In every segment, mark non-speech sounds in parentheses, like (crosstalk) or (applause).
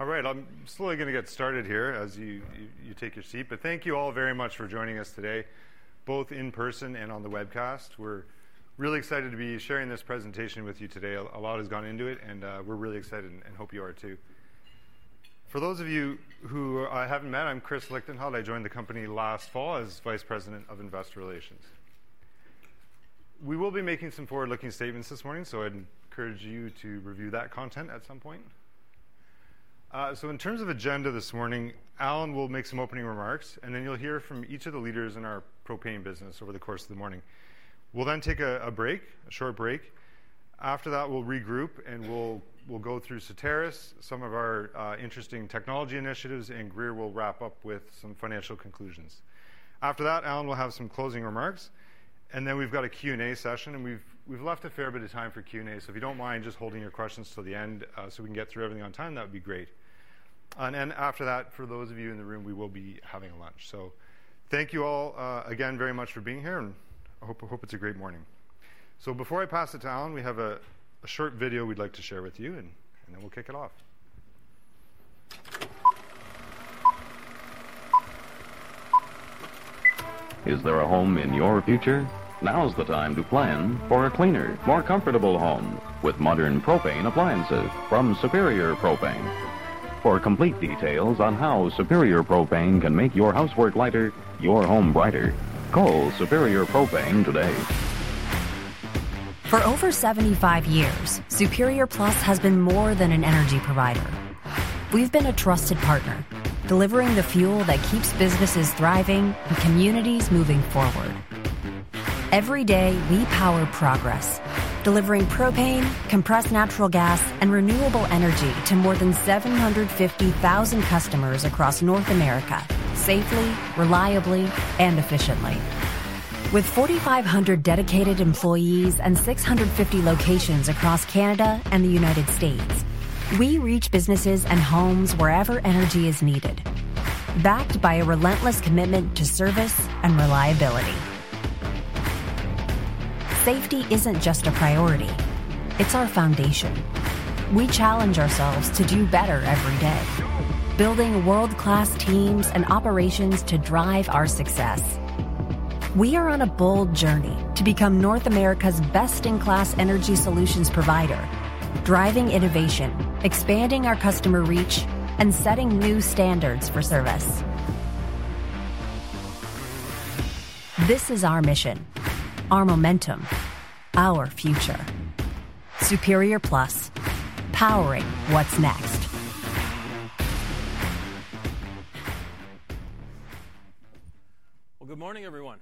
All right, I'm slowly going to get started here as you take your seat. Thank you all very much for joining us today, both in person and on the webcast. We're really excited to be sharing this presentation with you today. A lot has gone into it, and we're really excited and hope you are too. For those of you who I haven't met, I'm Chris Lichtenheld. I joined the company last fall as Vice President of Investor Relations. We will be making some forward-looking statements this morning, so I'd encourage you to review that content at some point. In terms of agenda this morning, Allan will make some opening remarks, and then you'll hear from each of the leaders in our propane business over the course of the morning. We'll then take a break, a short break. After that, we'll regroup and we'll go through Soteris, some of our interesting technology initiatives, and Grier will wrap up with some financial conclusions. After that, Allan will have some closing remarks, and then we've got a Q&A session, and we've left a fair bit of time for Q&A. If you don't mind just holding your questions till the end so we can get through everything on time, that would be great. After that, for those of you in the room, we will be having lunch. Thank you all again very much for being here, and I hope it's a great morning. Before I pass it to Allan, we have a short video we'd like to share with you, and then we'll kick it off. Is there a home in your future? Now's the time to plan for a cleaner, more comfortable home with modern propane appliances from Superior Propane. For complete details on how Superior Propane can make your housework lighter, your home brighter, call Superior Propane today. For over 75 years, Superior Plus has been more than an energy provider. We've been a trusted partner, delivering the fuel that keeps businesses thriving and communities moving forward. Every day, we power progress, delivering propane, compressed natural gas, and renewable energy to more than 750,000 customers across North America safely, reliably, and efficiently. With 4,500 dedicated employees and 650 locations across Canada and the United States, we reach businesses and homes wherever energy is needed, backed by a relentless commitment to service and reliability. Safety isn't just a priority; it's our foundation. We challenge ourselves to do better every day, building world-class teams and operations to drive our success. We are on a bold journey to become North America's best-in-class energy solutions provider, driving innovation, expanding our customer reach, and setting new standards for service. This is our mission, our momentum, our future. Superior Plus, powering what's next. Good morning, everyone.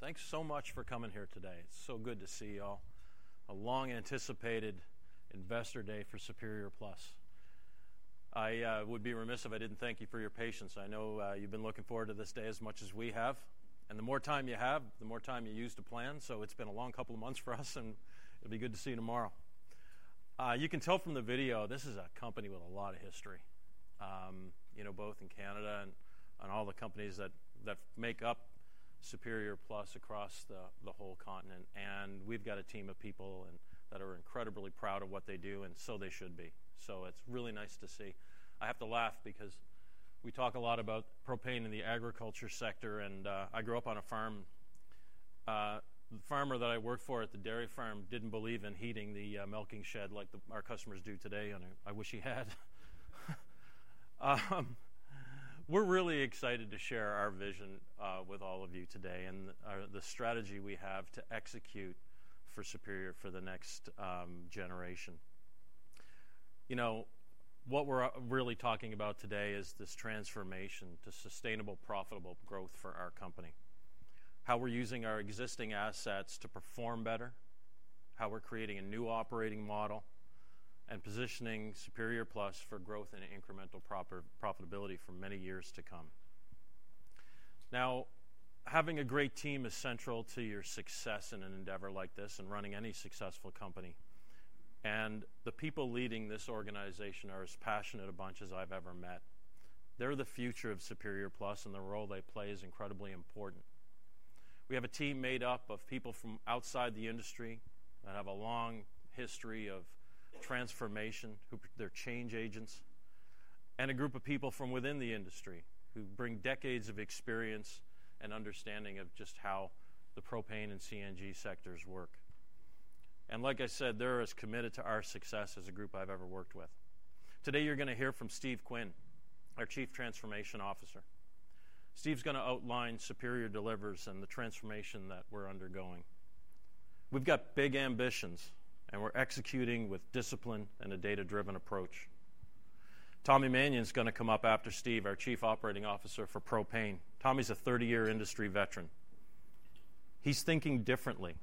Thanks so much for coming here today. It's so good to see you all. A long-anticipated investor day for Superior Plus. I would be remiss if I didn't thank you for your patience. I know you've been looking forward to this day as much as we have. The more time you have, the more time you use to plan. It's been a long couple of months for us, and it'll be good to see you tomorrow. You can tell from the video, this is a company with a lot of history, both in Canada and on all the companies that make up Superior Plus across the whole continent. We've got a team of people that are incredibly proud of what they do, and so they should be. It's really nice to see. I have to laugh because we talk a lot about propane in the agriculture sector, and I grew up on a farm. The farmer that I worked for at the dairy farm did not believe in heating the milking shed like our customers do today, and I wish he had. We are really excited to share our vision with all of you today and the strategy we have to execute for Superior for the next generation. What we are really talking about today is this transformation to sustainable, profitable growth for our company, how we are using our existing assets to perform better, how we are creating a new operating model, and positioning Superior Plus for growth and incremental profitability for many years to come. Now, having a great team is central to your success in an endeavor like this and running any successful company. The people leading this organization are as passionate a bunch as I've ever met. They're the future of Superior Plus, and the role they play is incredibly important. We have a team made up of people from outside the industry that have a long history of transformation, who are change agents, and a group of people from within the industry who bring decades of experience and understanding of just how the propane and CNG sectors work. Like I said, they're as committed to our success as a group I've ever worked with. Today, you're going to hear from Steve Quinn, our Chief Transformation Officer. Steve's going to outline Superior Delivers and the transformation that we're undergoing. We've got big ambitions, and we're executing with discipline and a data-driven approach. Tommy Manion's going to come up after Steve, our Chief Operating Officer for Propane. Tommy's a 30-year industry veteran. He's thinking differently,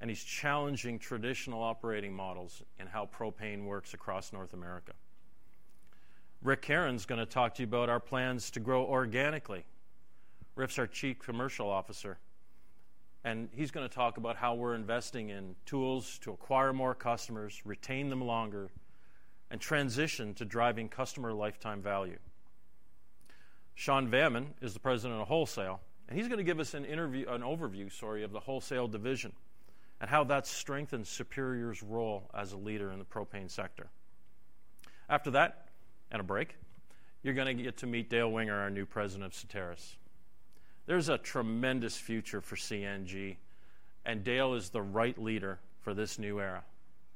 and he's challenging traditional operating models in how propane works across North America. Rick Caron is going to talk to you about our plans to grow organically. Rick's our Chief Commercial Officer, and he's going to talk about how we're investing in tools to acquire more customers, retain them longer, and transition to driving customer lifetime value. Sean Vaman is the President of Wholesale, and he's going to give us an overview of the Wholesale division and how that strengthens Superior's role as a leader in the propane sector. After that, in a break, you're going to get to meet Dale Winger, our new President of Soteris. There's a tremendous future for CNG, and Dale is the right leader for this new era,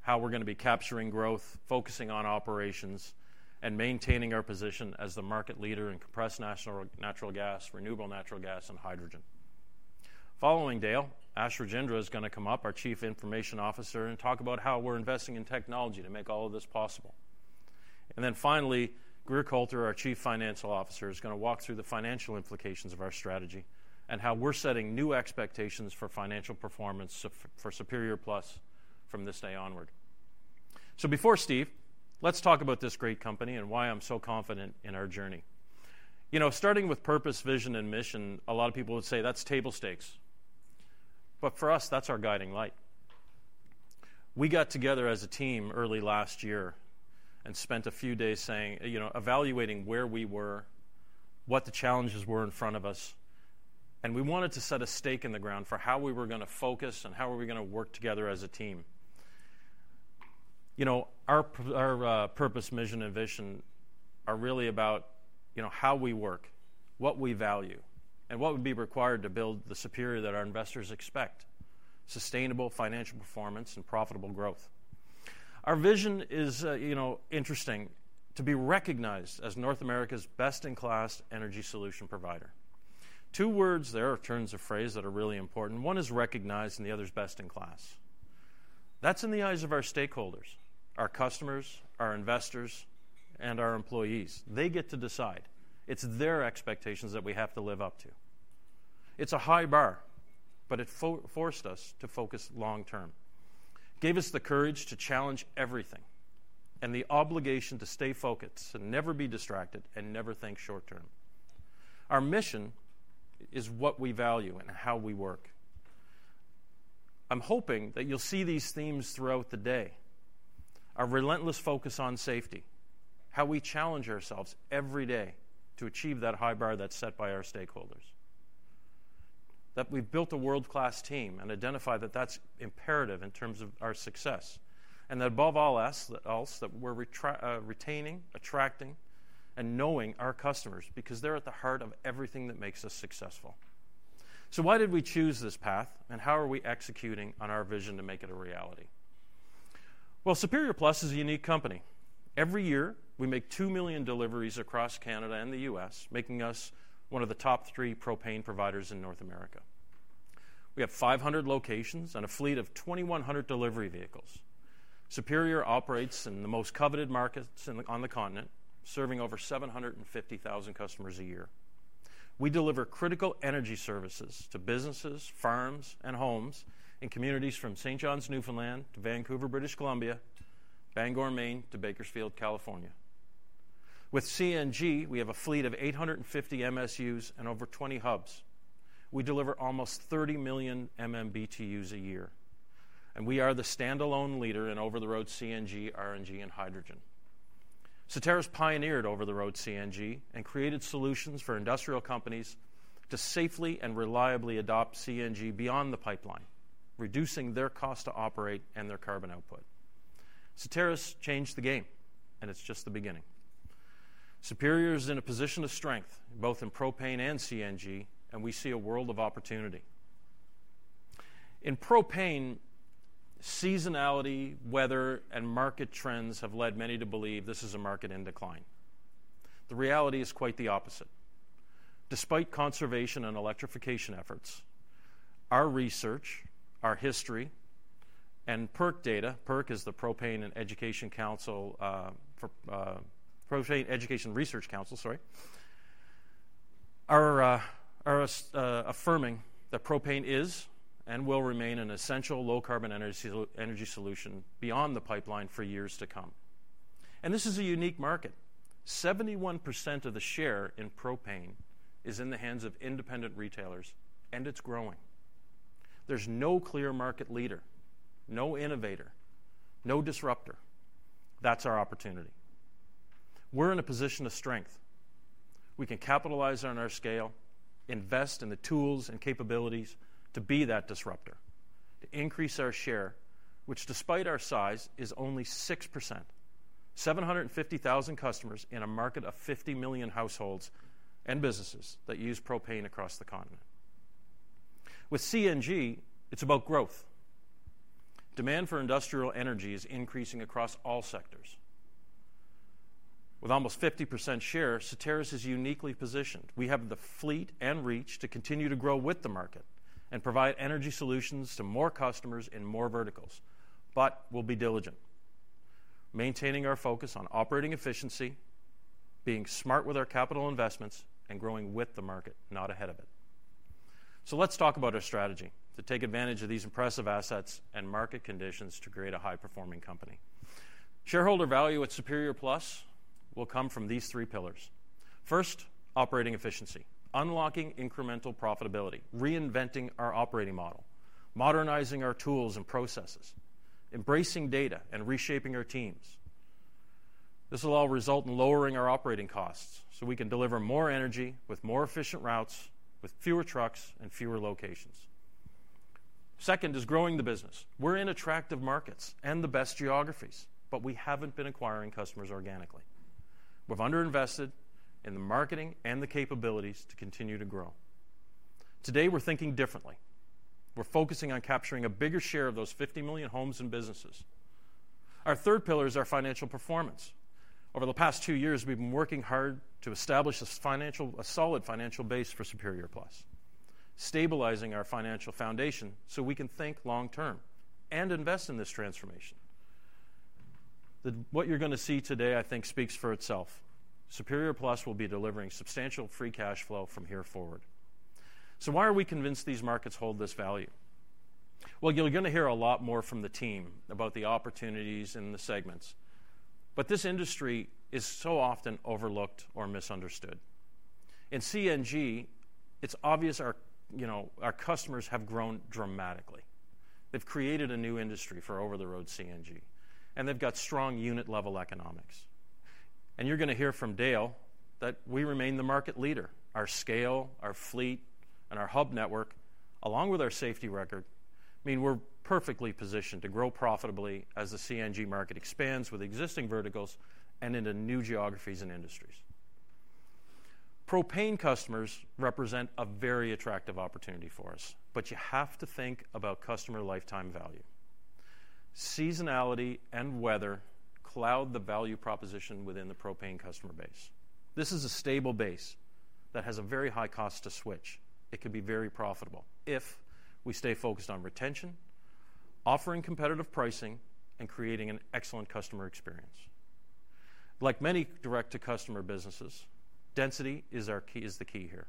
how we're going to be capturing growth, focusing on operations, and maintaining our position as the market leader in compressed natural gas, renewable natural gas, and hydrogen. Following Dale, Ash Rajendra is going to come up, our Chief Information Officer, and talk about how we're investing in technology to make all of this possible. Finally, Grier Colter, our Chief Financial Officer, is going to walk through the financial implications of our strategy and how we're setting new expectations for financial performance for Superior Plus from this day onward. Before Steve, let's talk about this great company and why I'm so confident in our journey. Starting with purpose, vision, and mission, a lot of people would say that's table stakes. For us, that's our guiding light. We got together as a team early last year and spent a few days evaluating where we were, what the challenges were in front of us, and we wanted to set a stake in the ground for how we were going to focus and how we were going to work together as a team. Our purpose, mission, and vision are really about how we work, what we value, and what would be required to build the Superior that our investors expect: sustainable financial performance and profitable growth. Our vision is interesting to be recognized as North America's best-in-class energy solution provider. Two words there or turns of phrase that are really important. One is recognized, and the other is best-in-class. That's in the eyes of our stakeholders, our customers, our investors, and our employees. They get to decide. It's their expectations that we have to live up to. It's a high bar, but it forced us to focus long-term, gave us the courage to challenge everything, and the obligation to stay focused and never be distracted and never think short-term. Our mission is what we value and how we work. I'm hoping that you'll see these themes throughout the day: our relentless focus on safety, how we challenge ourselves every day to achieve that high bar that's set by our stakeholders, that we've built a world-class team and identified that that's imperative in terms of our success, and that above all else that we're retaining, attracting, and knowing our customers because they're at the heart of everything that makes us successful. Why did we choose this path, and how are we executing on our vision to make it a reality? Superior Plus is a unique company. Every year, we make 2 million deliveries across Canada and the U.S., making us one of the top three propane providers in North America. We have 500 locations and a fleet of 2,100 delivery vehicles. Superior operates in the most coveted markets on the continent, serving over 750,000 customers a year. We deliver critical energy services to businesses, farms, and homes in communities from St. John's, Newfoundland, to Vancouver, British Columbia, Bangor, Maine, to Bakersfield, California. With CNG, we have a fleet of 850 MSUs and over 20 hubs. We deliver almost 30 million MMBTUs a year, and we are the standalone leader in over-the-road CNG, RNG, and hydrogen. Soteris pioneered over-the-road CNG and created solutions for industrial companies to safely and reliably adopt CNG beyond the pipeline, reducing their cost to operate and their carbon output. Soteris changed the game, and it's just the beginning. Superior is in a position of strength both in propane and CNG, and we see a world of opportunity. In propane, seasonality, weather, and market trends have led many to believe this is a market in decline. The reality is quite the opposite. Despite conservation and electrification efforts, our research, our history, and PERC data—PERC is the Propane Education & Research Council, sorry—are affirming that propane is and will remain an essential low-carbon energy solution beyond the pipeline for years to come. This is a unique market. 71% of the share in propane is in the hands of independent retailers, and it is growing. There is no clear market leader, no innovator, no disruptor. That is our opportunity. We are in a position of strength. We can capitalize on our scale, invest in the tools and capabilities to be that disruptor, to increase our share, which, despite our size, is only 6%: 750,000 customers in a market of 50 million households and businesses that use propane across the continent. With CNG, it's about growth. Demand for industrial energy is increasing across all sectors. With almost 50% share, Soteris is uniquely positioned. We have the fleet and reach to continue to grow with the market and provide energy solutions to more customers in more verticals, but we'll be diligent, maintaining our focus on operating efficiency, being smart with our capital investments, and growing with the market, not ahead of it. Let's talk about our strategy to take advantage of these impressive assets and market conditions to create a high-performing company. Shareholder value at Superior Plus will come from these three pillars. First, operating efficiency: unlocking incremental profitability, reinventing our operating model, modernizing our tools and processes, embracing data, and reshaping our teams. This will all result in lowering our operating costs so we can deliver more energy with more efficient routes, with fewer trucks and fewer locations. Second is growing the business. We're in attractive markets and the best geographies, but we haven't been acquiring customers organically. We've underinvested in the marketing and the capabilities to continue to grow. Today, we're thinking differently. We're focusing on capturing a bigger share of those 50 million homes and businesses. Our third pillar is our financial performance. Over the past two years, we've been working hard to establish a solid financial base for Superior Plus, stabilizing our financial foundation so we can think long-term and invest in this transformation. What you're going to see today, I think, speaks for itself. Superior Plus will be delivering substantial free cash flow from here forward. Why are we convinced these markets hold this value? You're going to hear a lot more from the team about the opportunities in the segments, but this industry is so often overlooked or misunderstood. In CNG, it's obvious our customers have grown dramatically. They've created a new industry for over-the-road CNG, and they've got strong unit-level economics. You're going to hear from Dale that we remain the market leader. Our scale, our fleet, and our hub network, along with our safety record, mean we're perfectly positioned to grow profitably as the CNG market expands with existing verticals and into new geographies and industries. Propane customers represent a very attractive opportunity for us, but you have to think about customer lifetime value. Seasonality and weather cloud the value proposition within the propane customer base. This is a stable base that has a very high cost to switch. It could be very profitable if we stay focused on retention, offering competitive pricing, and creating an excellent customer experience. Like many direct-to-customer businesses, density is the key here.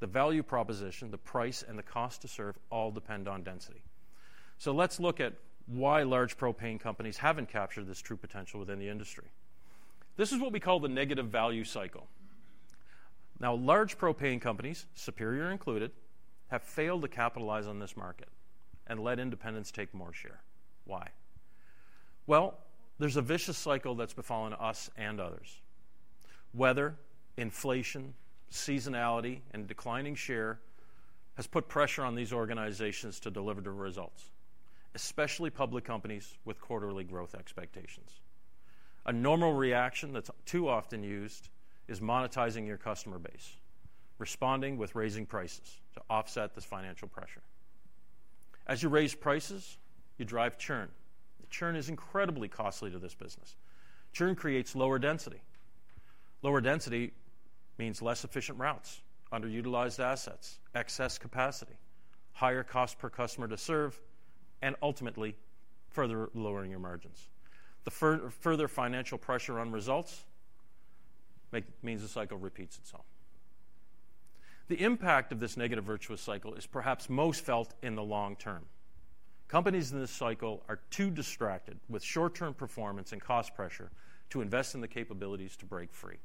The value proposition, the price, and the cost to serve all depend on density. Let's look at why large propane companies haven't captured this true potential within the industry. This is what we call the negative value cycle. Now, large propane companies, Superior included, have failed to capitalize on this market and let independents take more share. Why? There's a vicious cycle that's befallen us and others. Weather, inflation, seasonality, and declining share have put pressure on these organizations to deliver the results, especially public companies with quarterly growth expectations. A normal reaction that's too often used is monetizing your customer base, responding with raising prices to offset this financial pressure. As you raise prices, you drive churn. Churn is incredibly costly to this business. Churn creates lower density. Lower density means less efficient routes, underutilized assets, excess capacity, higher cost per customer to serve, and ultimately, further lowering your margins. The further financial pressure on results means the cycle repeats itself. The impact of this negative virtuous cycle is perhaps most felt in the long term. Companies in this cycle are too distracted with short-term performance and cost pressure to invest in the capabilities to break free.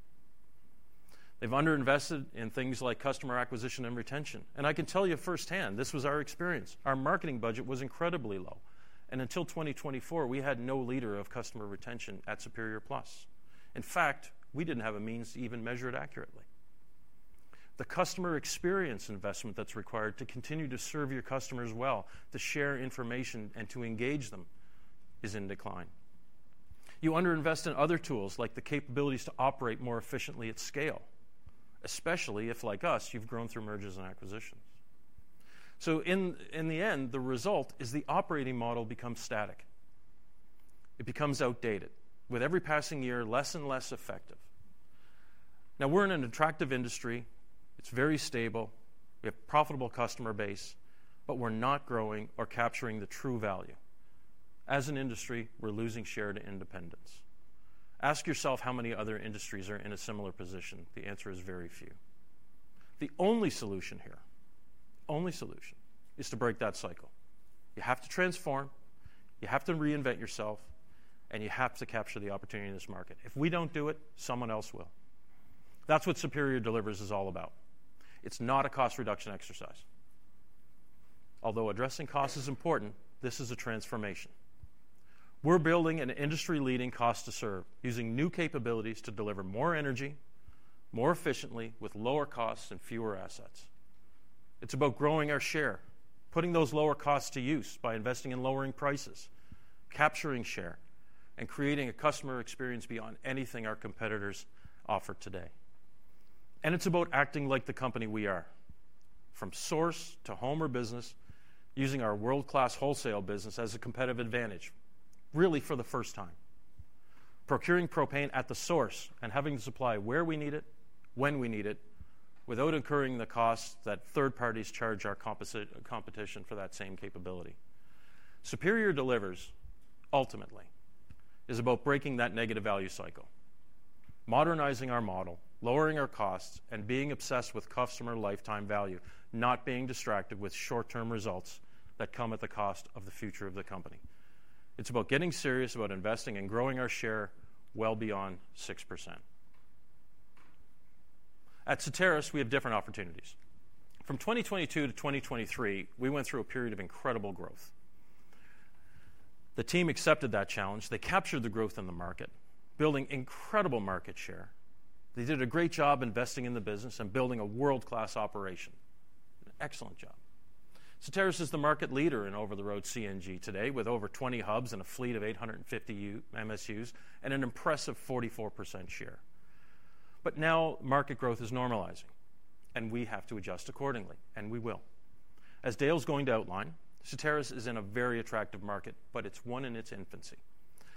They've underinvested in things like customer acquisition and retention. I can tell you firsthand, this was our experience. Our marketing budget was incredibly low, and until 2024, we had no leader of customer retention at Superior Plus. In fact, we did not have a means to even measure it accurately. The customer experience investment that is required to continue to serve your customers well, to share information, and to engage them is in decline. You underinvest in other tools like the capabilities to operate more efficiently at scale, especially if, like us, you have grown through mergers and acquisitions. In the end, the result is the operating model becomes static. It becomes outdated, with every passing year less and less effective. Now, we are in an attractive industry. It is very stable. We have a profitable customer base, but we are not growing or capturing the true value. As an industry, we are losing share to independents. Ask yourself how many other industries are in a similar position. The answer is very few. The only solution here, only solution, is to break that cycle. You have to transform. You have to reinvent yourself, and you have to capture the opportunity in this market. If we don't do it, someone else will. That's what Superior Delivers is all about. It's not a cost reduction exercise. Although addressing cost is important, this is a transformation. We're building an industry-leading cost to serve using new capabilities to deliver more energy more efficiently with lower costs and fewer assets. It's about growing our share, putting those lower costs to use by investing in lowering prices, capturing share, and creating a customer experience beyond anything our competitors offer today. It is about acting like the company we are, from source to home or business, using our world-class wholesale business as a competitive advantage, really for the first time, procuring propane at the source and having to supply where we need it, when we need it, without incurring the costs that third parties charge our competition for that same capability. Superior Delivers, ultimately, is about breaking that negative value cycle, modernizing our model, lowering our costs, and being obsessed with customer lifetime value, not being distracted with short-term results that come at the cost of the future of the company. It is about getting serious about investing and growing our share well beyond 6%. At Soteris, we have different opportunities. From 2022 to 2023, we went through a period of incredible growth. The team accepted that challenge. They captured the growth in the market, building incredible market share. They did a great job investing in the business and building a world-class operation. Excellent job. Soteris is the market leader in over-the-road CNG today with over 20 hubs and a fleet of 850 MSUs and an impressive 44% share. Now market growth is normalizing, and we have to adjust accordingly, and we will. As Dale's going to outline, Soteris is in a very attractive market, but it's one in its infancy.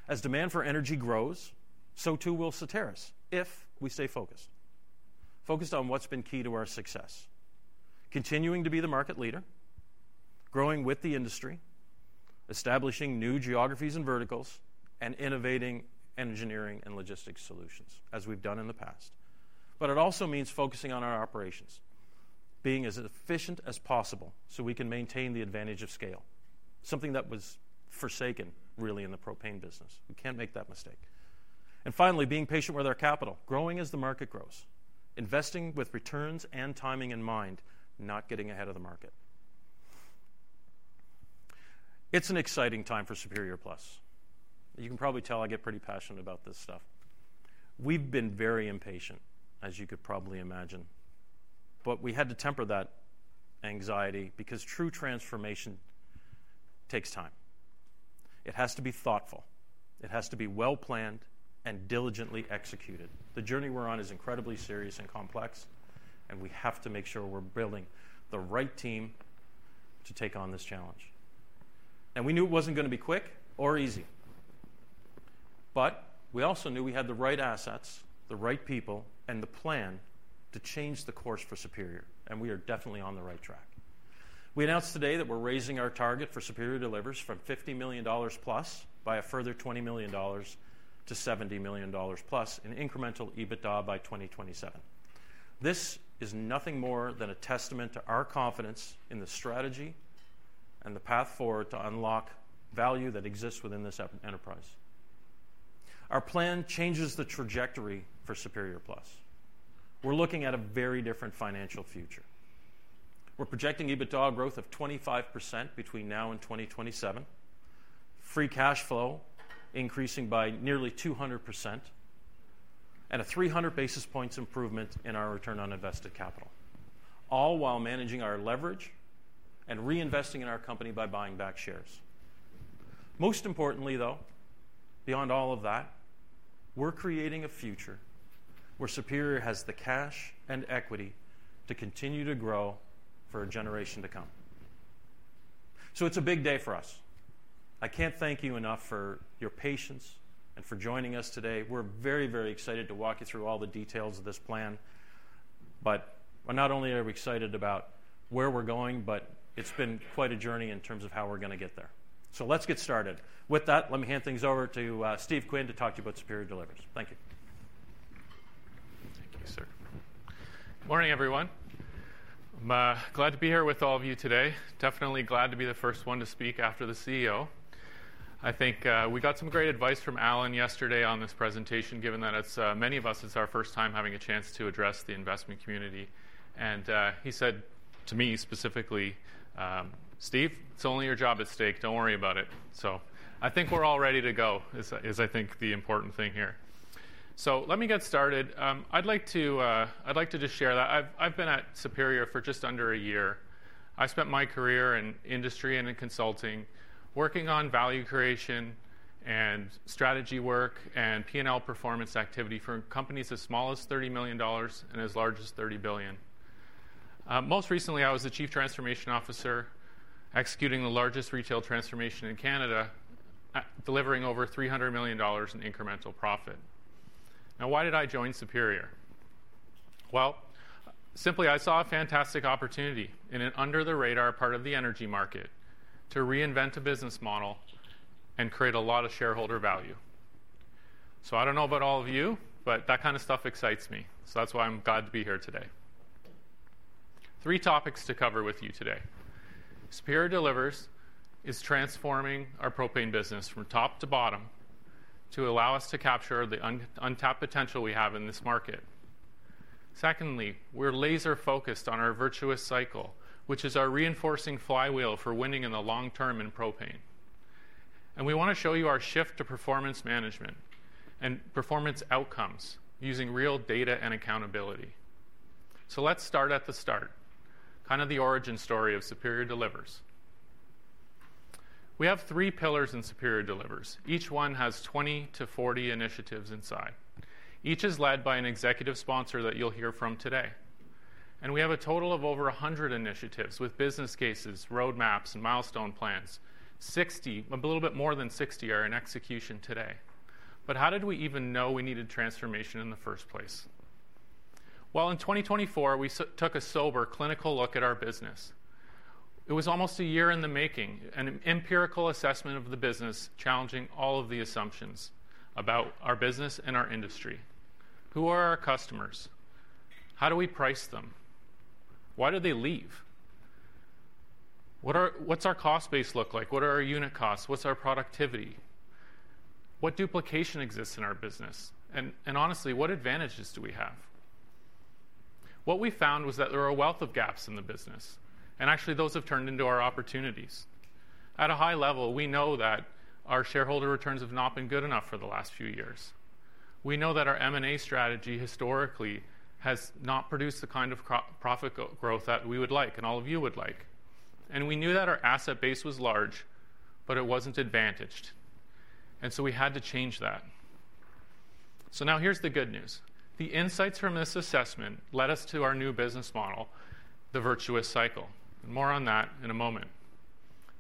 As demand for energy grows, so too will Soteris if we stay focused, focused on what's been key to our success: continuing to be the market leader, growing with the industry, establishing new geographies and verticals, and innovating engineering and logistics solutions as we've done in the past. It also means focusing on our operations, being as efficient as possible so we can maintain the advantage of scale, something that was forsaken, really, in the propane business. We can't make that mistake. Finally, being patient with our capital, growing as the market grows, investing with returns and timing in mind, not getting ahead of the market. It's an exciting time for Superior Plus. You can probably tell I get pretty passionate about this stuff. We've been very impatient, as you could probably imagine, but we had to temper that anxiety because true transformation takes time. It has to be thoughtful. It has to be well-planned and diligently executed. The journey we're on is incredibly serious and complex, and we have to make sure we're building the right team to take on this challenge. We knew it wasn't going to be quick or easy, but we also knew we had the right assets, the right people, and the plan to change the course for Superior, and we are definitely on the right track. We announced today that we're raising our target for Superior Delivers from 50 million dollars plus by a further 20 million dollars to 70 million dollars plus in incremental EBITDA by 2027. This is nothing more than a testament to our confidence in the strategy and the path forward to unlock value that exists within this enterprise. Our plan changes the trajectory for Superior Plus. We're looking at a very different financial future. We're projecting EBITDA growth of 25% between now and 2027, free cash flow increasing by nearly 200%, and a 300 basis points improvement in our return on invested capital, all while managing our leverage and reinvesting in our company by buying back shares. Most importantly, though, beyond all of that, we're creating a future where Superior has the cash and equity to continue to grow for a generation to come. It is a big day for us. I can't thank you enough for your patience and for joining us today. We're very, very excited to walk you through all the details of this plan. Not only are we excited about where we're going, but it's been quite a journey in terms of how we're going to get there. Let's get started. With that, let me hand things over to Steve Quinn to talk to you about Superior Delivers. Thank you. Thank you, sir. Good morning, everyone. I'm glad to be here with all of you today. Definitely glad to be the first one to speak after the CEO. I think we got some great advice from Allan yesterday on this presentation, given that many of us, it's our first time having a chance to address the investment community. And he said to me specifically, "Steve, it's only your job at stake. Don't worry about it." I think we're all ready to go is, I think, the important thing here. Let me get started. I'd like to just share that I've been at Superior for just under a year. I spent my career in industry and in consulting working on value creation and strategy work and P&L performance activity for companies as small as 30 million dollars and as large as 30 billion. Most recently, I was the Chief Transformation Officer executing the largest retail transformation in Canada, delivering over 300 million dollars in incremental profit. Now, why did I join Superior? I saw a fantastic opportunity in an under-the-radar part of the energy market to reinvent a business model and create a lot of shareholder value. I do not know about all of you, but that kind of stuff excites me. That is why I am glad to be here today. Three topics to cover with you today. Superior Delivers is transforming our propane business from top to bottom to allow us to capture the untapped potential we have in this market. Secondly, we are laser-focused on our virtuous cycle, which is our reinforcing flywheel for winning in the long term in propane. We want to show you our shift to performance management and performance outcomes using real data and accountability. Let's start at the start, kind of the origin story of Superior Delivers. We have three pillars in Superior Delivers. Each one has 20-40 initiatives inside. Each is led by an executive sponsor that you'll hear from today. We have a total of over 100 initiatives with business cases, roadmaps, and milestone plans. Sixty, a little bit more than sixty, are in execution today. How did we even know we needed transformation in the first place? In 2024, we took a sober, clinical look at our business. It was almost a year in the making, an empirical assessment of the business challenging all of the assumptions about our business and our industry. Who are our customers? How do we price them? Why do they leave? What's our cost base look like? What are our unit costs? What's our productivity? What duplication exists in our business? Honestly, what advantages do we have? What we found was that there are a wealth of gaps in the business, and actually, those have turned into our opportunities. At a high level, we know that our shareholder returns have not been good enough for the last few years. We know that our M&A strategy historically has not produced the kind of profit growth that we would like and all of you would like. We knew that our asset base was large, but it was not advantaged. We had to change that. Here is the good news. The insights from this assessment led us to our new business model, the virtuous cycle. More on that in a moment.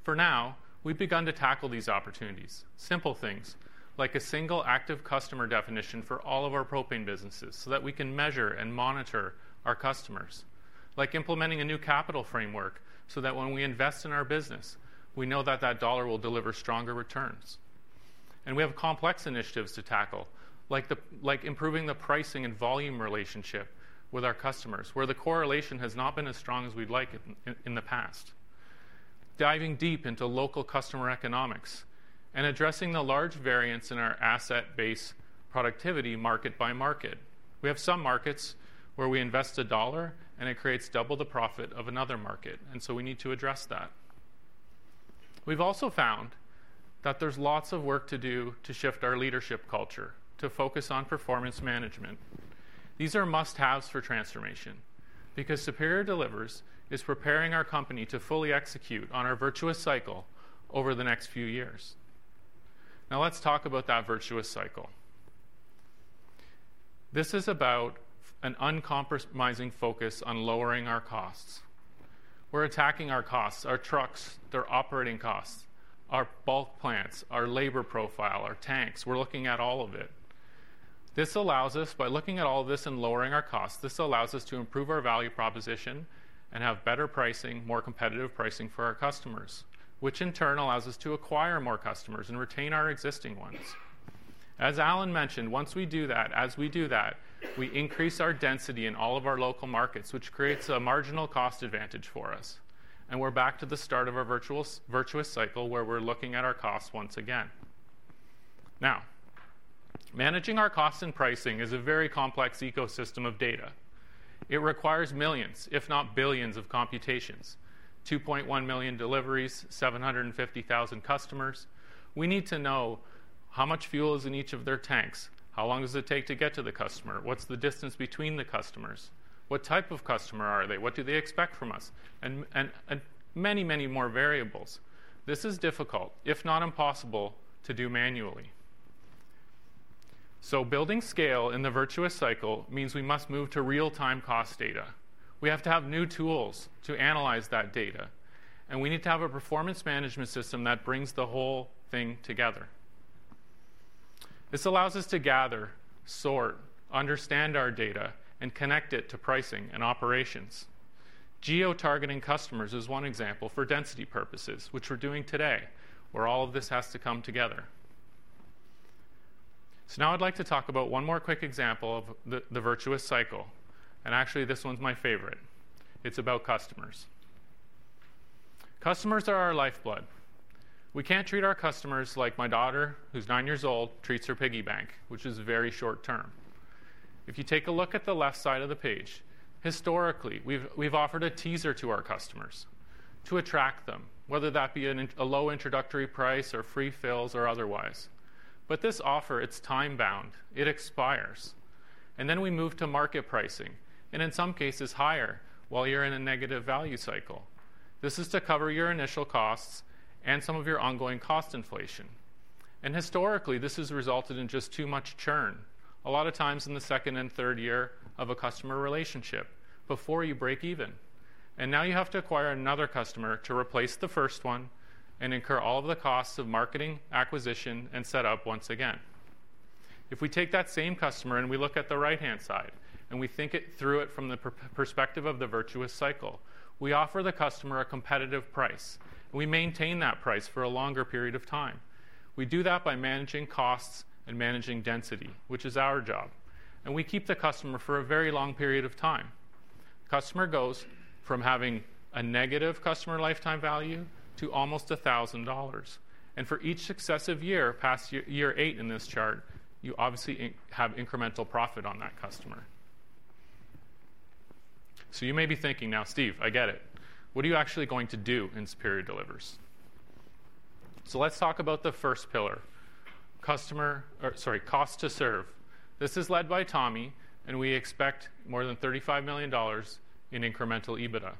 For now, we've begun to tackle these opportunities, simple things like a single active customer definition for all of our propane businesses so that we can measure and monitor our customers, like implementing a new capital framework so that when we invest in our business, we know that that dollar will deliver stronger returns. We have complex initiatives to tackle, like improving the pricing and volume relationship with our customers, where the correlation has not been as strong as we'd like in the past, diving deep into local customer economics and addressing the large variance in our asset-based productivity market by market. We have some markets where we invest a dollar, and it creates double the profit of another market, and so we need to address that. We've also found that there's lots of work to do to shift our leadership culture to focus on performance management. These are must-haves for transformation because Superior Delivers is preparing our company to fully execute on our virtuous cycle over the next few years. Now, let's talk about that virtuous cycle. This is about an uncompromising focus on lowering our costs. We're attacking our costs, our trucks, their operating costs, our bulk plants, our labor profile, our tanks. We're looking at all of it. This allows us, by looking at all this and lowering our costs, this allows us to improve our value proposition and have better pricing, more competitive pricing for our customers, which in turn allows us to acquire more customers and retain our existing ones. As Allan mentioned, once we do that, as we do that, we increase our density in all of our local markets, which creates a marginal cost advantage for us. We're back to the start of our virtuous cycle where we're looking at our costs once again. Now, managing our costs and pricing is a very complex ecosystem of data. It requires millions, if not billions, of computations: 2.1 million deliveries, 750,000 customers. We need to know how much fuel is in each of their tanks, how long does it take to get to the customer, what's the distance between the customers, what type of customer are they, what do they expect from us, and many, many more variables. This is difficult, if not impossible, to do manually. Building scale in the virtuous cycle means we must move to real-time cost data. We have to have new tools to analyze that data, and we need to have a performance management system that brings the whole thing together. This allows us to gather, sort, understand our data, and connect it to pricing and operations. Geo-targeting customers is one example for density purposes, which we're doing today, where all of this has to come together. Now I'd like to talk about one more quick example of the virtuous cycle, and actually, this one's my favorite. It's about customers. Customers are our lifeblood. We can't treat our customers like my daughter, who's nine years old, treats her piggy bank, which is very short-term. If you take a look at the left side of the page, historically, we've offered a teaser to our customers to attract them, whether that be a low introductory price or free fills or otherwise. This offer, it's time-bound. It expires. Then we move to market pricing, and in some cases, higher while you're in a negative value cycle. This is to cover your initial costs and some of your ongoing cost inflation. Historically, this has resulted in just too much churn a lot of times in the second and third year of a customer relationship before you break even. Now you have to acquire another customer to replace the first one and incur all of the costs of marketing, acquisition, and setup once again. If we take that same customer and we look at the right-hand side and we think through it from the perspective of the virtuous cycle, we offer the customer a competitive price, and we maintain that price for a longer period of time. We do that by managing costs and managing density, which is our job. We keep the customer for a very long period of time. The customer goes from having a negative customer lifetime value to almost 1,000 dollars. For each successive year, past year eight in this chart, you obviously have incremental profit on that customer. You may be thinking now, "Steve, I get it. What are you actually going to do in Superior Delivers?" Let's talk about the first pillar: customer or, sorry, cost to serve. This is led by Tommy, and we expect more than 35 million dollars in incremental EBITDA.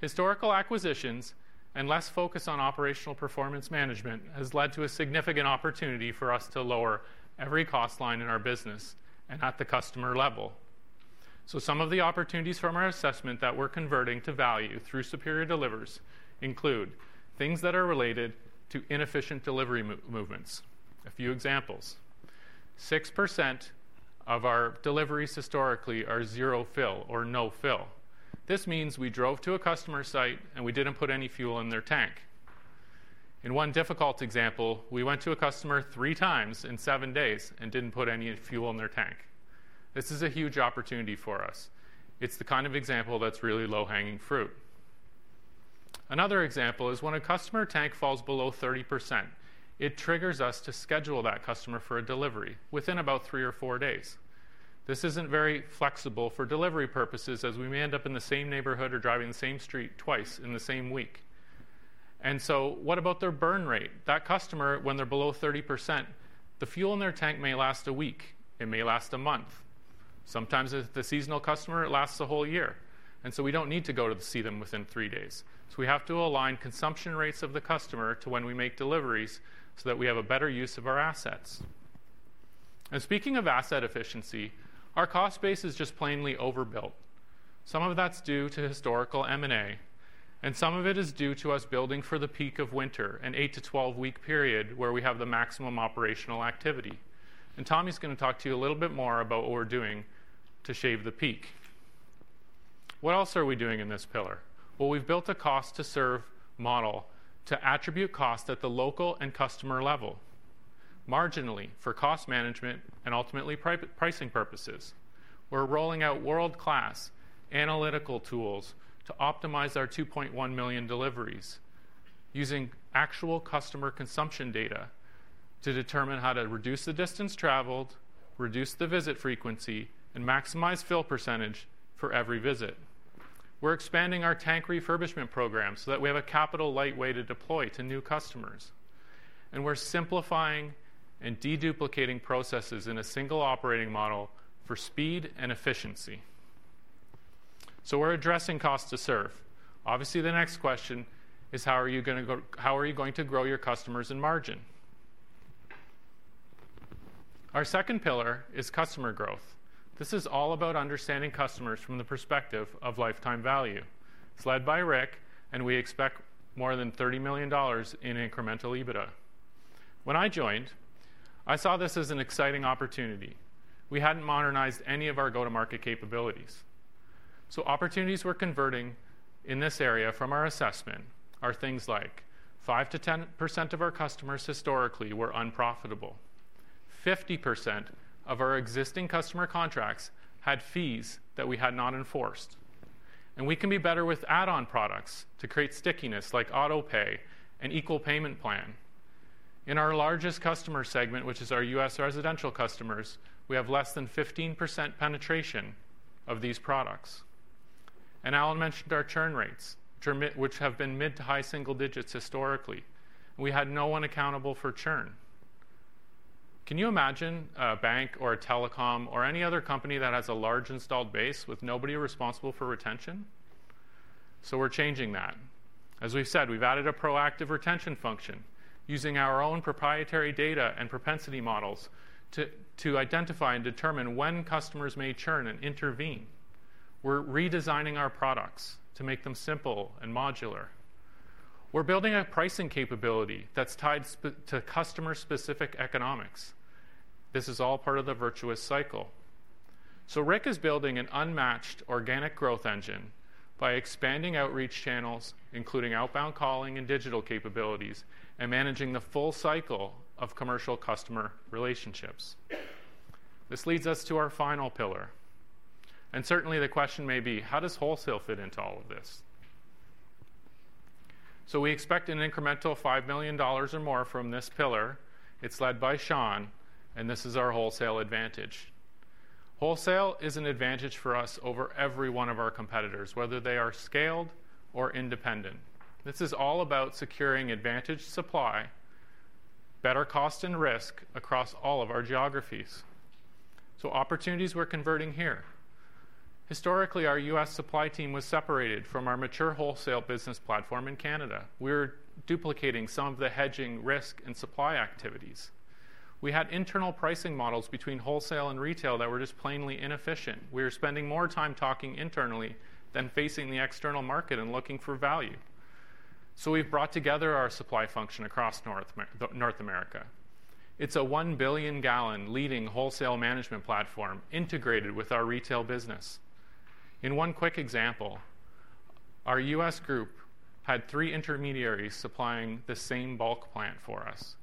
Historical acquisitions and less focus on operational performance management has led to a significant opportunity for us to lower every cost line in our business and at the customer level. Some of the opportunities from our assessment that we're converting to value through Superior Delivers include things that are related to inefficient delivery movements. A few examples: 6% of our deliveries historically are zero fill or no fill. This means we drove to a customer's site, and we didn't put any fuel in their tank. In one difficult example, we went to a customer three times in seven days and didn't put any fuel in their tank. This is a huge opportunity for us. It's the kind of example that's really low-hanging fruit. Another example is when a customer tank falls below 30%, it triggers us to schedule that customer for a delivery within about three or four days. This isn't very flexible for delivery purposes as we may end up in the same neighborhood or driving the same street twice in the same week. What about their burn rate? That customer, when they're below 30%, the fuel in their tank may last a week. It may last a month. Sometimes the seasonal customer, it lasts a whole year. We do not need to go to see them within three days. We have to align consumption rates of the customer to when we make deliveries so that we have a better use of our assets. Speaking of asset efficiency, our cost base is just plainly overbuilt. Some of that is due to historical M&A, and some of it is due to us building for the peak of winter, an 8- to 12-week period where we have the maximum operational activity. Tommy is going to talk to you a little bit more about what we are doing to shave the peak. What else are we doing in this pillar? We have built a cost-to-serve model to attribute cost at the local and customer level marginally for cost management and ultimately pricing purposes. We're rolling out world-class analytical tools to optimize our 2.1 million deliveries using actual customer consumption data to determine how to reduce the distance traveled, reduce the visit frequency, and maximize fill percentage for every visit. We're expanding our tank refurbishment program so that we have a capital lightweight to deploy to new customers. We're simplifying and deduplicating processes in a single operating model for speed and efficiency. We're addressing cost to serve. Obviously, the next question is, how are you going to grow your customers in margin? Our second pillar is customer growth. This is all about understanding customers from the perspective of lifetime value. It's led by Rick, and we expect more than 30 million dollars in incremental EBITDA. When I joined, I saw this as an exciting opportunity. We hadn't modernized any of our go-to-market capabilities. Opportunities we're converting in this area from our assessment are things like 5%-10% of our customers historically were unprofitable. 50% of our existing customer contracts had fees that we had not enforced. We can be better with add-on products to create stickiness like autopay and equal payment plan. In our largest customer segment, which is our US residential customers, we have less than 15% penetration of these products. Allan mentioned our churn rates, which have been mid to high single digits historically. We had no one accountable for churn. Can you imagine a bank or a telecom or any other company that has a large installed base with nobody responsible for retention? We're changing that. As we've said, we've added a proactive retention function using our own proprietary data and propensity models to identify and determine when customers may churn and intervene. We're redesigning our products to make them simple and modular. We're building a pricing capability that's tied to customer-specific economics. This is all part of the virtuous cycle. Rick is building an unmatched organic growth engine by expanding outreach channels, including outbound calling and digital capabilities, and managing the full cycle of commercial customer relationships. This leads us to our final pillar. Certainly, the question may be, how does wholesale fit into all of this? We expect an incremental 5 million dollars or more from this pillar. It's led by Sean, and this is our wholesale advantage. Wholesale is an advantage for us over every one of our competitors, whether they are scaled or independent. This is all about securing advantage supply, better cost, and risk across all of our geographies. Opportunities we're converting here. Historically, our US supply team was separated from our mature wholesale business platform in Canada. We were duplicating some of the hedging risk and supply activities. We had internal pricing models between wholesale and retail that were just plainly inefficient. We were spending more time talking internally than facing the external market and looking for value. We have brought together our supply function across North America. It is a 1 billion-gallon leading wholesale management platform integrated with our retail business. In one quick example, our US group had three intermediaries supplying the same bulk plant for us.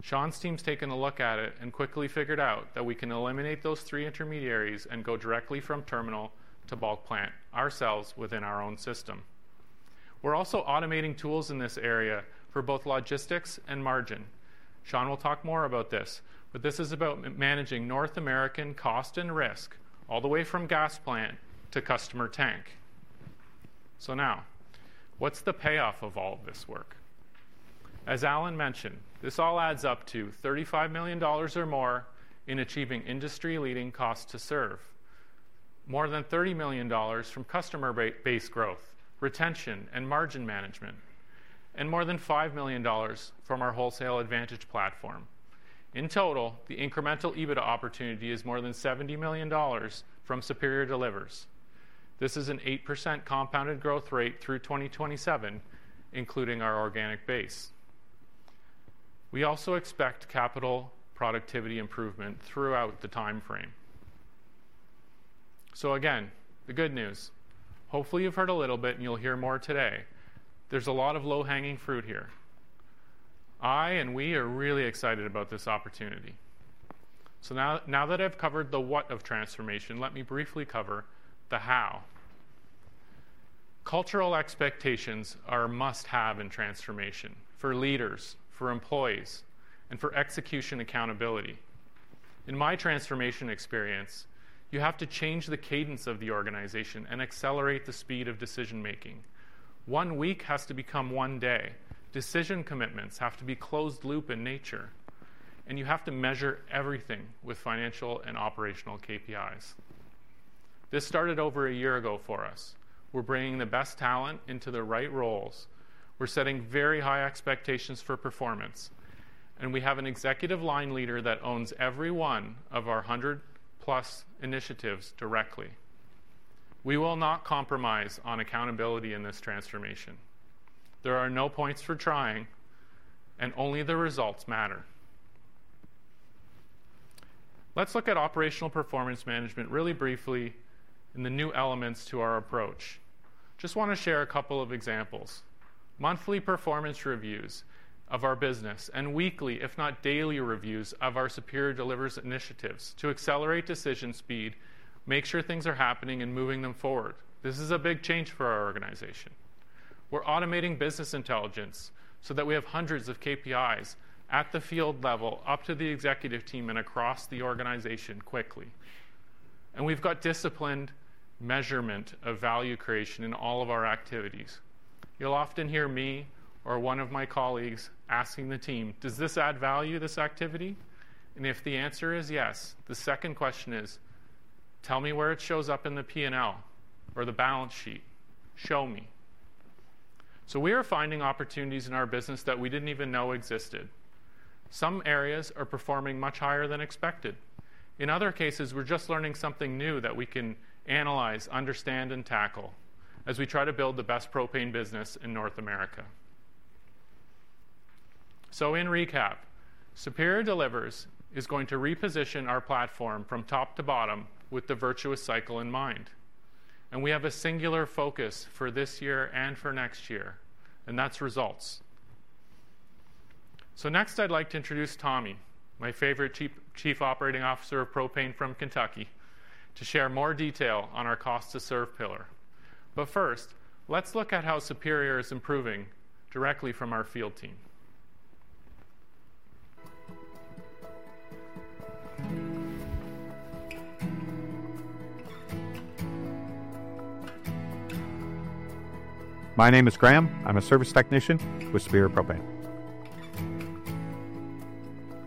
Sean's team's taken a look at it and quickly figured out that we can eliminate those three intermediaries and go directly from terminal to bulk plant ourselves within our own system. We are also automating tools in this area for both logistics and margin. Sean will talk more about this, but this is about managing North American cost and risk all the way from gas plant to customer tank. Now, what's the payoff of all of this work? As Allan mentioned, this all adds up to 35 million dollars or more in achieving industry-leading cost to serve, more than 30 million dollars from customer-based growth, retention, and margin management, and more than 5 million dollars from our wholesale advantage platform. In total, the incremental EBITDA opportunity is more than 70 million dollars from Superior Delivers. This is an 8% compounded growth rate through 2027, including our organic base. We also expect capital productivity improvement throughout the timeframe. Again, the good news, hopefully you've heard a little bit and you'll hear more today. There's a lot of low-hanging fruit here. I and we are really excited about this opportunity. Now that I've covered the what of transformation, let me briefly cover the how. Cultural expectations are a must-have in transformation for leaders, for employees, and for execution accountability. In my transformation experience, you have to change the cadence of the organization and accelerate the speed of decision-making. One week has to become one day. Decision commitments have to be closed-loop in nature, and you have to measure everything with financial and operational KPIs. This started over a year ago for us. We're bringing the best talent into the right roles. We're setting very high expectations for performance, and we have an executive line leader that owns every one of our 100-plus initiatives directly. We will not compromise on accountability in this transformation. There are no points for trying, and only the results matter. Let's look at operational performance management really briefly in the new elements to our approach. Just want to share a couple of examples. Monthly performance reviews of our business and weekly, if not daily, reviews of our Superior Delivers initiatives to accelerate decision speed, make sure things are happening and moving them forward. This is a big change for our organization. We're automating business intelligence so that we have hundreds of KPIs at the field level, up to the executive team and across the organization quickly. We've got disciplined measurement of value creation in all of our activities. You'll often hear me or one of my colleagues asking the team, "Does this add value, this activity?" If the answer is yes, the second question is, "Tell me where it shows up in the P&L or the balance sheet. Show me." We are finding opportunities in our business that we didn't even know existed. Some areas are performing much higher than expected. In other cases, we're just learning something new that we can analyze, understand, and tackle as we try to build the best propane business in North America. In recap, Superior Delivers is going to reposition our platform from top to bottom with the virtuous cycle in mind. We have a singular focus for this year and for next year, and that's results. Next, I'd like to introduce Tommy, my favorite Chief Operating Officer of propane from Kentucky, to share more detail on our cost-to-serve pillar. First, let's look at how Superior is improving directly from our field team. My name is Graham. I'm a service technician with Superior Propane.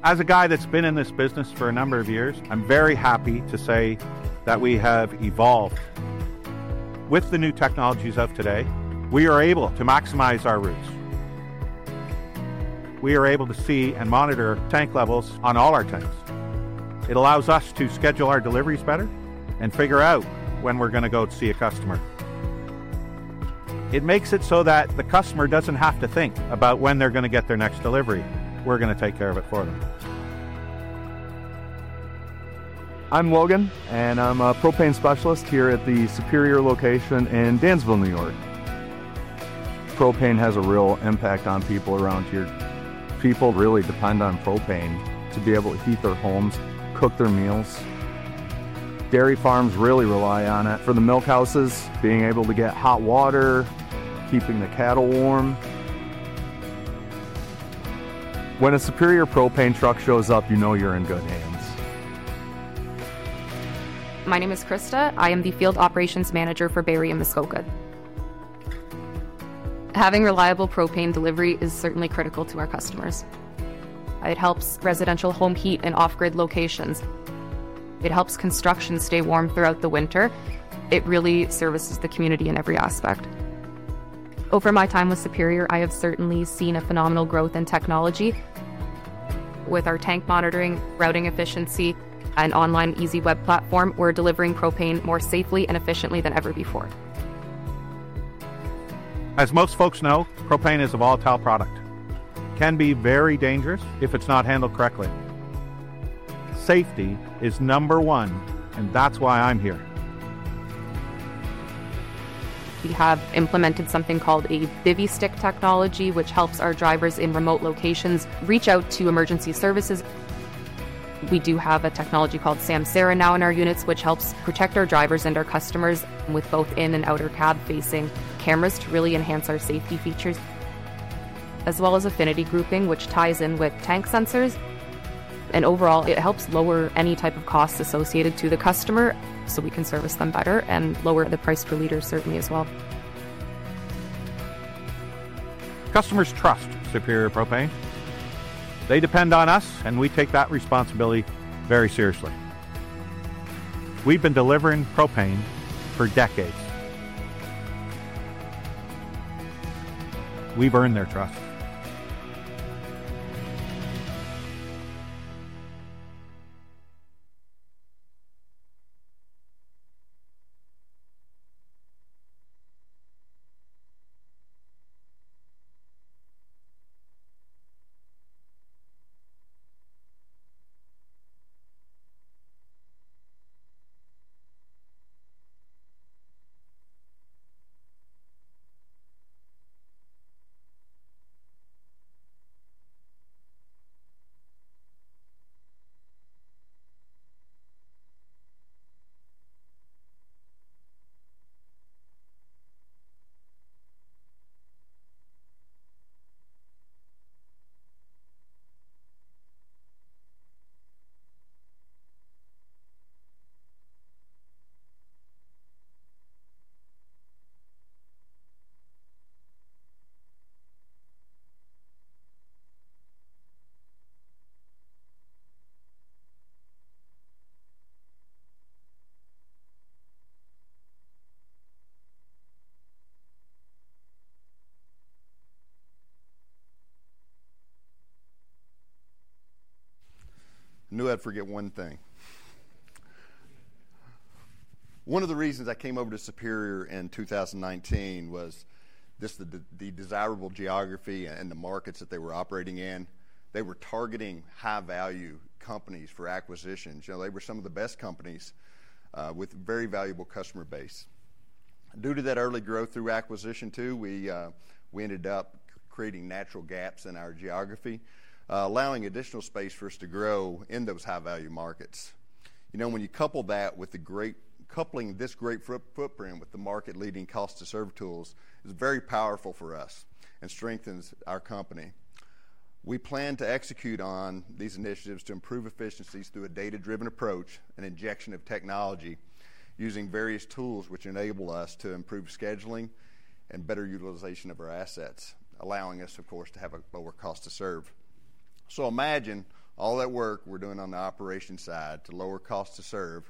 As a guy that's been in this business for a number of years, I'm very happy to say that we have evolved. With the new technologies of today, we are able to maximize our routes. We are able to see and monitor tank levels on all our tanks. It allows us to schedule our deliveries better and figure out when we're going to go to see a customer. It makes it so that the customer doesn't have to think about when they're going to get their next delivery. We're going to take care of it for them. I'm Logan, and I'm a propane specialist here at the Superior location in Dansville, New York. Propane has a real impact on people around here. People really depend on propane to be able to heat their homes, cook their meals. Dairy farms really rely on it for the milkhouses, being able to get hot water, keeping the cattle warm. When a Superior Propane truck shows up, you know you're in good hands. My name is Krista. I am the Field Operations Manager for Barrier Muskoka. Having reliable propane delivery is certainly critical to our customers. It helps residential, home heat, and off-grid locations. It helps construction stay warm throughout the winter. It really services the community in every aspect. Over my time with Superior, I have certainly seen a phenomenal growth in technology. With our tank monitoring, routing efficiency, and online easy web platform, we're delivering propane more safely and efficiently than ever before. As most folks know, propane is a volatile product. It can be very dangerous if it's not handled correctly. Safety is number one, and that's why I'm here. We have implemented something called a Bivvy Stick technology, which helps our drivers in remote locations reach out to emergency services. We do have a technology called Samsara now in our units, which helps protect our drivers and our customers with both in and outer cab facing cameras to really enhance our safety features, as well as affinity grouping, which ties in with tank sensors. Overall, it helps lower any type of cost associated to the customer so we can service them better and lower the price per liter certainly as well. Customers trust Superior Propane. They depend on us, and we take that responsibility very seriously. We've been delivering propane for decades. We've earned their trust. I knew I'd forget one thing. One of the reasons I came over to Superior in 2019 was just the desirable geography and the markets that they were operating in. They were targeting high-value companies for acquisitions. They were some of the best companies with a very valuable customer base. Due to that early growth through acquisition too, we ended up creating natural gaps in our geography, allowing additional space for us to grow in those high-value markets. When you couple that with the great coupling, this great footprint with the market-leading cost-to-serve tools is very powerful for us and strengthens our company. We plan to execute on these initiatives to improve efficiencies through a data-driven approach, an injection of technology using various tools which enable us to improve scheduling and better utilization of our assets, allowing us, of course, to have a lower cost to serve. Imagine all that work we're doing on the operation side to lower cost to serve,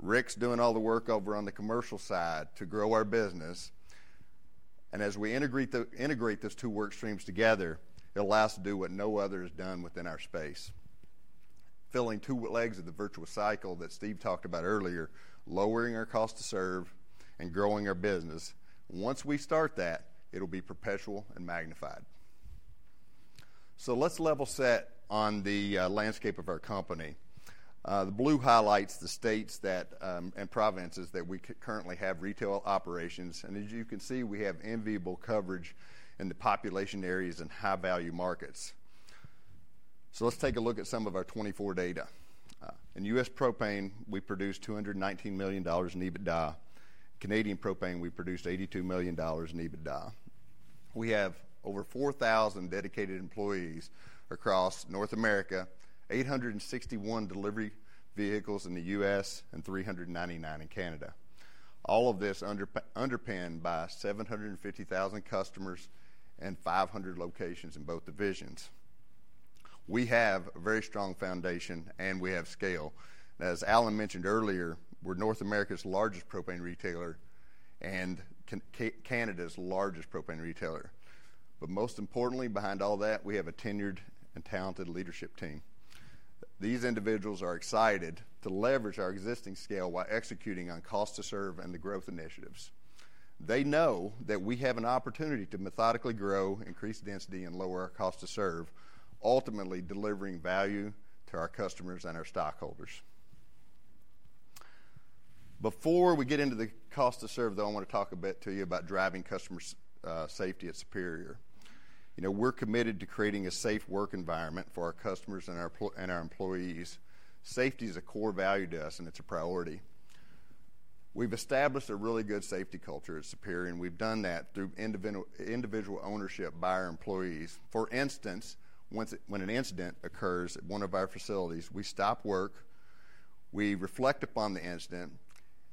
Rick's doing all the work over on the commercial side to grow our business. As we integrate those two work streams together, it allows us to do what no other has done within our space: filling two legs of the virtuous cycle that Steve talked about earlier, lowering our cost to serve and growing our business. Once we start that, it'll be perpetual and magnified. Let's level set on the landscape of our company. The blue highlights the states and provinces that we currently have retail operations. As you can see, we have enviable coverage in the population areas and high-value markets. Let's take a look at some of our 2024 data. In US propane, we produced 219 million dollars in EBITDA. Canadian propane, we produced 82 million dollars in EBITDA. We have over 4,000 dedicated employees across North America, 861 delivery vehicles in the US, and 399 in Canada. All of this underpinned by 750,000 customers and 500 locations in both divisions. We have a very strong foundation, and we have scale. As Allan mentioned earlier, we're North America's largest propane retailer and Canada's largest propane retailer. Most importantly, behind all that, we have a tenured and talented leadership team. These individuals are excited to leverage our existing scale while executing on cost-to-serve and the growth initiatives. They know that we have an opportunity to methodically grow, increase density, and lower our cost-to-serve, ultimately delivering value to our customers and our stockholders. Before we get into the cost-to-serve, though, I want to talk a bit to you about driving customer safety at Superior. We're committed to creating a safe work environment for our customers and our employees. Safety is a core value to us, and it's a priority. We've established a really good safety culture at Superior, and we've done that through individual ownership by our employees. For instance, when an incident occurs at one of our facilities, we stop work, we reflect upon the incident,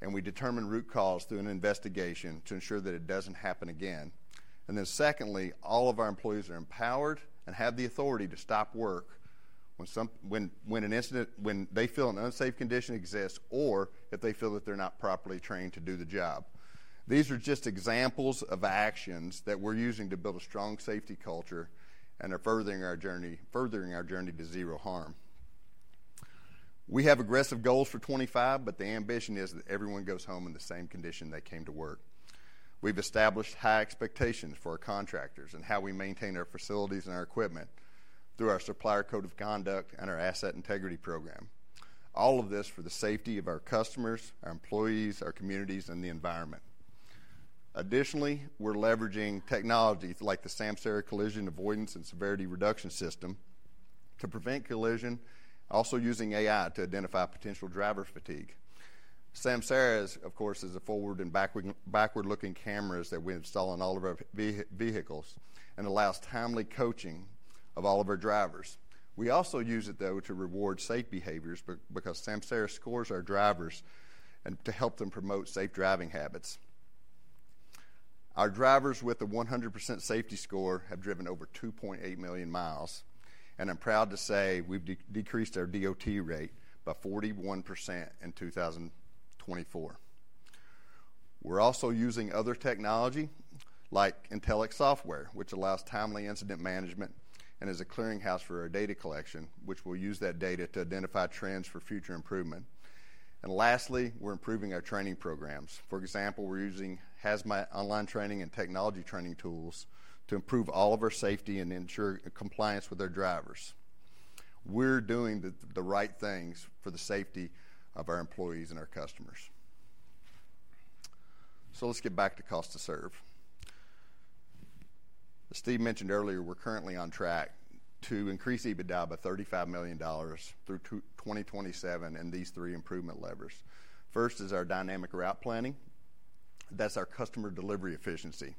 and we determine root cause through an investigation to ensure that it doesn't happen again. Secondly, all of our employees are empowered and have the authority to stop work when they feel an unsafe condition exists or if they feel that they're not properly trained to do the job. These are just examples of actions that we're using to build a strong safety culture and are furthering our journey to zero harm. We have aggressive goals for 2025, but the ambition is that everyone goes home in the same condition they came to work. We've established high expectations for our contractors and how we maintain our facilities and our equipment through our supplier code of conduct and our asset integrity program. All of this for the safety of our customers, our employees, our communities, and the environment. Additionally, we're leveraging technology like the Samsara Collision Avoidance and Severity Reduction System to prevent collision, also using AI to identify potential driver fatigue. Samsara, of course, is a forward- and backward-looking camera that we install on all of our vehicles and allows timely coaching of all of our drivers. We also use it, though, to reward safe behaviors because Samsara scores our drivers and to help them promote safe driving habits. Our drivers with a 100% safety score have driven over 2.8 million miles, and I'm proud to say we've decreased our DOT rate by 41% in 2024. We're also using other technology like Intellect Software, which allows timely incident management and is a clearinghouse for our data collection, which will use that data to identify trends for future improvement. Lastly, we're improving our training programs. For example, we're using HAZMAT online training and technology training tools to improve all of our safety and ensure compliance with our drivers. We're doing the right things for the safety of our employees and our customers. Let's get back to cost-to-serve. As Steve mentioned earlier, we're currently on track to increase EBITDA by 35 million dollars through 2027 and these three improvement levers. First is our dynamic route planning. That's our customer delivery efficiency.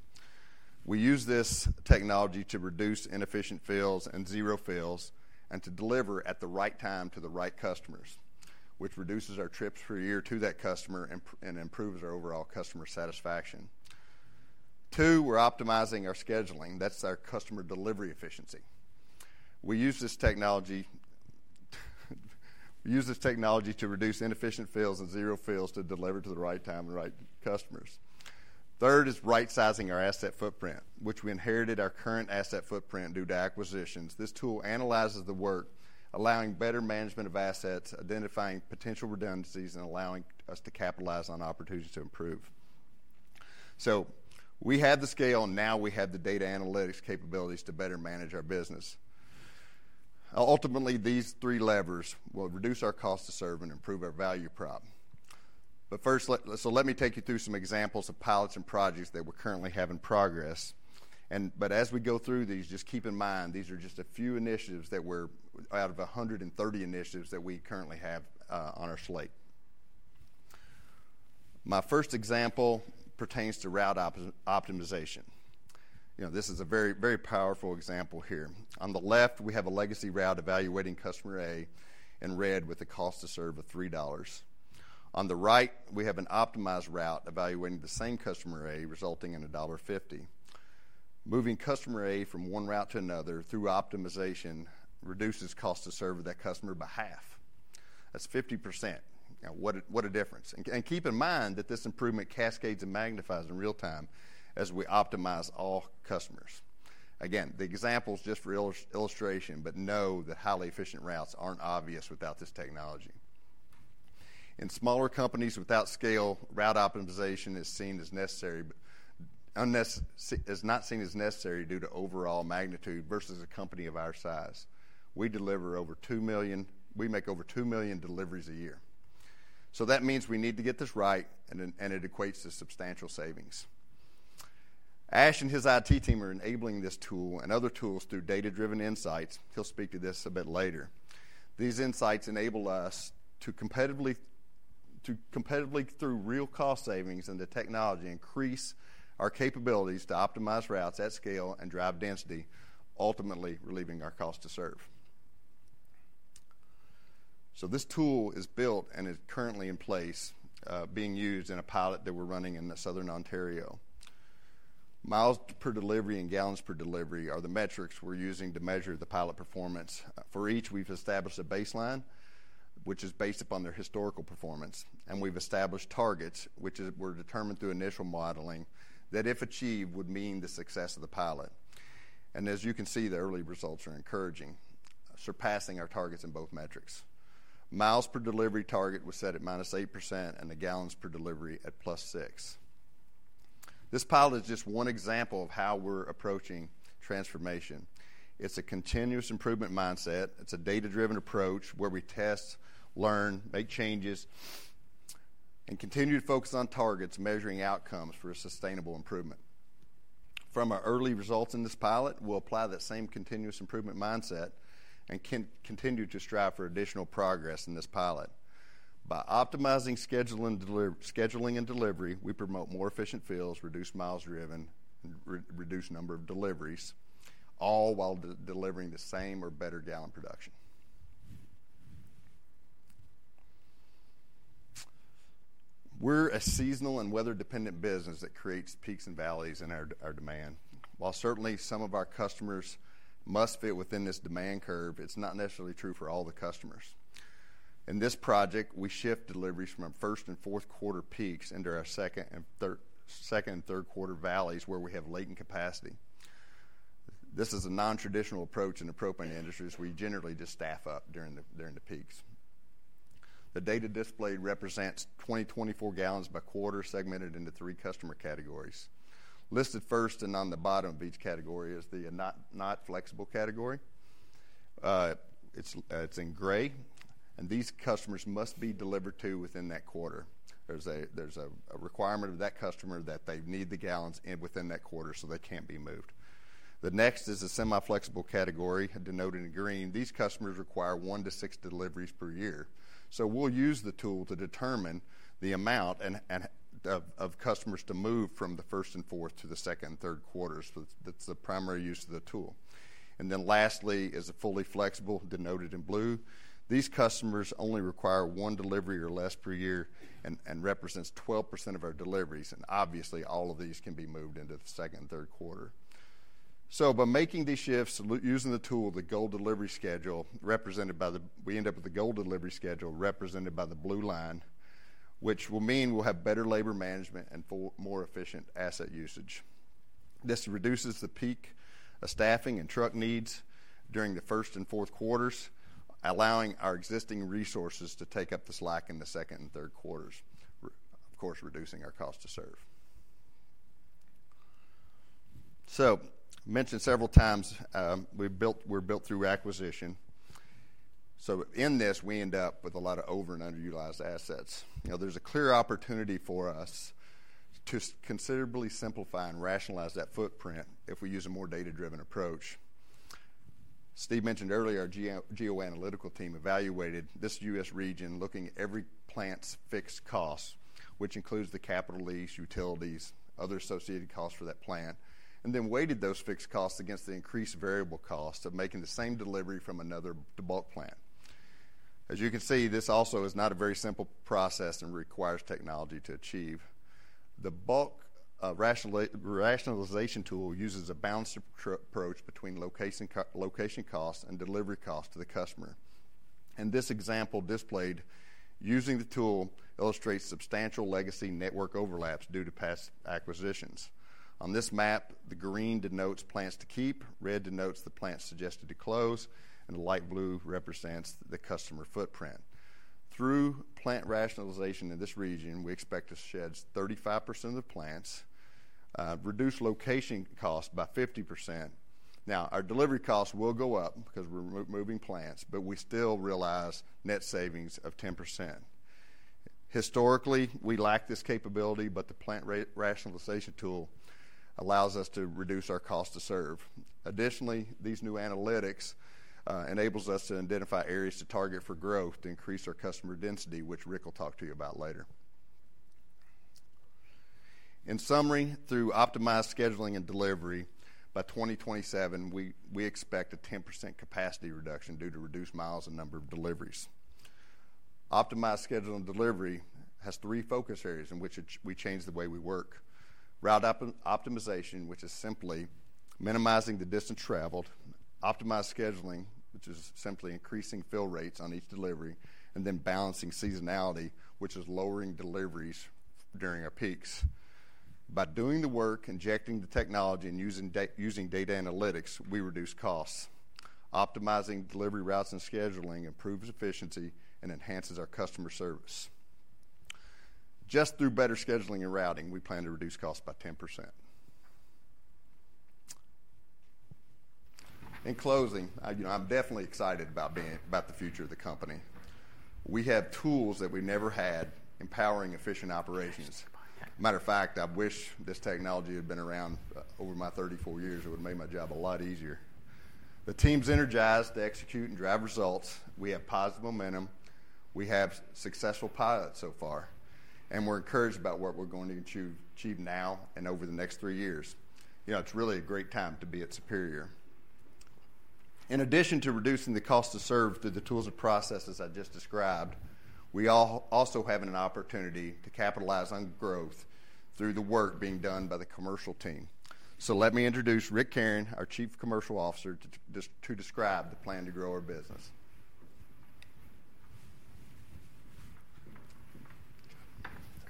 We use this technology to reduce inefficient fills and zero fills and to deliver at the right time to the right customers, which reduces our trips per year to that customer and improves our overall customer satisfaction. Two, we're optimizing our scheduling. That's our customer delivery efficiency. We use this technology to reduce inefficient fills and zero fills to deliver at the right time and right customers. Third is right-sizing our asset footprint, which we inherited our current asset footprint due to acquisitions. This tool analyzes the work, allowing better management of assets, identifying potential redundancies, and allowing us to capitalize on opportunities to improve. We have the scale, and now we have the data analytics capabilities to better manage our business. Ultimately, these three levers will reduce our cost-to-serve and improve our value prop. Let me take you through some examples of pilots and projects that we're currently having progress. As we go through these, just keep in mind these are just a few initiatives out of 130 initiatives that we currently have on our slate. My first example pertains to route optimization. This is a very powerful example here. On the left, we have a legacy route evaluating customer A, in red, with the cost-to-serve of 3 dollars. On the right, we have an optimized route evaluating the same customer A, resulting in dollar 1.50. Moving customer A from one route to another through optimization reduces cost-to-serve of that customer by half. That's 50%. What a difference. Keep in mind that this improvement cascades and magnifies in real time as we optimize all customers. Again, the example is just for illustration, but know that highly efficient routes are not obvious without this technology. In smaller companies without scale, route optimization is seen as necessary but is not seen as necessary due to overall magnitude versus a company of our size. We deliver over 2 million; we make over 2 million deliveries a year. That means we need to get this right, and it equates to substantial savings. Ash and his IT team are enabling this tool and other tools through data-driven insights. He will speak to this a bit later. These insights enable us to competitively, through real cost savings and the technology, increase our capabilities to optimize routes at scale and drive density, ultimately relieving our cost-to-serve. This tool is built and is currently in place, being used in a pilot that we are running in Southern Ontario. Miles per delivery and gallons per delivery are the metrics we're using to measure the pilot performance. For each, we've established a baseline, which is based upon their historical performance. We've established targets, which were determined through initial modeling that, if achieved, would mean the success of the pilot. As you can see, the early results are encouraging, surpassing our targets in both metrics. Miles per delivery target was set at -8%, and the gallons per delivery at +6%. This pilot is just one example of how we're approaching transformation. It's a continuous improvement mindset. It's a data-driven approach where we test, learn, make changes, and continue to focus on targets, measuring outcomes for a sustainable improvement. From our early results in this pilot, we'll apply that same continuous improvement mindset and continue to strive for additional progress in this pilot. By optimizing scheduling and delivery, we promote more efficient fills, reduce miles driven, and reduce number of deliveries, all while delivering the same or better gallon production. We're a seasonal and weather-dependent business that creates peaks and valleys in our demand. While certainly some of our customers must fit within this demand curve, it's not necessarily true for all the customers. In this project, we shift deliveries from our first and fourth quarter peaks into our second and third quarter valleys where we have latent capacity. This is a non-traditional approach in the propane industry, as we generally just staff up during the peaks. The data displayed represents 2024 gallons by quarter segmented into three customer categories. Listed first and on the bottom of each category is the not flexible category. It's in gray, and these customers must be delivered to within that quarter. There's a requirement of that customer that they need the gallons within that quarter, so they can't be moved. The next is a semi-flexible category denoted in green. These customers require one to six deliveries per year. We'll use the tool to determine the amount of customers to move from the first and fourth to the second and third quarters. That's the primary use of the tool. Lastly is a fully flexible denoted in blue. These customers only require one delivery or less per year and represents 12% of our deliveries. Obviously, all of these can be moved into the second and third quarter. By making these shifts, using the tool, the gold delivery schedule, we end up with the gold delivery schedule represented by the blue line, which will mean we'll have better labor management and more efficient asset usage. This reduces the peak staffing and truck needs during the first and fourth quarters, allowing our existing resources to take up the slack in the second and third quarters, of course, reducing our cost-to-serve. I mentioned several times we're built through acquisition. In this, we end up with a lot of over and underutilized assets. There's a clear opportunity for us to considerably simplify and rationalize that footprint if we use a more data-driven approach. Steve mentioned earlier our geo-analytical team evaluated this US region, looking at every plant's fixed costs, which includes the capital lease, utilities, other associated costs for that plant, and then weighted those fixed costs against the increased variable costs of making the same delivery from another bulk plant. As you can see, this also is not a very simple process and requires technology to achieve. The bulk rationalization tool uses a balanced approach between location costs and delivery costs to the customer. This example displayed using the tool illustrates substantial legacy network overlaps due to past acquisitions. On this map, the green denotes plants to keep, red denotes the plants suggested to close, and the light blue represents the customer footprint. Through plant rationalization in this region, we expect to shed 35% of the plants, reduce location costs by 50%. Now, our delivery costs will go up because we're moving plants, but we still realize net savings of 10%. Historically, we lacked this capability, but the plant rationalization tool allows us to reduce our cost-to-serve. Additionally, these new analytics enable us to identify areas to target for growth to increase our customer density, which Rick will talk to you about later. In summary, through optimized scheduling and delivery, by 2027, we expect a 10% capacity reduction due to reduced miles and number of deliveries. Optimized scheduling and delivery has three focus areas in which we change the way we work: route optimization, which is simply minimizing the distance traveled; optimized scheduling, which is simply increasing fill rates on each delivery; and then balancing seasonality, which is lowering deliveries during our peaks. By doing the work, injecting the technology, and using data analytics, we reduce costs. Optimizing delivery routes and scheduling improves efficiency and enhances our customer service. Just through better scheduling and routing, we plan to reduce costs by 10%. In closing, I'm definitely excited about the future of the company. We have tools that we never had, empowering efficient operations. As a matter of fact, I wish this technology had been around over my 34 years. It would have made my job a lot easier. The team's energized to execute and drive results. We have positive momentum. We have successful pilots so far, and we're encouraged about what we're going to achieve now and over the next three years. It's really a great time to be at Superior. In addition to reducing the cost-to-serve through the tools and processes I just described, we also have an opportunity to capitalize on growth through the work being done by the commercial team. Let me introduce Rick Caron, our Chief Commercial Officer, to describe the plan to grow our business.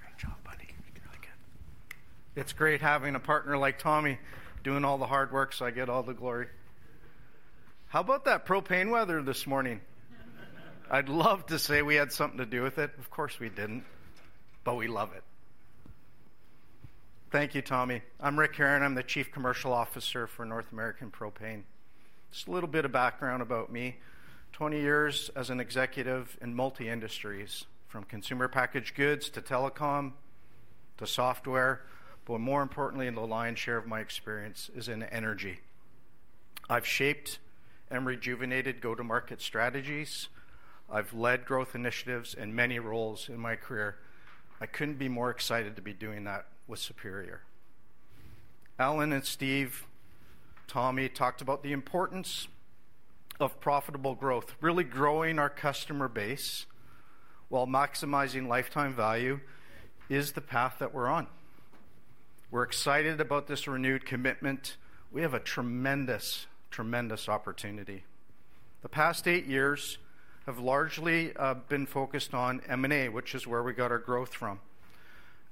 Great job, buddy. You did really good. It's great having a partner like Tommy doing all the hard work, so I get all the glory. How about that propane weather this morning? I'd love to say we had something to do with it. Of course, we didn't, but we love it. Thank you, Tommy. I'm Rick Caron. I'm the Chief Commercial Officer for North American Propane. Just a little bit of background about me: 20 years as an executive in multi-industries, from consumer packaged goods to telecom to software, but more importantly, the lion's share of my experience is in energy. I've shaped and rejuvenated go-to-market strategies. I've led growth initiatives in many roles in my career. I couldn't be more excited to be doing that with Superior. Allan and Steve, Tommy talked about the importance of profitable growth, really growing our customer base while maximizing lifetime value is the path that we're on. We're excited about this renewed commitment. We have a tremendous, tremendous opportunity. The past eight years have largely been focused on M&A, which is where we got our growth from.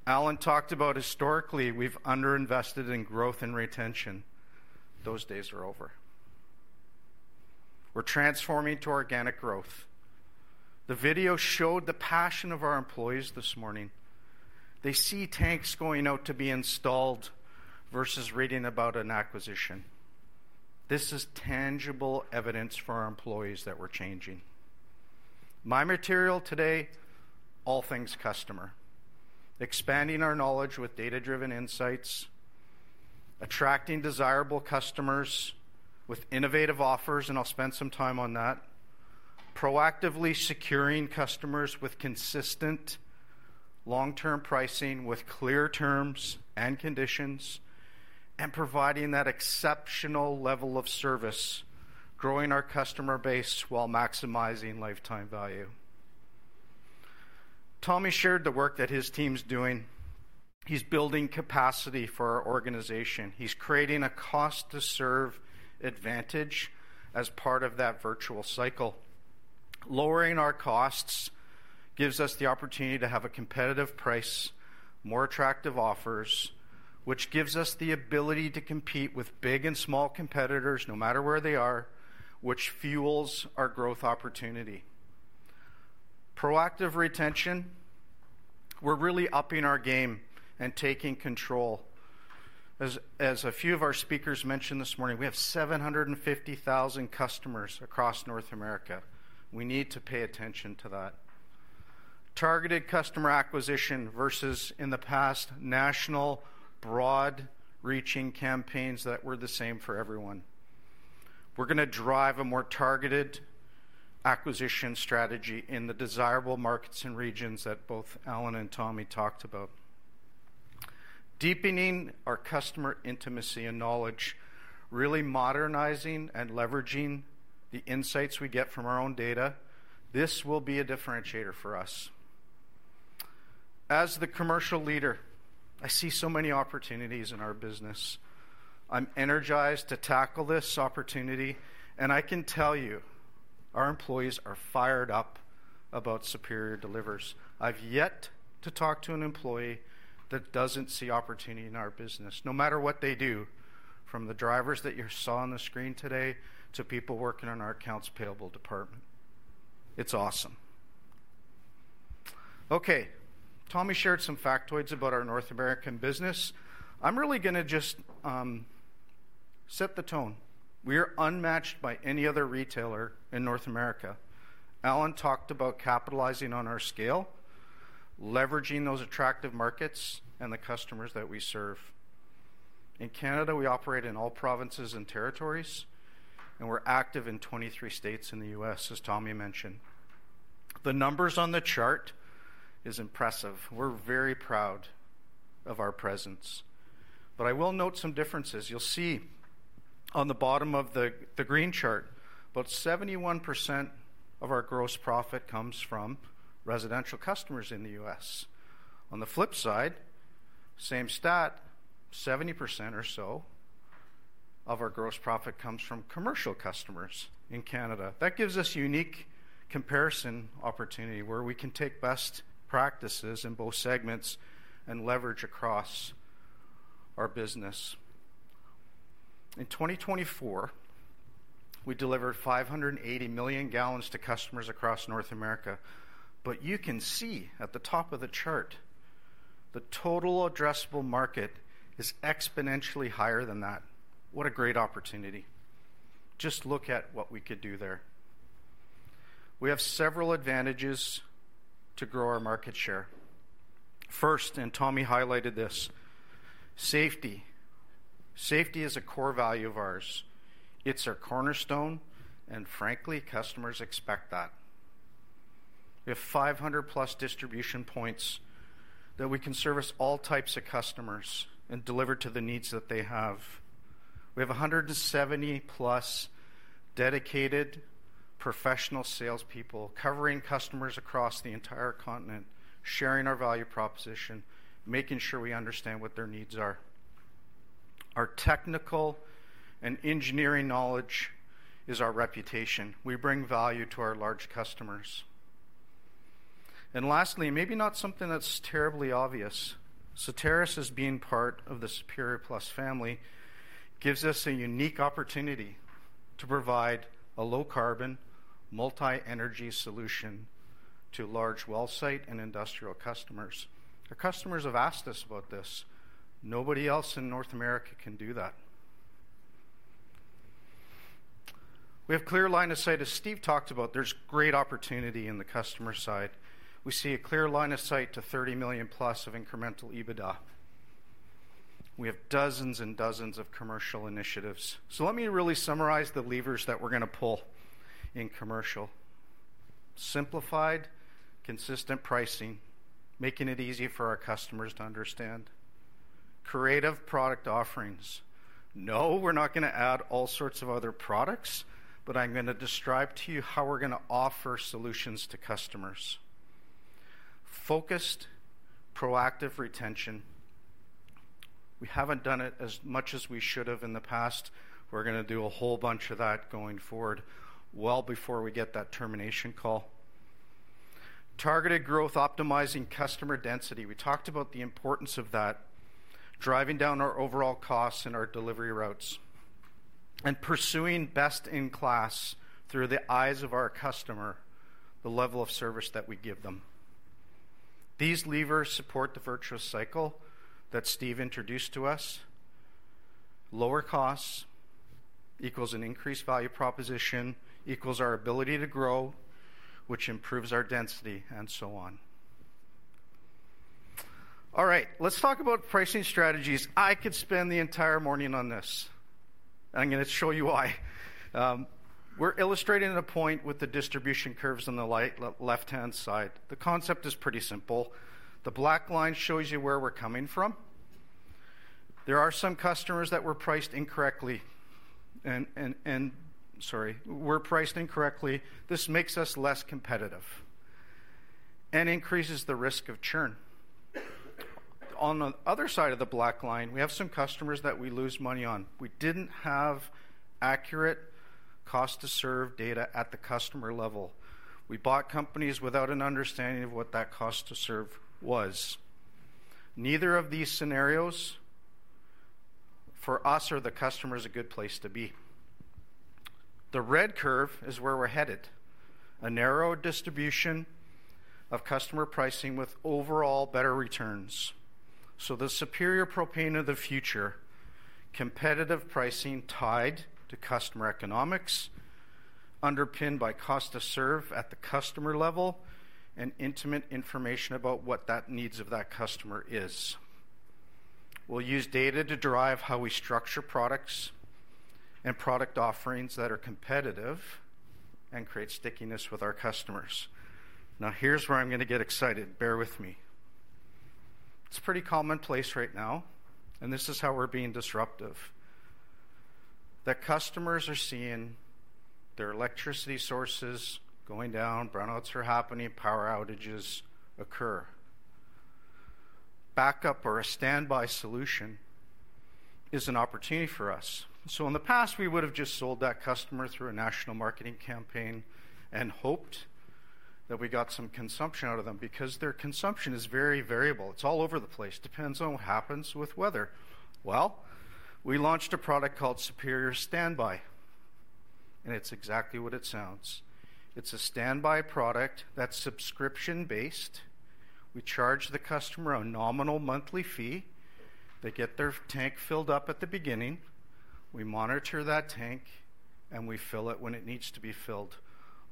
Alan talked about historically we've underinvested in growth and retention. Those days are over. We're transforming to organic growth. The video showed the passion of our employees this morning. They see tanks going out to be installed versus reading about an acquisition. This is tangible evidence for our employees that we're changing. My material today, all things customer. Expanding our knowledge with data-driven insights, attracting desirable customers with innovative offers, and I'll spend some time on that. Proactively securing customers with consistent long-term pricing with clear terms and conditions, and providing that exceptional level of service, growing our customer base while maximizing lifetime value. Tommy shared the work that his team's doing. He's building capacity for our organization. He's creating a cost-to-serve advantage as part of that virtuous cycle. Lowering our costs gives us the opportunity to have a competitive price, more attractive offers, which gives us the ability to compete with big and small competitors no matter where they are, which fuels our growth opportunity. Proactive retention. We're really upping our game and taking control. As a few of our speakers mentioned this morning, we have 750,000 customers across North America. We need to pay attention to that. Targeted customer acquisition versus in the past, national, broad-reaching campaigns that were the same for everyone. We're going to drive a more targeted acquisition strategy in the desirable markets and regions that both Allan and Tommy talked about. Deepening our customer intimacy and knowledge, really modernizing and leveraging the insights we get from our own data. This will be a differentiator for us. As the commercial leader, I see so many opportunities in our business. I'm energized to tackle this opportunity, and I can tell you our employees are fired up about Superior Delivers. I've yet to talk to an employee that doesn't see opportunity in our business, no matter what they do, from the drivers that you saw on the screen today to people working on our accounts payable department. It's awesome. Okay. Tommy shared some factoids about our North American business. I'm really going to just set the tone. We are unmatched by any other retailer in North America. Allan talked about capitalizing on our scale, leveraging those attractive markets and the customers that we serve. In Canada, we operate in all provinces and territories, and we're active in 23 states in the US, as Tommy mentioned. The numbers on the chart are impressive. We're very proud of our presence. I will note some differences. You'll see on the bottom of the green chart, about 71% of our gross profit comes from residential customers in the U.S. On the flip side, same stat, 70% or so of our gross profit comes from commercial customers in Canada. That gives us a unique comparison opportunity where we can take best practices in both segments and leverage across our business. In 2024, we delivered 580 million gallons to customers across North America. You can see at the top of the chart, the total addressable market is exponentially higher than that. What a great opportunity. Just look at what we could do there. We have several advantages to grow our market share. First, and Tommy highlighted this, safety. Safety is a core value of ours. It's our cornerstone, and frankly, customers expect that. We have 500-plus distribution points that we can service all types of customers and deliver to the needs that they have. We have 170-plus dedicated professional salespeople covering customers across the entire continent, sharing our value proposition, making sure we understand what their needs are. Our technical and engineering knowledge is our reputation. We bring value to our large customers. Lastly, maybe not something that's terribly obvious, Soteris as being part of the Superior Plus family gives us a unique opportunity to provide a low-carbon, multi-energy solution to large wellsite and industrial customers. Our customers have asked us about this. Nobody else in North America can do that. We have a clear line of sight. As Steve talked about, there's great opportunity in the customer side. We see a clear line of sight to 30 million-plus of incremental EBITDA. We have dozens and dozens of commercial initiatives. Let me really summarize the levers that we're going to pull in commercial. Simplified, consistent pricing, making it easy for our customers to understand. Creative product offerings. No, we're not going to add all sorts of other products, but I'm going to describe to you how we're going to offer solutions to customers. Focused, proactive retention. We haven't done it as much as we should have in the past. We're going to do a whole bunch of that going forward well before we get that termination call. Targeted growth, optimizing customer density. We talked about the importance of that, driving down our overall costs and our delivery routes, and pursuing best-in-class through the eyes of our customer, the level of service that we give them. These levers support the virtuous cycle that Steve introduced to us. Lower costs equals an increased value proposition, equals our ability to grow, which improves our density, and so on. All right. Let's talk about pricing strategies. I could spend the entire morning on this. I'm going to show you why. We're illustrating the point with the distribution curves on the left-hand side. The concept is pretty simple. The black line shows you where we're coming from. There are some customers that were priced incorrectly. Sorry, were priced incorrectly. This makes us less competitive and increases the risk of churn. On the other side of the black line, we have some customers that we lose money on. We didn't have accurate cost-to-serve data at the customer level. We bought companies without an understanding of what that cost-to-serve was. Neither of these scenarios for us or the customer is a good place to be. The red curve is where we're headed. A narrow distribution of customer pricing with overall better returns. The Superior Propane of the future, competitive pricing tied to customer economics, underpinned by cost-to-serve at the customer level, and intimate information about what the needs of that customer is. We'll use data to drive how we structure products and product offerings that are competitive and create stickiness with our customers. Now, here's where I'm going to get excited. Bear with me. It's a pretty common place right now, and this is how we're being disruptive. Customers are seeing their electricity sources going down, brownouts are happening, power outages occur. Backup or a standby solution is an opportunity for us. In the past, we would have just sold that customer through a national marketing campaign and hoped that we got some consumption out of them because their consumption is very variable. It's all over the place. Depends on what happens with weather. We launched a product called Superior Standby, and it's exactly what it sounds. It's a standby product that's subscrition-based. We charge the customer a nominal monthly fee. They get their tank filled up at the beginning. We monitor that tank, and we fill it when it needs to be filled.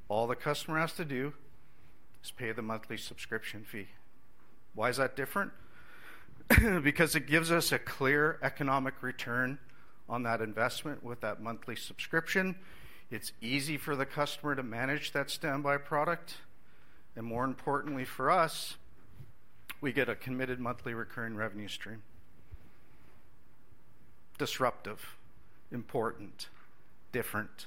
All the customer has to do is pay the monthly subscription fee. Why is that different? Because it gives us a clear economic return on that investment with that monthly subscription. It's easy for the customer to manage that standby product. More importantly for us, we get a committed monthly recurring revenue stream. Disruptive, important, different.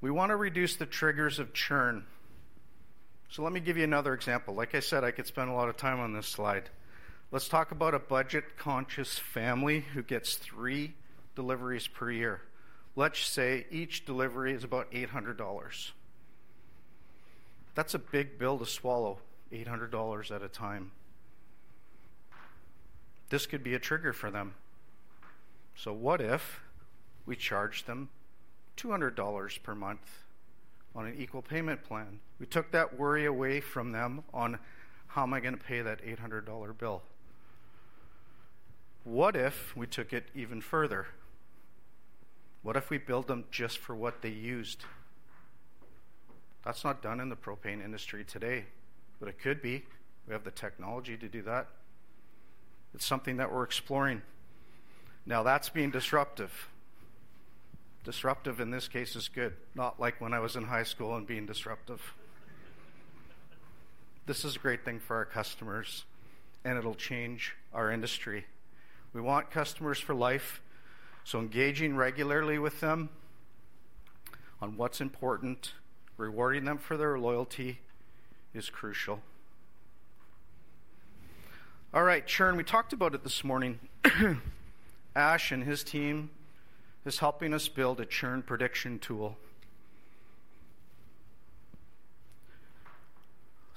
We want to reduce the triggers of churn. Let me give you another example. Like I said, I could spend a lot of time on this slide. Let's talk about a budget-conscious family who gets three deliveries per year. Let's say each delivery is about 800 dollars. That's a big bill to swallow, 800 dollars at a time. This could be a trigger for them. What if we charge them 200 dollars per month on an equal payment plan? We took that worry away from them on, "How am I going to pay that 800 dollar bill?" What if we took it even further? What if we billed them just for what they used? That's not done in the propane industry today, but it could be. We have the technology to do that. It's something that we're exploring. Now, that's being disruptive. Disruptive in this case is good, not like when I was in high school and being disruptive. This is a great thing for our customers, and it'll change our industry. We want customers for life, so engaging regularly with them on what's important, rewarding them for their loyalty is crucial. All right. Churn, we talked about it this morning. Ash and his team are helping us build a churn prediction tool.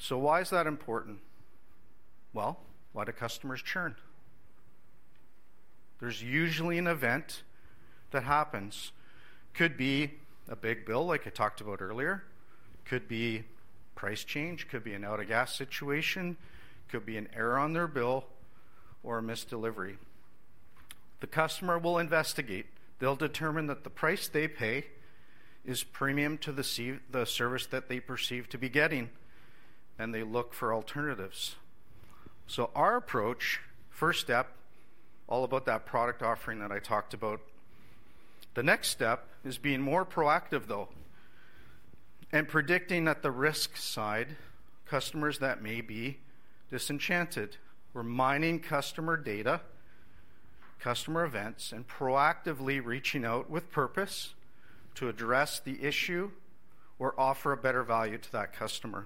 Why is that important? Why do customers churn? There's usually an event that happens. Could be a big bill, like I talked about earlier. Could be price change. Could be an out-of-gas situation. Could be an error on their bill or a missed delivery. The customer will investigate. They'll determine that the price they pay is premium to the service that they perceive to be getting, and they look for alternatives. Our approach, first step, all about that product offering that I talked about. The next step is being more proactive, though, and predicting that the risk side, customers that may be disenchanted, we're mining customer data, customer events, and proactively reaching out with purpose to address the issue or offer a better value to that customer.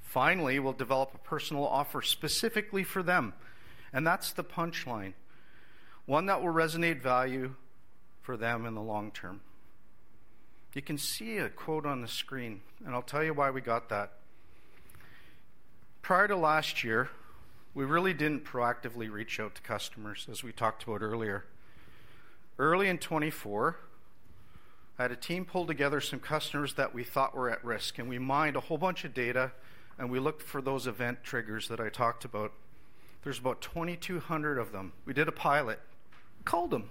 Finally, we'll develop a personal offer specifically for them. That's the punchline. One that will resonate value for them in the long term. You can see a quote on the screen, and I'll tell you why we got that. Prior to last year, we really didn't proactively reach out to customers, as we talked about earlier. Early in 2024, I had a team pull together some customers that we thought were at risk, and we mined a whole bunch of data, and we looked for those event triggers that I talked about. There's about 2,200 of them. We did a pilot. Called them.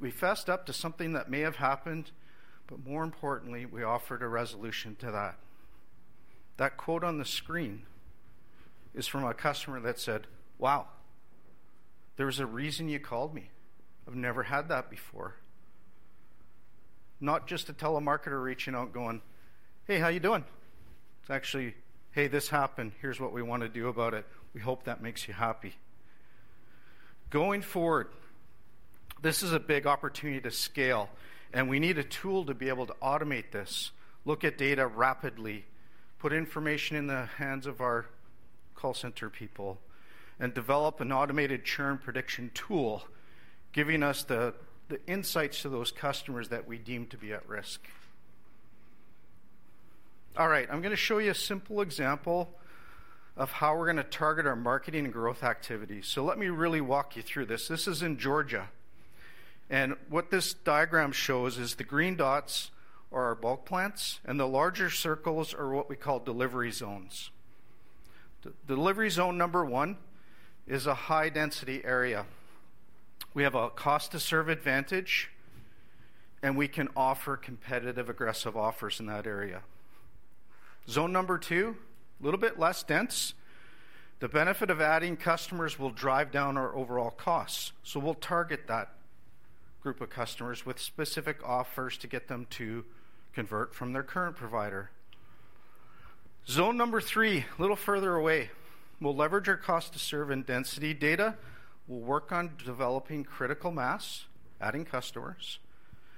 We fessed up to something that may have happened, but more importantly, we offered a resolution to that. That quote on the screen is from a customer that said, "Wow. There was a reason you called me. I've never had that before." Not just a telemarketer reaching out going, "Hey, how are you doing?" It's actually, "Hey, this happened. Here's what we want to do about it. We hope that makes you happy." Going forward, this is a big opportunity to scale, and we need a tool to be able to automate this, look at data rapidly, put information in the hands of our call center people, and develop an automated churn prediction tool, giving us the insights to those customers that we deem to be at risk. All right. I'm going to show you a simple example of how we're going to target our marketing and growth activity. Let me really walk you through this. This is in Georgia. What this diagram shows is the green dots are our bulk plants, and the larger circles are what we call delivery zones. Delivery zone number one is a high-density area. We have a cost-to-serve advantage, and we can offer competitive, aggressive offers in that area. Zone number two, a little bit less dense. The benefit of adding customers will drive down our overall costs. We will target that group of customers with specific offers to get them to convert from their current provider. Zone number three, a little further away. We will leverage our cost-to-serve and density data. We will work on developing critical mass, adding customers,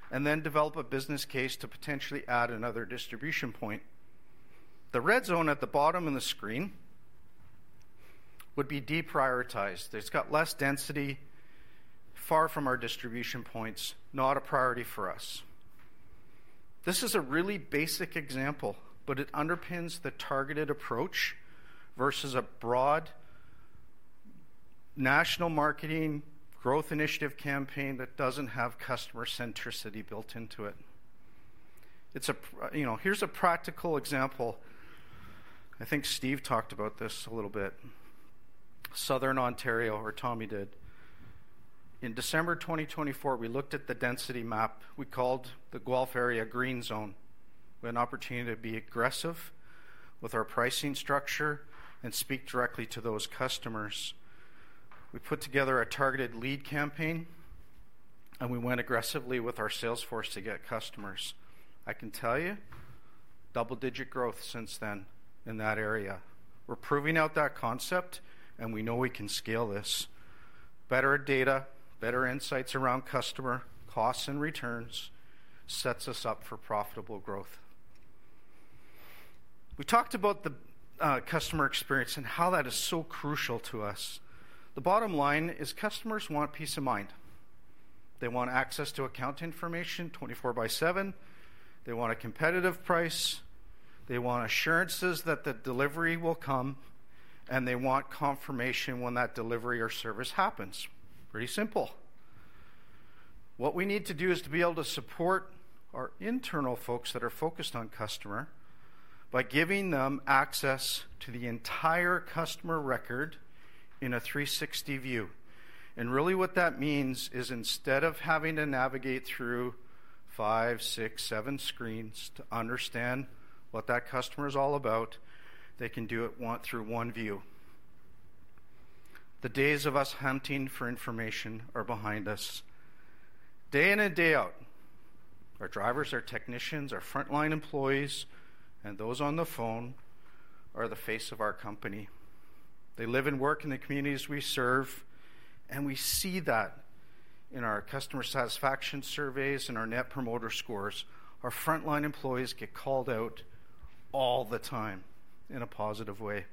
and then develop a business case to potentially add another distribution point. The red zone at the bottom of the screen would be deprioritized. It's got less density, far from our distribution points, not a priority for us. This is a really basic example, but it underpins the targeted approach versus a broad national marketing growth initiative campaign that does not have customer centricity built into it. Here's a practical example. I think Steve talked about this a little bit. Southern Ontario, or Tommy did. In December 2024, we looked at the density map. We called the Guelph area a green zone. We had an opportunity to be aggressive with our pricing structure and speak directly to those customers. We put together a targeted lead campaign, and we went aggressively with our salesforce to get customers. I can tell you, double-digit growth since then in that area. We're proving out that concept, and we know we can scale this. Better data, better insights around customer costs and returns sets us up for profitable growth. We talked about the customer experience and how that is so crucial to us. The bottom line is customers want peace of mind. They want access to account information 24 by 7. They want a competitive price. They want assurances that the delivery will come, and they want confirmation when that delivery or service happens. Pretty simple. What we need to do is to be able to support our internal folks that are focused on customer by giving them access to the entire customer record in a 360 view. Really what that means is instead of having to navigate through five, six, seven screens to understand what that customer is all about, they can do it through one view. The days of us hunting for information are behind us. Day in and day out, our drivers, our technicians, our frontline employees, and those on the phone are the face of our company. They live and work in the communities we serve, and we see that in our customer satisfaction surveys and our net promoter scores. Our frontline employees get called out all the time in a positive way.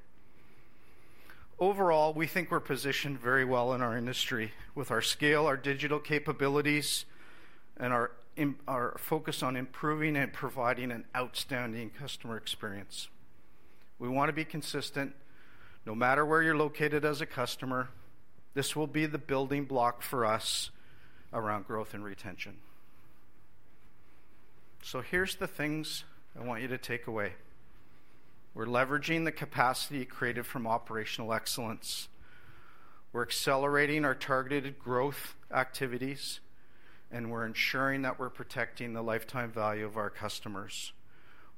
Overall, we think we're positioned very well in our industry with our scale, our digital capabilities, and our focus on improving and providing an outstanding customer experience. We want to be consistent. No matter where you're located as a customer, this will be the building block for us around growth and retention. Here are the things I want you to take away. We're leveraging the capacity created from operational excellence. We're accelerating our targeted growth activities, and we're ensuring that we're protecting the lifetime value of our customers.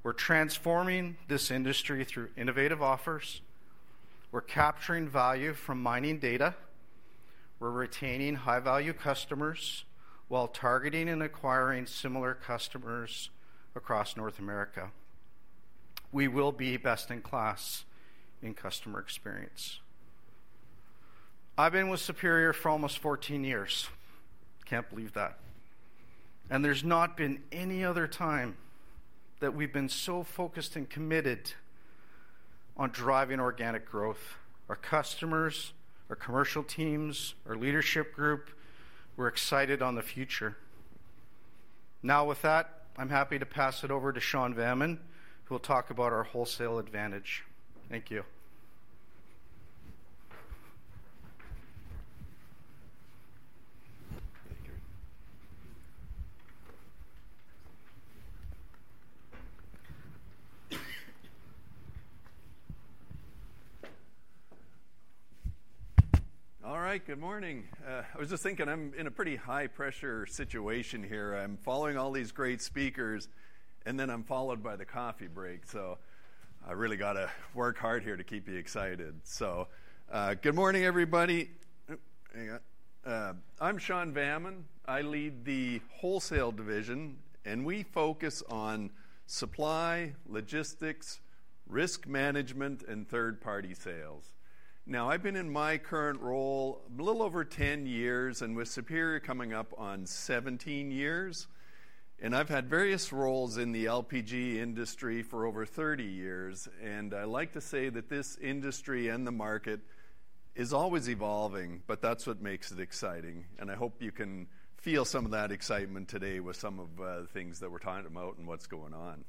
We're transforming this industry through innovative offers. We're capturing value from mining data. We're retaining high-value customers while targeting and acquiring similar customers across North America. We will be best in class in customer experience. I've been with Superior for almost 14 years. Can't believe that. There's not been any other time that we've been so focused and committed on driving organic growth. Our customers, our commercial teams, our leadership group, we're excited on the future. Now with that, I'm happy to pass it over to Shawn Vamman, who will talk about our wholesale advantage. Thank you. All right. Good morning. I was just thinking I'm in a pretty high-pressure situation here. I'm following all these great speakers, and then I'm followed by the coffee break. I really got to work hard here to keep you excited. Good morning, everybody. I'm Sean Vaman. I lead the wholesale division, and we focus on supply, logistics, risk management, and third-party sales. Now, I've been in my current role a little over 10 years, and with Superior coming up on 17 years. I've had various roles in the LPG industry for over 30 years. I like to say that this industry and the market is always evolving, but that's what makes it exciting. I hope you can feel some of that excitement today with some of the things that we're talking about and what's going on.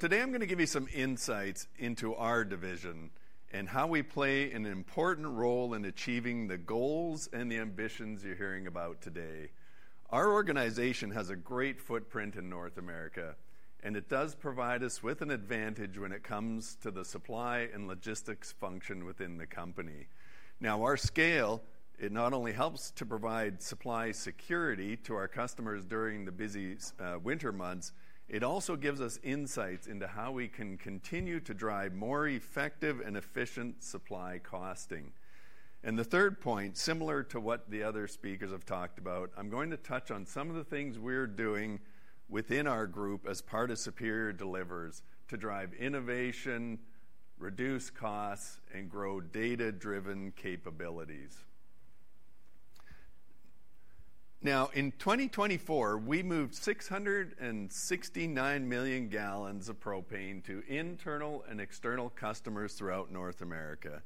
Today, I'm going to give you some insights into our division and how we play an important role in achieving the goals and the ambitions you're hearing about today. Our organization has a great footprint in North America, and it does provide us with an advantage when it comes to the supply and logistics function within the company. Now, our scale, it not only helps to provide supply security to our customers during the busy winter months, it also gives us insights into how we can continue to drive more effective and efficient supply costing. The third point, similar to what the other speakers have talked about, I'm going to touch on some of the things we're doing within our group as part of Superior Delivers to drive innovation, reduce costs, and grow data-driven capabilities. In 2024, we moved 669 million gallons of propane to internal and external customers throughout North America.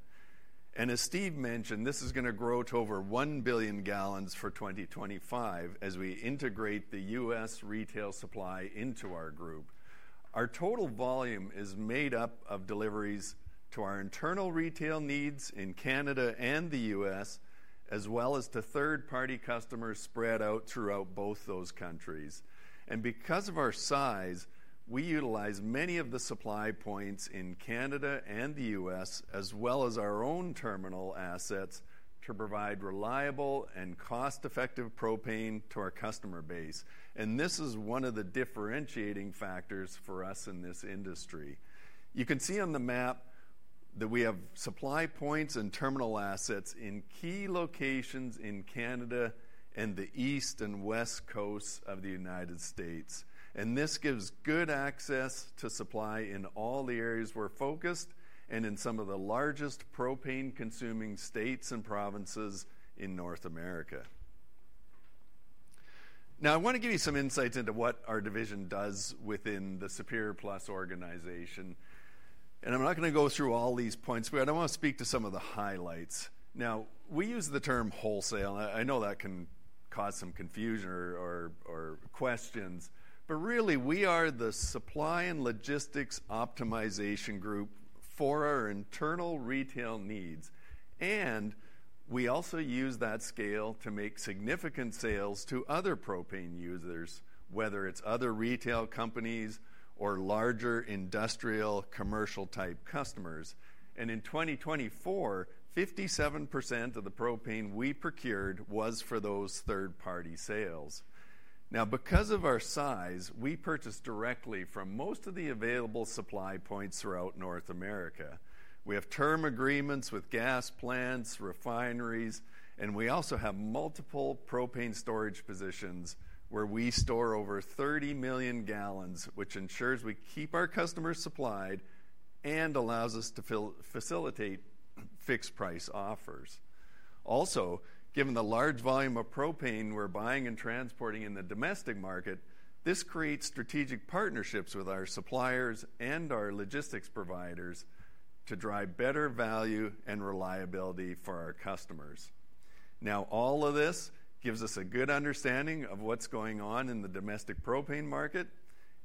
As Steve mentioned, this is going to grow to over 1 billion gallons for 2025 as we integrate the US retail supply into our group. Our total volume is made up of deliveries to our internal retail needs in Canada and the US, as well as to third-party customers spread out throughout both those countries. Because of our size, we utilize many of the supply points in Canada and the US, as well as our own terminal assets to provide reliable and cost-effective propane to our customer base. This is one of the differentiating factors for us in this industry. You can see on the map that we have supply points and terminal assets in key locations in Canada and the East and West Coasts of the United States. This gives good access to supply in all the areas we're focused and in some of the largest propane-consuming states and provinces in North America. I want to give you some insights into what our division does within the Superior Plus organization. I'm not going to go through all these points. I want to speak to some of the highlights. We use the term wholesale. I know that can cause some confusion or questions, but really, we are the supply and logistics optimization group for our internal retail needs. We also use that scale to make significant sales to other propane users, whether it's other retail companies or larger industrial commercial-type customers. In 2024, 57% of the propane we procured was for those third-party sales. Because of our size, we purchase directly from most of the available supply points throughout North America. We have term agreements with gas plants, refineries, and we also have multiple propane storage positions where we store over 30 million gallons, which ensures we keep our customers supplied and allows us to facilitate fixed-price offers. Also, given the large volume of propane we're buying and transporting in the domestic market, this creates strategic partnerships with our suppliers and our logistics providers to drive better value and reliability for our customers. All of this gives us a good understanding of what's going on in the domestic propane market,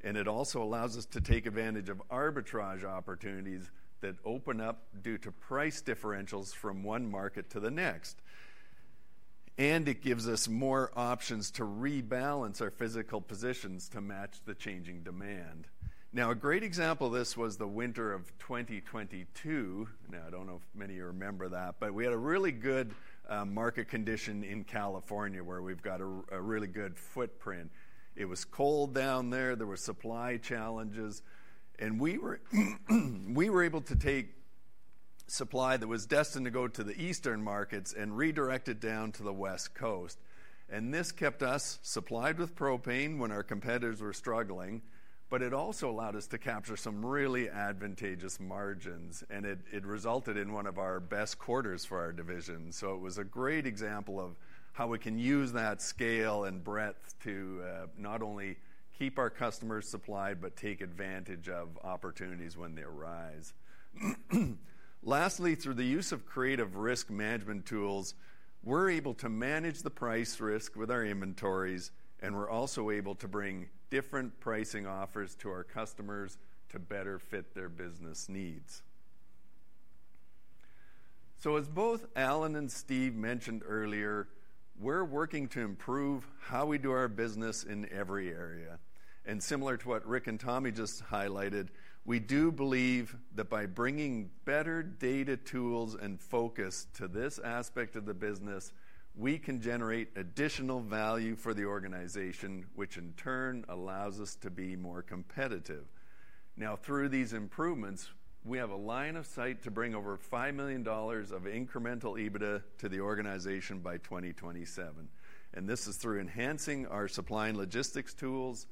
and it also allows us to take advantage of arbitrage opportunities that open up due to price differentials from one market to the next. It gives us more options to rebalance our physical positions to match the changing demand. A great example of this was the winter of 2022. Now, I don't know if many of you remember that, but we had a really good market condition in California where we've got a really good footprint. It was cold down there. There were supply challenges. We were able to take supply that was destined to go to the eastern markets and redirect it down to the West Coast. This kept us supplied with propane when our competitors were struggling, but it also allowed us to capture some really advantageous margins, and it resulted in one of our best quarters for our division. It was a great example of how we can use that scale and breadth to not only keep our customers supplied, but take advantage of opportunities when they arise. Lastly, through the use of creative risk management tools, we're able to manage the price risk with our inventories, and we're also able to bring different pricing offers to our customers to better fit their business needs. As both Allan and Steve mentioned earlier, we're working to improve how we do our business in every area. Similar to what Rick and Tommy just highlighted, we do believe that by bringing better data tools and focus to this aspect of the business, we can generate additional value for the organization, which in turn allows us to be more competitive. Through these improvements, we have a line of sight to bring over 5 million dollars of incremental EBITDA to the organization by 2027. This is through enhancing our supply and logistics tools,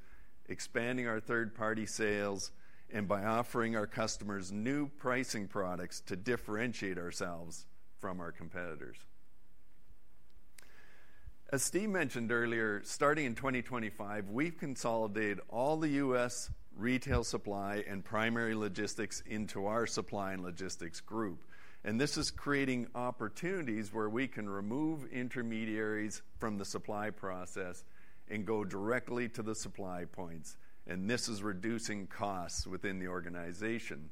expanding our third-party sales, and by offering our customers new pricing products to differentiate ourselves from our competitors. As Steve mentioned earlier, starting in 2025, we've consolidated all the US retail supply and primary logistics into our supply and logistics group. This is creating opportunities where we can remove intermediaries from the supply process and go directly to the supply points. This is reducing costs within the organization.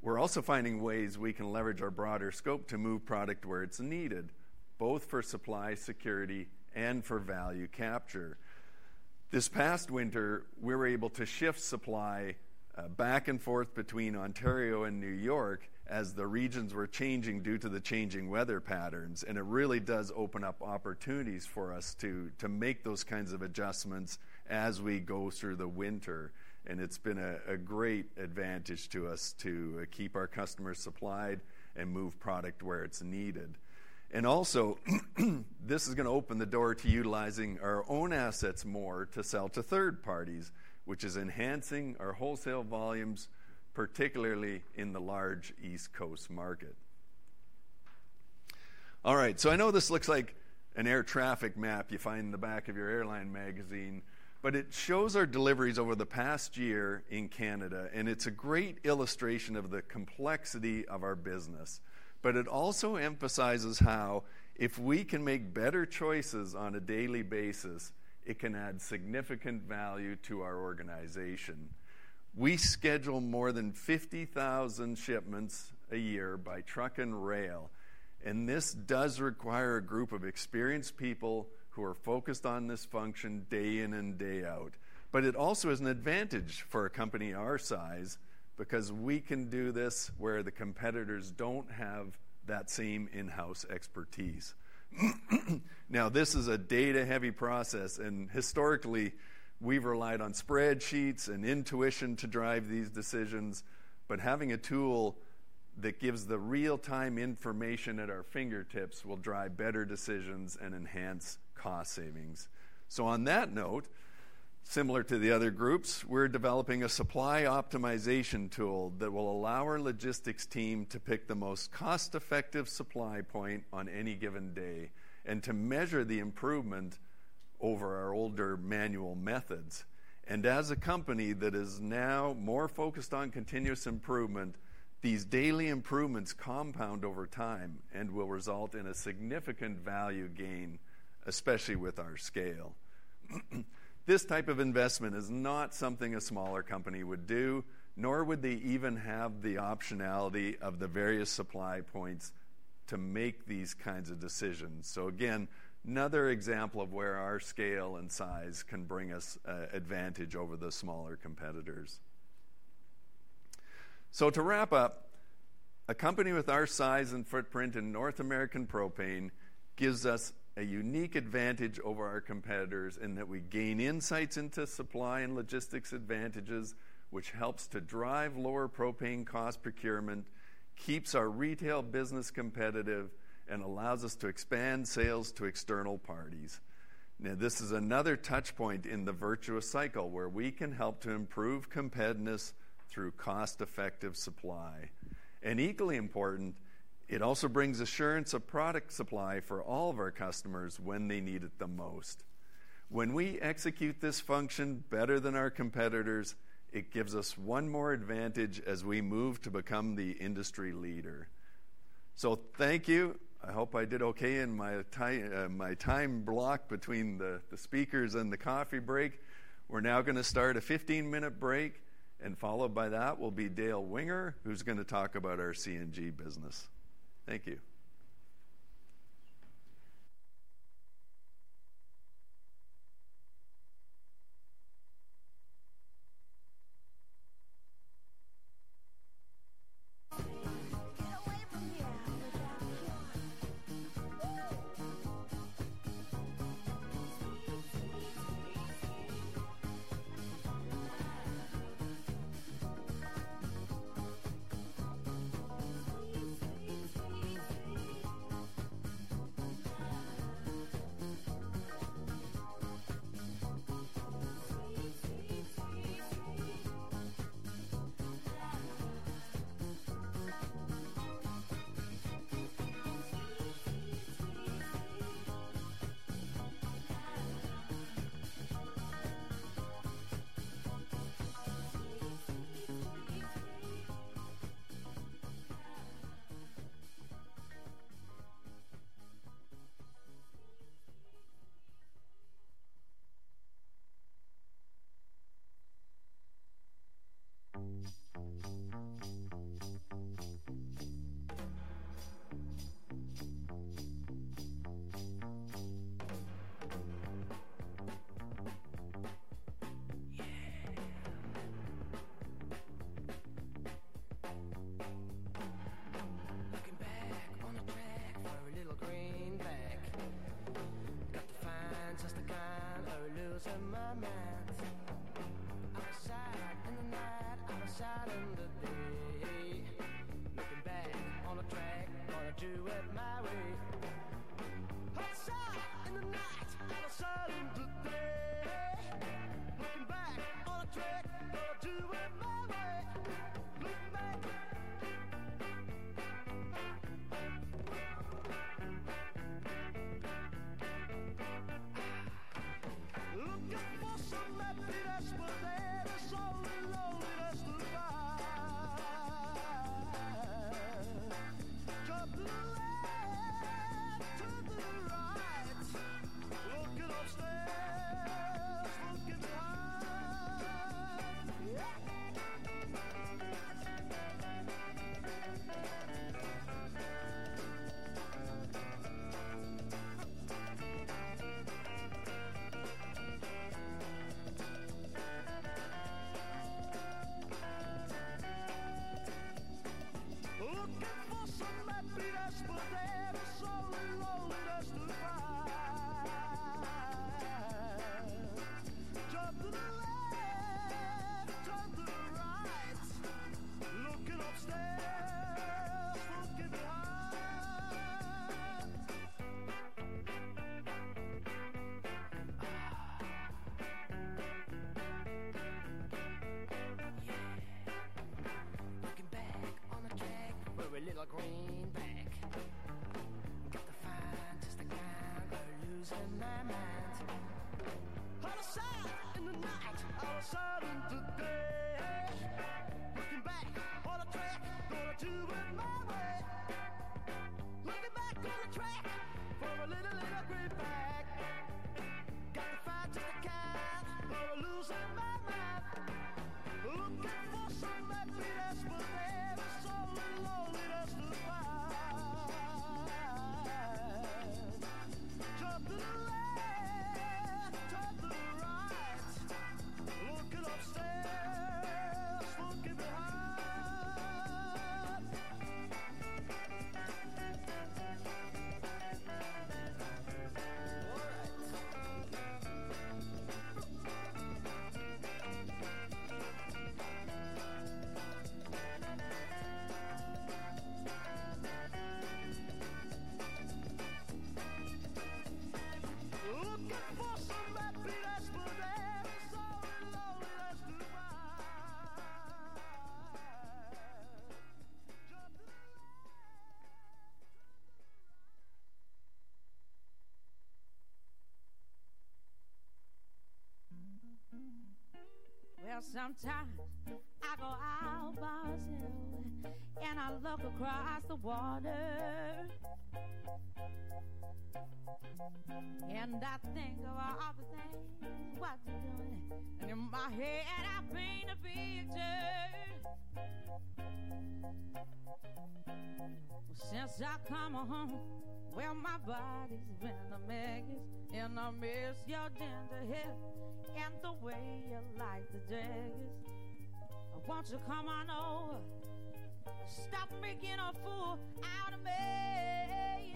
We're also finding ways we can leverage our broader scope to move product where it's needed, both for supply security and for value capture. This past winter, we were able to shift supply back and forth between Ontario and New York as the regions were changing due to the changing weather patterns. It really does open up opportunities for us to make those kinds of adjustments as we go through the winter. It has been a great advantage to us to keep our customers supplied and move product where it is needed. Also, this is going to open the door to utilizing our own assets more to sell to third parties, which is enhancing our wholesale volumes, particularly in the large East Coast market. I know this looks like an air traffic map you find in the back of your airline magazine, but it shows our deliveries over the past year in Canada. It is a great illustration of the complexity of our business. It also emphasizes how if we can make better choices on a daily basis, it can add significant value to our organization. We schedule more than 50,000 shipments a year by truck and rail. This does require a group of experienced people who are focused on this function day in and day out. It also is an advantage for a company our size because we can do this where the competitors do not have that same in-house expertise. This is a data-heavy process. Historically, we have relied on spreadsheets and intuition to drive these decisions. Having a tool that gives the real-time information at our fingertips will drive better decisions and enhance cost savings. On that note, similar to the other groups, we are developing a supply optimization tool that will allow our logistics team to pick the most cost-effective supply point on any given day and to measure the improvement over our older manual methods. As a company that is now more focused on continuous improvement, these daily improvements compound over time and will result in a significant value gain, especially with our scale. This type of investment is not something a smaller company would do, nor would they even have the optionality of the various supply points to make these kinds of decisions. Again, another example of where our scale and size can bring us advantage over the smaller competitors. To wrap up, a company with our size and footprint in North American propane gives us a unique advantage over our competitors in that we gain insights into supply and logistics advantages, which helps to drive lower propane cost procurement, keeps our retail business competitive, and allows us to expand sales to external parties. Now, this is another touchpoint in the virtuous cycle where we can help to improve competitiveness through cost-effective supply. Equally important, it also brings assurance of product supply for all of our customers when they need it the most. When we execute this function better than our competitors, it gives us one more advantage as we move to become the industry leader. Thank you. I hope I did okay in my time block between the speakers and the coffee break. We're now going to start a 15-minute break. Followed by that will be Dale Winger, who's going to talk about our CNG business. Thank you. Sometimes I go out by the hill and I look across the water. I think of all the things what you're doing. In my head, I paint a picture. Since I come on home, my body's been the maggot. I miss your ginger hair and the way you like to jag it. Why don't you come on over? Stop making a fool out of me.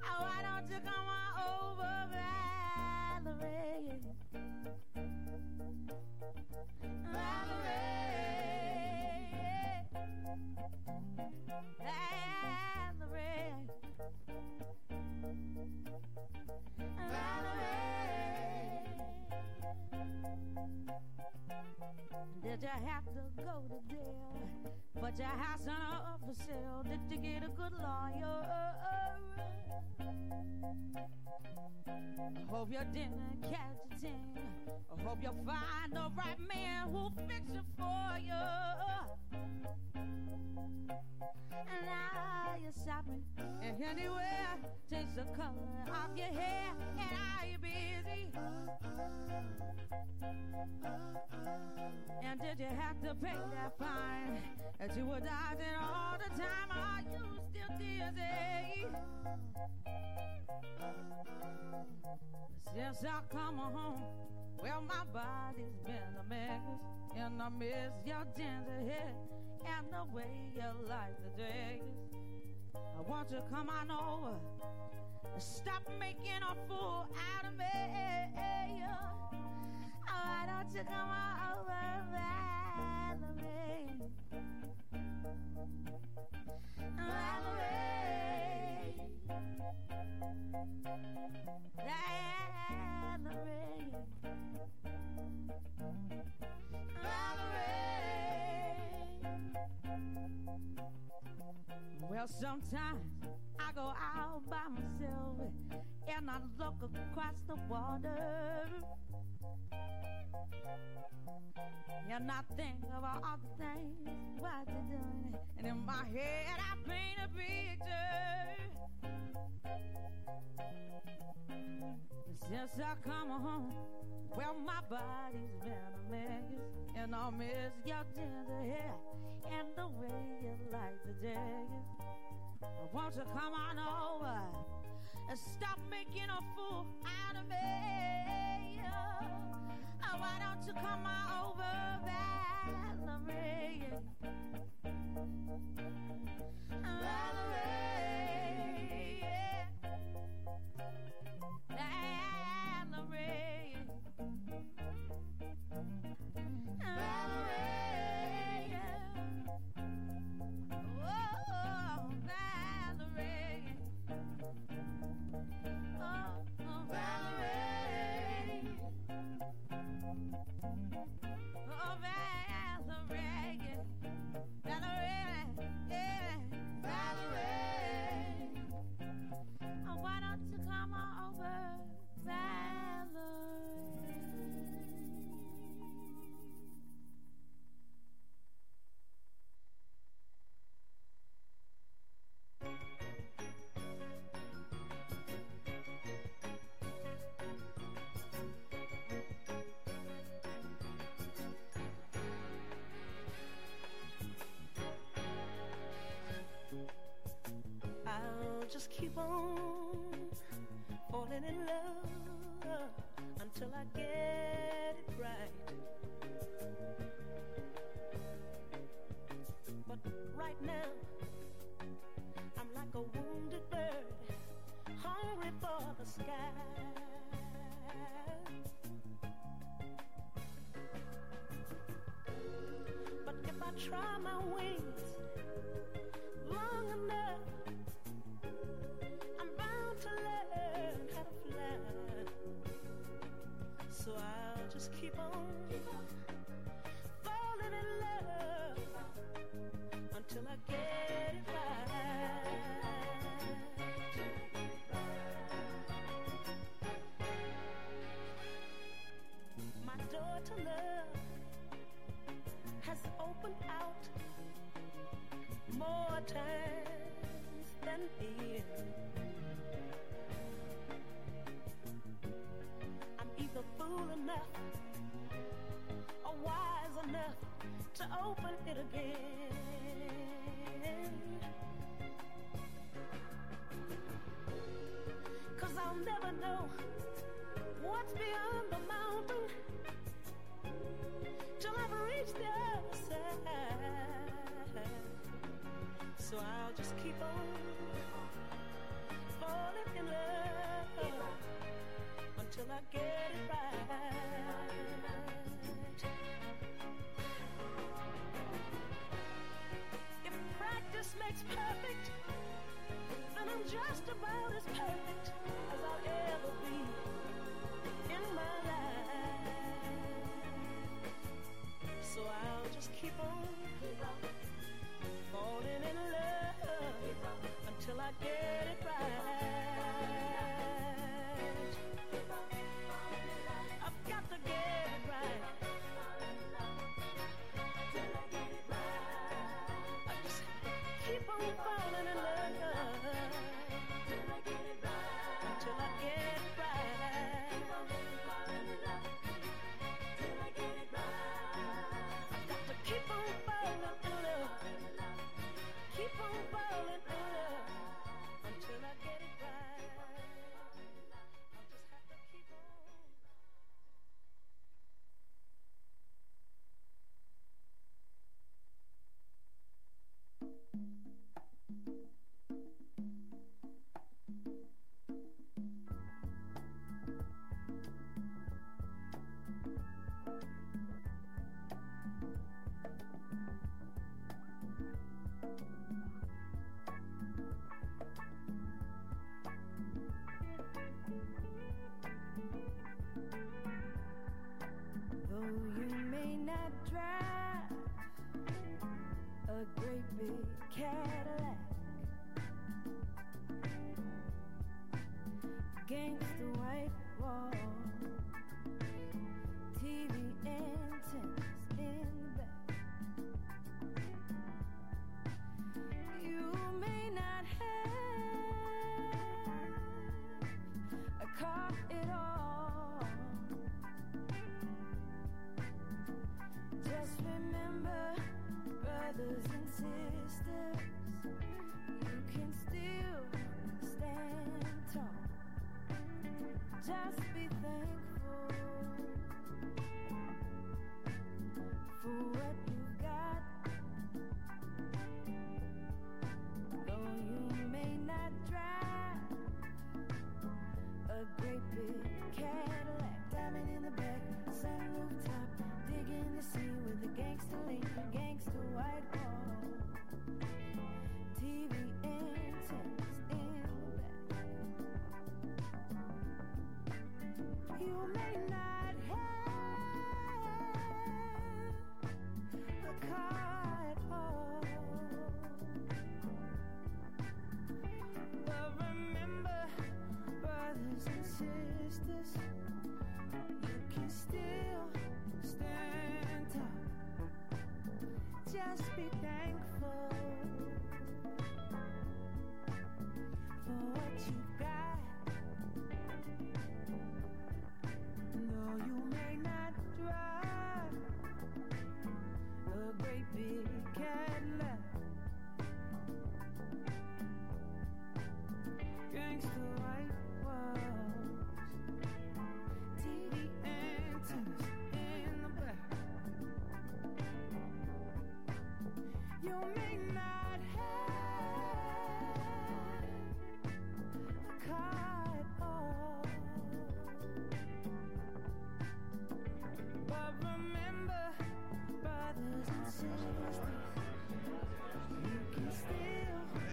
Why don't you come on over, Valerie? Valerie. Valerie. Did you have to go to jail? But your house isn't up for sale. Did you get a good lawyer? I hope your dinner catch a team. I hope you find the right man who'll fix it for you. Now you're sobbing and anywhere takes the color off your hair. Are you busy? Did you have to pay that fine that you were dodging all the time? Are you still dizzy? Since I come on home, my body's been the maggot. I miss your ginger hair and the way you like to jag it. Why don't you come on over? Stop making a fool out of me. Why don't you come on over, Valerie? Valerie. Valerie. Sometimes I go out by myself and I look across the water. I think of all the things what you're doing. In my head, I paint a picture. Since I come on home, my body's been the maggot. I miss your ginger hair and the way you like to jag it. Why don't you come on over? Stop making a fool out of me. Why don't you come on over, Valerie? Valerie. Valerie. Valerie. Valerie. Valerie. Why don't you come on over, Valerie? I'll just keep on falling in love until I get it right. Right now, I'm like a wounded bird hungry for the sky. If I try my wings long enough, I'm bound to learn how to fly. I'll just keep on falling in love until I get it right. My door to love has opened out more times than air. I'm either fool enough or wise enough to open it again. 'Cause I'll never know what's beyond the mountain till I've reached the other side. I'll just keep on falling in love until I get it right. If practice makes perfect, then I'm just about as perfect as I'll ever be in my life. I'll just keep on falling in love until I get it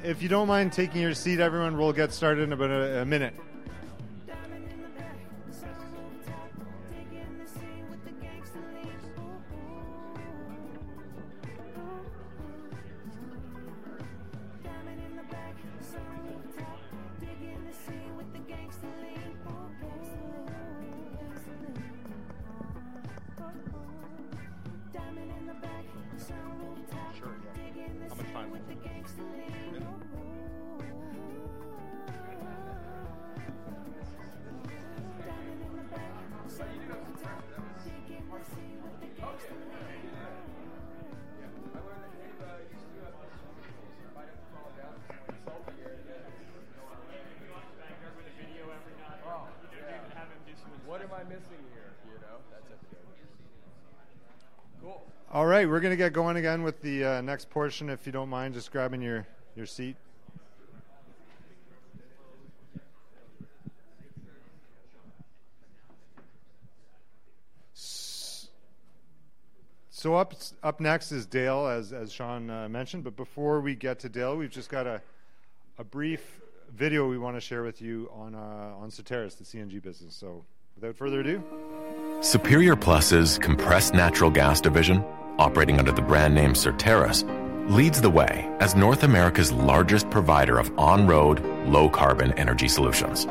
If you don't mind taking your seat, everyone will get started in about a minute. Diamond in the back, sunroof top, digging the sea with a gangster link. Diamond in the back, sunroof top, digging the sea with a gangster link. Diamond in the back, sunroof top, digging the sea with a gangster link. Diamond in the back, sunroof top, digging the sea with a gangster link. Yeah, I learned that Dave used to do it on his own before. If I don't follow Dallas, I'm going to Salt Lake area. I'm going to go out there and do the video every night. I even have him do some of the stuff. What am I missing here? You know, that type of thing. Cool. All right. We're going to get going again with the next portion. If you don't mind just grabbing your seat. Up next is Dale, as Sean mentioned. Before we get to Dale, we've just got a brief video we want to share with you on Soteris, the CNG business. Without further ado. Superior Plus' compressed natural gas division, operating under the brand name Soteris, leads the way as North America's largest provider of on-road low-carbon energy solutions.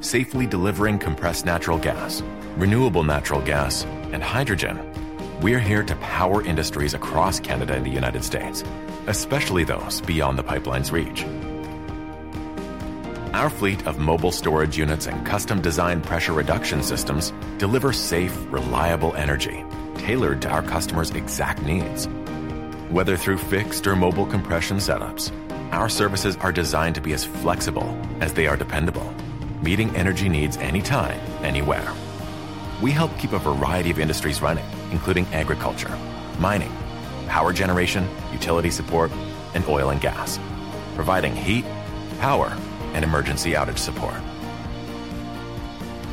Safely delivering compressed natural gas, renewable natural gas, and hydrogen, we're here to power industries across Canada and the United States, especially those beyond the pipeline's reach. Our fleet of mobile storage units and custom-designed pressure reduction systems delivers safe, reliable energy tailored to our customers' exact needs. Whether through fixed or mobile compression setups, our services are designed to be as flexible as they are dependable, meeting energy needs anytime, anywhere. We help keep a variety of industries running, including agriculture, mining, power generation, utility support, and oil and gas, providing heat, power, and emergency outage support.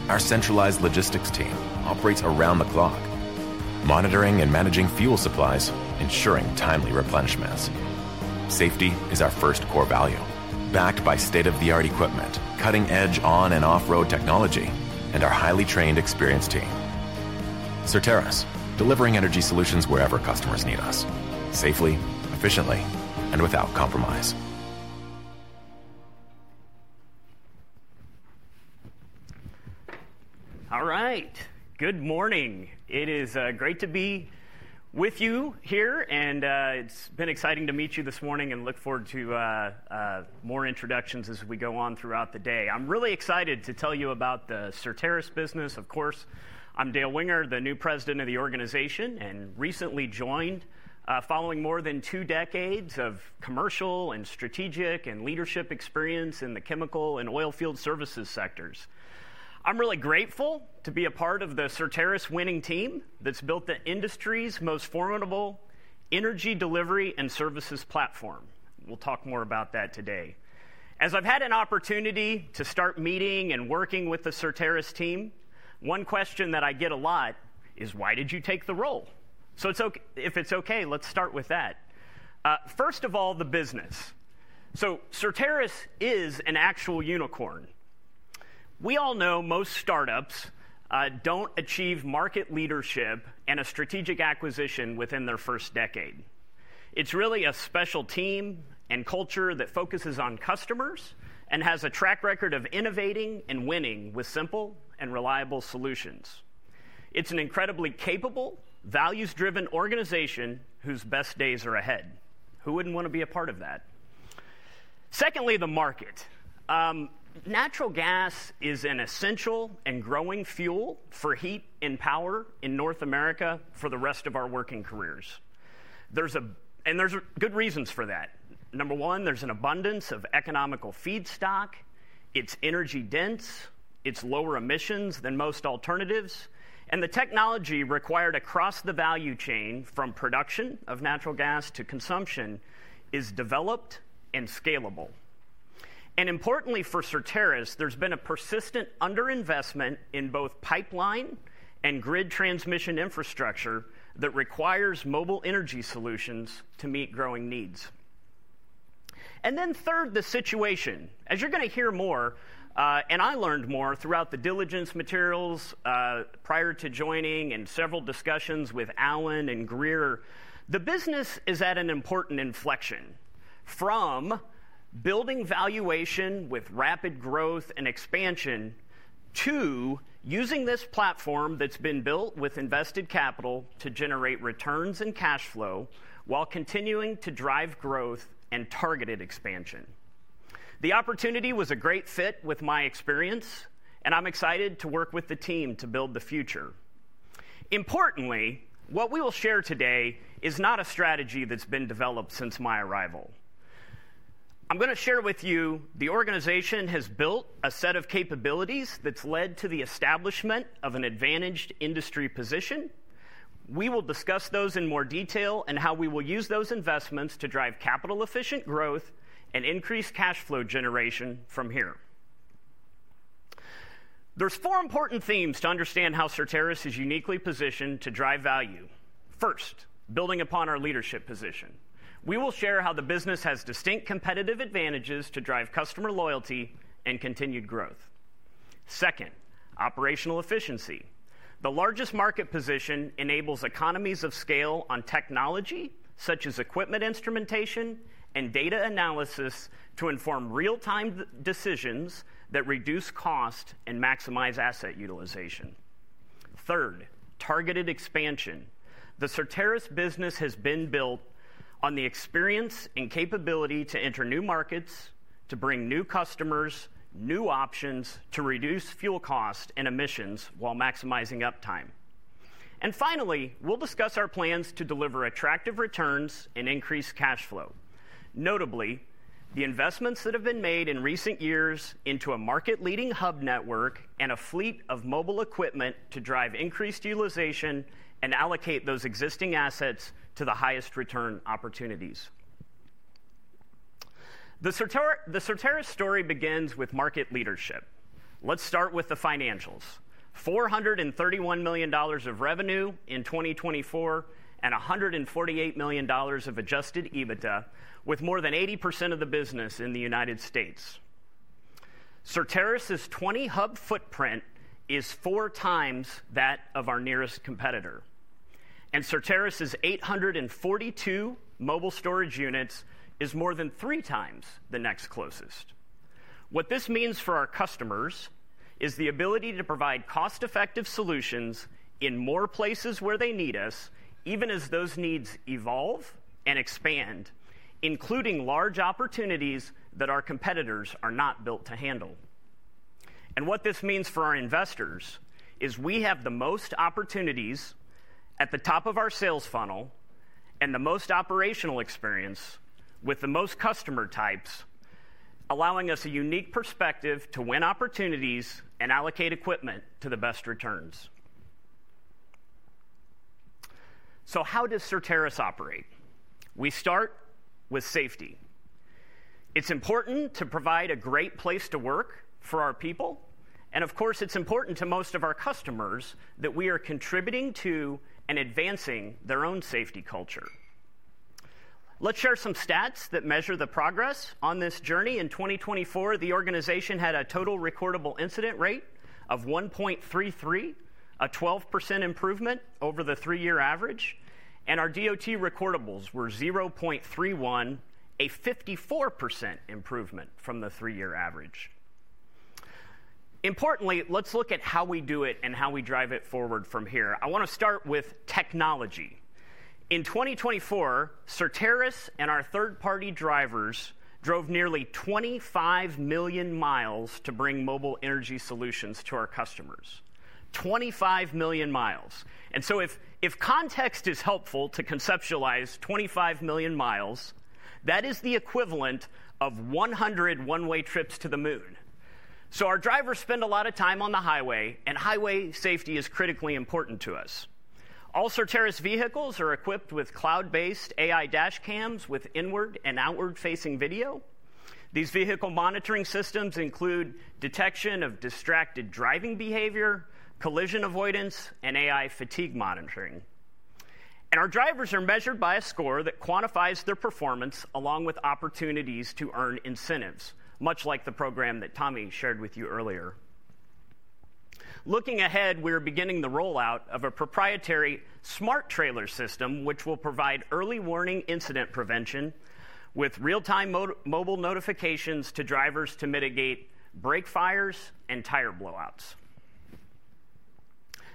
Our centralized logistics team operates around the clock, monitoring and managing fuel supplies, ensuring timely replenishments. Safety is our first core value, backed by state-of-the-art equipment, cutting-edge on- and off-road technology, and our highly trained, experienced team. Soteris, delivering energy solutions wherever customers need us, safely, efficiently, and without compromise. All right. Good morning. It is great to be with you here. It's been exciting to meet you this morning and I look forward to more introductions as we go on throughout the day. I'm really excited to tell you about the Soteris business. Of course, I'm Dale Winger, the new President of the organization, and recently joined following more than two decades of commercial and strategic and leadership experience in the chemical and oilfield services sectors. I'm really grateful to be a part of the Soteris winning team that's built the industry's most formidable energy delivery and services platform. We'll talk more about that today. As I've had an opportunity to start meeting and working with the Soteris team, one question that I get a lot is, "Why did you take the role?" If it's okay, let's start with that. First of all, the business. Soteris is an actual unicorn. We all know most startups don't achieve market leadership and a strategic acquisition within their first decade. It's really a special team and culture that focuses on customers and has a track record of innovating and winning with simple and reliable solutions. It's an incredibly capable, values-driven organization whose best days are ahead. Who wouldn't want to be a part of that? Secondly, the market. Natural gas is an essential and growing fuel for heat and power in North America for the rest of our working careers. There's good reasons for that. Number one, there's an abundance of economical feedstock. It's energy dense. It's lower emissions than most alternatives. The technology required across the value chain from production of natural gas to consumption is developed and scalable. Importantly, for Soteris, there has been a persistent underinvestment in both pipeline and grid transmission infrastructure that requires mobile energy solutions to meet growing needs. Third, the situation, as you are going to hear more, and I learned more throughout the diligence materials prior to joining and several discussions with Allan and Grier, the business is at an important inflection from building valuation with rapid growth and expansion to using this platform that has been built with invested capital to generate returns and cash flow while continuing to drive growth and targeted expansion. The opportunity was a great fit with my experience, and I am excited to work with the team to build the future. Importantly, what we will share today is not a strategy that has been developed since my arrival. I'm going to share with you the organization has built a set of capabilities that's led to the establishment of an advantaged industry position. We will discuss those in more detail and how we will use those investments to drive capital-efficient growth and increase cash flow generation from here. There are four important themes to understand how Soteris is uniquely positioned to drive value. First, building upon our leadership position. We will share how the business has distinct competitive advantages to drive customer loyalty and continued growth. Second, operational efficiency. The largest market position enables economies of scale on technology such as equipment instrumentation and data analysis to inform real-time decisions that reduce cost and maximize asset utilization. Third, targeted expansion. The Soteris business has been built on the experience and capability to enter new markets, to bring new customers, new options to reduce fuel costs and emissions while maximizing uptime. Finally, we'll discuss our plans to deliver attractive returns and increase cash flow. Notably, the investments that have been made in recent years into a market-leading hub network and a fleet of mobile equipment to drive increased utilization and allocate those existing assets to the highest return opportunities. The Soteris story begins with market leadership. Let's start with the financials. 431 million dollars of revenue in 2024 and 148 million dollars of adjusted EBITDA, with more than 80% of the business in the U.S. Soteris's 20-hub footprint is four times that of our nearest competitor. And Soteris's 842 mobile storage units is more than three times the next closest. What this means for our customers is the ability to provide cost-effective solutions in more places where they need us, even as those needs evolve and expand, including large opportunities that our competitors are not built to handle. What this means for our investors is we have the most opportunities at the top of our sales funnel and the most operational experience with the most customer types, allowing us a unique perspective to win opportunities and allocate equipment to the best returns. How does Soteris operate? We start with safety. It's important to provide a great place to work for our people. Of course, it's important to most of our customers that we are contributing to and advancing their own safety culture. Let's share some stats that measure the progress on this journey. In 2024, the organization had a total recordable incident rate of 1.33, a 12% improvement over the three-year average. Our DOT recordables were 0.31, a 54% improvement from the three-year average. Importantly, let's look at how we do it and how we drive it forward from here. I want to start with technology. In 2024, Soteris and our third-party drivers drove nearly 25 million miles to bring mobile energy solutions to our customers. 25 million miles. If context is helpful to conceptualize 25 million miles, that is the equivalent of 100 one-way trips to the moon. Our drivers spend a lot of time on the highway, and highway safety is critically important to us. All Soteris vehicles are equipped with cloud-based AI dash cams with inward and outward-facing video. These vehicle monitoring systems include detection of distracted driving behavior, collision avoidance, and AI fatigue monitoring. Our drivers are measured by a score that quantifies their performance along with opportunities to earn incentives, much like the program that Tommy shared with you earlier. Looking ahead, we are beginning the rollout of a proprietary smart trailer system, which will provide early warning incident prevention with real-time mobile notifications to drivers to mitigate brake fires and tire blowouts.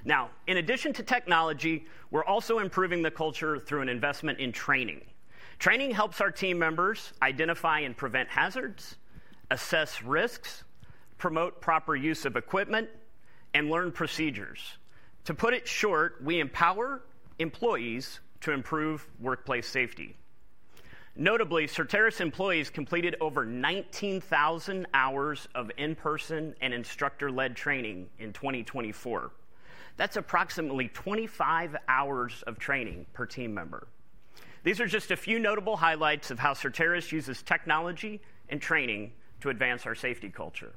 Now, in addition to technology, we're also improving the culture through an investment in training. Training helps our team members identify and prevent hazards, assess risks, promote proper use of equipment, and learn procedures. To put it short, we empower employees to improve workplace safety. Notably, Soteris employees completed over 19,000 hours of in-person and instructor-led training in 2024. That's approximately 25 hours of training per team member. These are just a few notable highlights of how Soteris uses technology and training to advance our safety culture.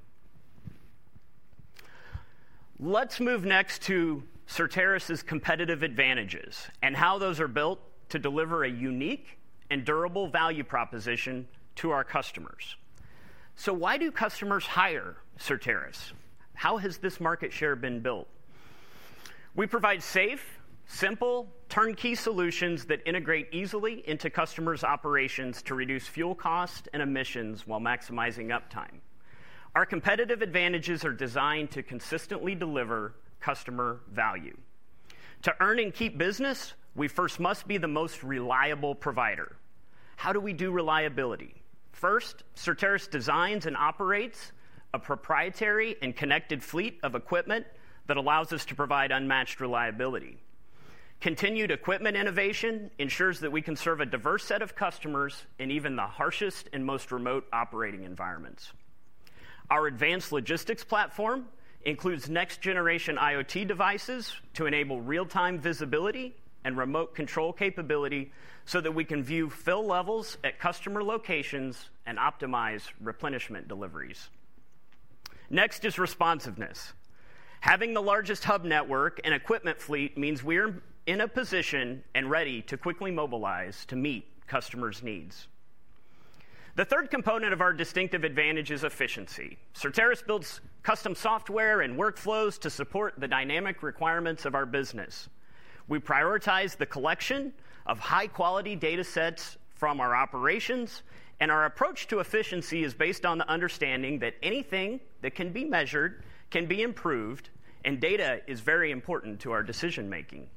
Let's move next to Soteris's competitive advantages and how those are built to deliver a unique and durable value proposition to our customers. Why do customers hire Soteris? How has this market share been built? We provide safe, simple, turnkey solutions that integrate easily into customers' operations to reduce fuel costs and emissions while maximizing uptime. Our competitive advantages are designed to consistently deliver customer value. To earn and keep business, we first must be the most reliable provider. How do we do reliability? First, Soteris designs and operates a proprietary and connected fleet of equipment that allows us to provide unmatched reliability. Continued equipment innovation ensures that we can serve a diverse set of customers in even the harshest and most remote operating environments. Our advanced logistics platform includes next-generation IoT devices to enable real-time visibility and remote control capability so that we can view fill levels at customer locations and optimize replenishment deliveries. Next is responsiveness. Having the largest hub network and equipment fleet means we are in a position and ready to quickly mobilize to meet customers' needs. The third component of our distinctive advantage is efficiency. Soteris builds custom software and workflows to support the dynamic requirements of our business. We prioritize the collection of high-quality data sets from our operations, and our approach to efficiency is based on the understanding that anything that can be measured can be improved, and data is very important to our decision-making.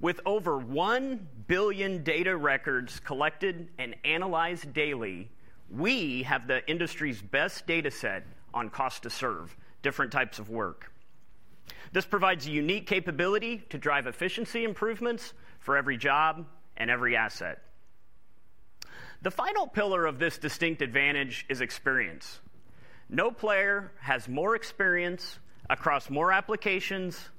With over 1 billion data records collected and analyzed daily, we have the industry's best data set on cost to serve different types of work. This provides a unique capability to drive efficiency improvements for every job and every asset. The final pillar of this distinct advantage is experience. No player has more experience across more applications,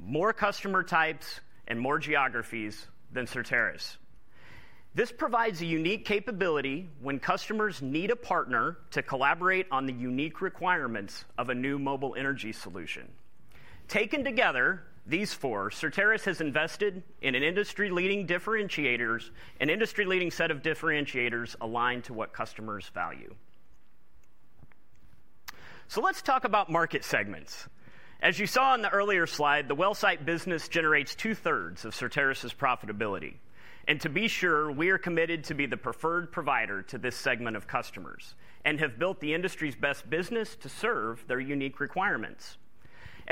more customer types, and more geographies than Soteris. This provides a unique capability when customers need a partner to collaborate on the unique requirements of a new mobile energy solution. Taken together, these four, Soteris has invested in an industry-leading set of differentiators aligned to what customers value. Let's talk about market segments. As you saw in the earlier slide, the well-site business generates two-thirds of Soteris's profitability. To be sure, we are committed to be the preferred provider to this segment of customers and have built the industry's best business to serve their unique requirements.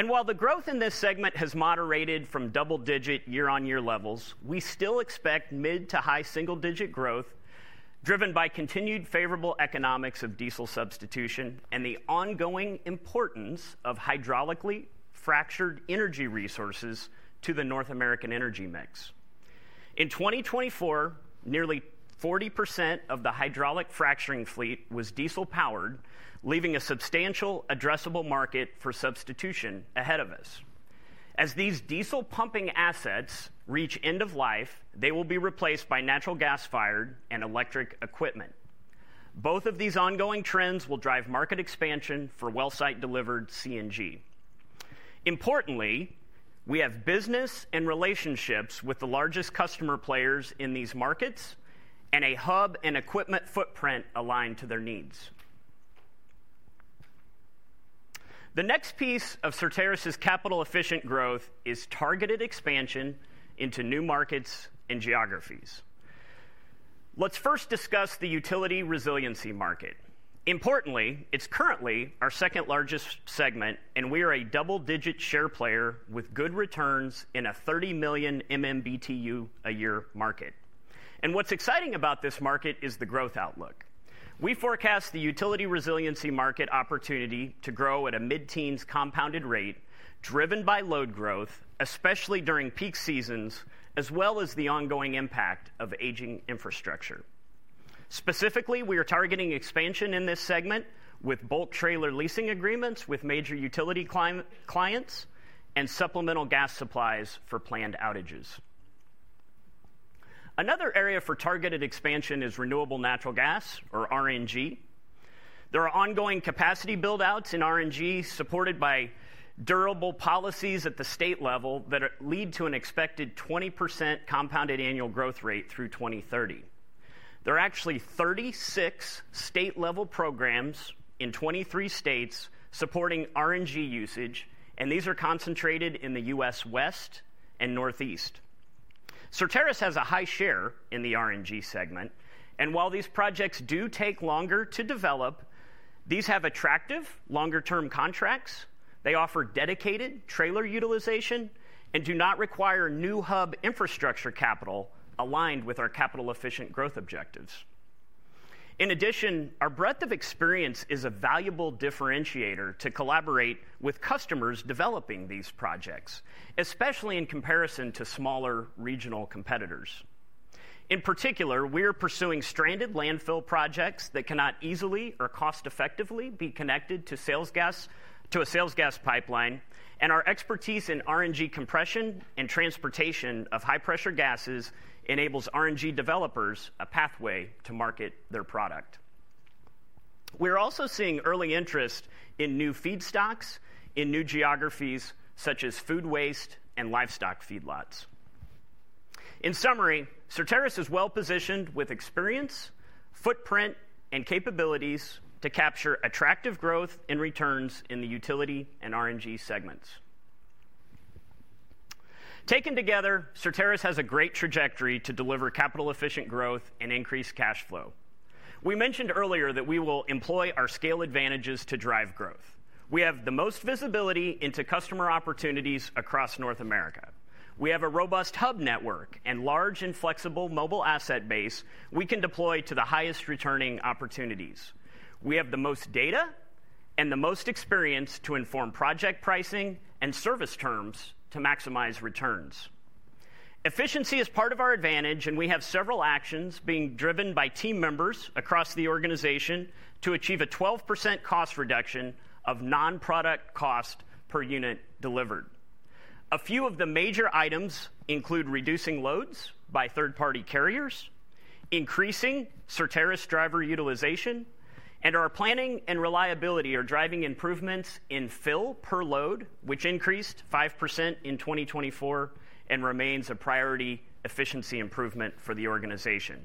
While the growth in this segment has moderated from double-digit year-on-year levels, we still expect mid to high single-digit growth driven by continued favorable economics of diesel substitution and the ongoing importance of hydraulically fractured energy resources to the North American energy mix. In 2024, nearly 40% of the hydraulic fracturing fleet was diesel-powered, leaving a substantial addressable market for substitution ahead of us. As these diesel-pumping assets reach end of life, they will be replaced by natural gas-fired and electric equipment. Both of these ongoing trends will drive market expansion for well-site-delivered CNG. Importantly, we have business and relationships with the largest customer players in these markets and a hub and equipment footprint aligned to their needs. The next piece of Soteris's capital-efficient growth is targeted expansion into new markets and geographies. Let's first discuss the utility resiliency market. Importantly, it's currently our second-largest segment, and we are a double-digit share player with good returns in a 30 million MMBTU a year market. What's exciting about this market is the growth outlook. We forecast the utility resiliency market opportunity to grow at a mid-teens compounded rate driven by load growth, especially during peak seasons, as well as the ongoing impact of aging infrastructure. Specifically, we are targeting expansion in this segment with bulk trailer leasing agreements with major utility clients and supplemental gas supplies for planned outages. Another area for targeted expansion is renewable natural gas, or RNG. There are ongoing capacity build-outs in RNG supported by durable policies at the state level that lead to an expected 20% compounded annual growth rate through 2030. There are actually 36 state-level programs in 23 states supporting RNG usage, and these are concentrated in the US West and Northeast. Soteris has a high share in the RNG segment. While these projects do take longer to develop, these have attractive longer-term contracts. They offer dedicated trailer utilization and do not require new hub infrastructure capital aligned with our capital-efficient growth objectives. In addition, our breadth of experience is a valuable differentiator to collaborate with customers developing these projects, especially in comparison to smaller regional competitors. In particular, we are pursuing stranded landfill projects that cannot easily or cost-effectively be connected to a sales gas pipeline. Our expertise in RNG compression and transportation of high-pressure gases enables RNG developers a pathway to market their product. We are also seeing early interest in new feedstocks in new geographies such as food waste and livestock feedlots. In summary, Soteris is well-positioned with experience, footprint, and capabilities to capture attractive growth and returns in the utility and RNG segments. Taken together, Soteris has a great trajectory to deliver capital-efficient growth and increased cash flow. We mentioned earlier that we will employ our scale advantages to drive growth. We have the most visibility into customer opportunities across North America. We have a robust hub network and large and flexible mobile asset base we can deploy to the highest returning opportunities. We have the most data and the most experience to inform project pricing and service terms to maximize returns. Efficiency is part of our advantage, and we have several actions being driven by team members across the organization to achieve a 12% cost reduction of non-product cost per unit delivered. A few of the major items include reducing loads by third-party carriers, increasing Soteris driver utilization, and our planning and reliability are driving improvements in fill per load, which increased 5% in 2024 and remains a priority efficiency improvement for the organization.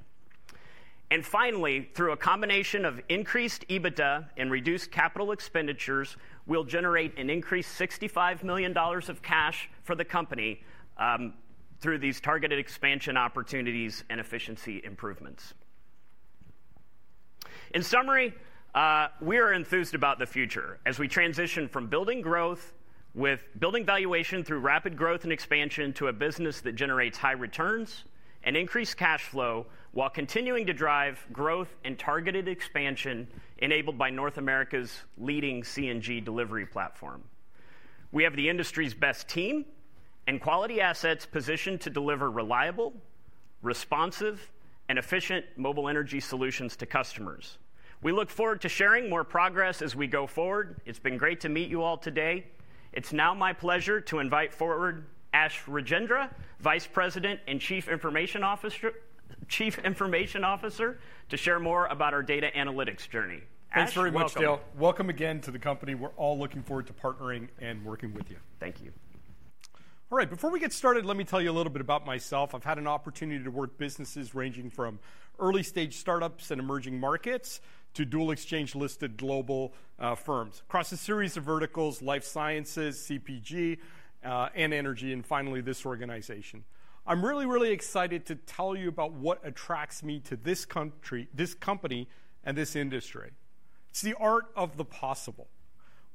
Finally, through a combination of increased EBITDA and reduced capital expenditures, we'll generate an increased 65 million dollars of cash for the company through these targeted expansion opportunities and efficiency improvements. In summary, we are enthused about the future as we transition from building growth with building valuation through rapid growth and expansion to a business that generates high returns and increased cash flow while continuing to drive growth and targeted expansion enabled by North America's leading CNG delivery platform. We have the industry's best team and quality assets positioned to deliver reliable, responsive, and efficient mobile energy solutions to customers. We look forward to sharing more progress as we go forward. It's been great to meet you all today. It is now my pleasure to invite forward Ash Rajendra, Vice President and Chief Information Officer, to share more about our data analytics journey. Thanks very much, Dale. Welcome again to the company. We're all looking forward to partnering and working with you. Thank you. All right. Before we get started, let me tell you a little bit about myself. I've had an opportunity to work businesses ranging from early-stage startups and emerging markets to dual-exchange-listed global firms across a series of verticals, life sciences, CPG, and energy, and finally this organization. I'm really, really excited to tell you about what attracts me to this company and this industry. It's the art of the possible.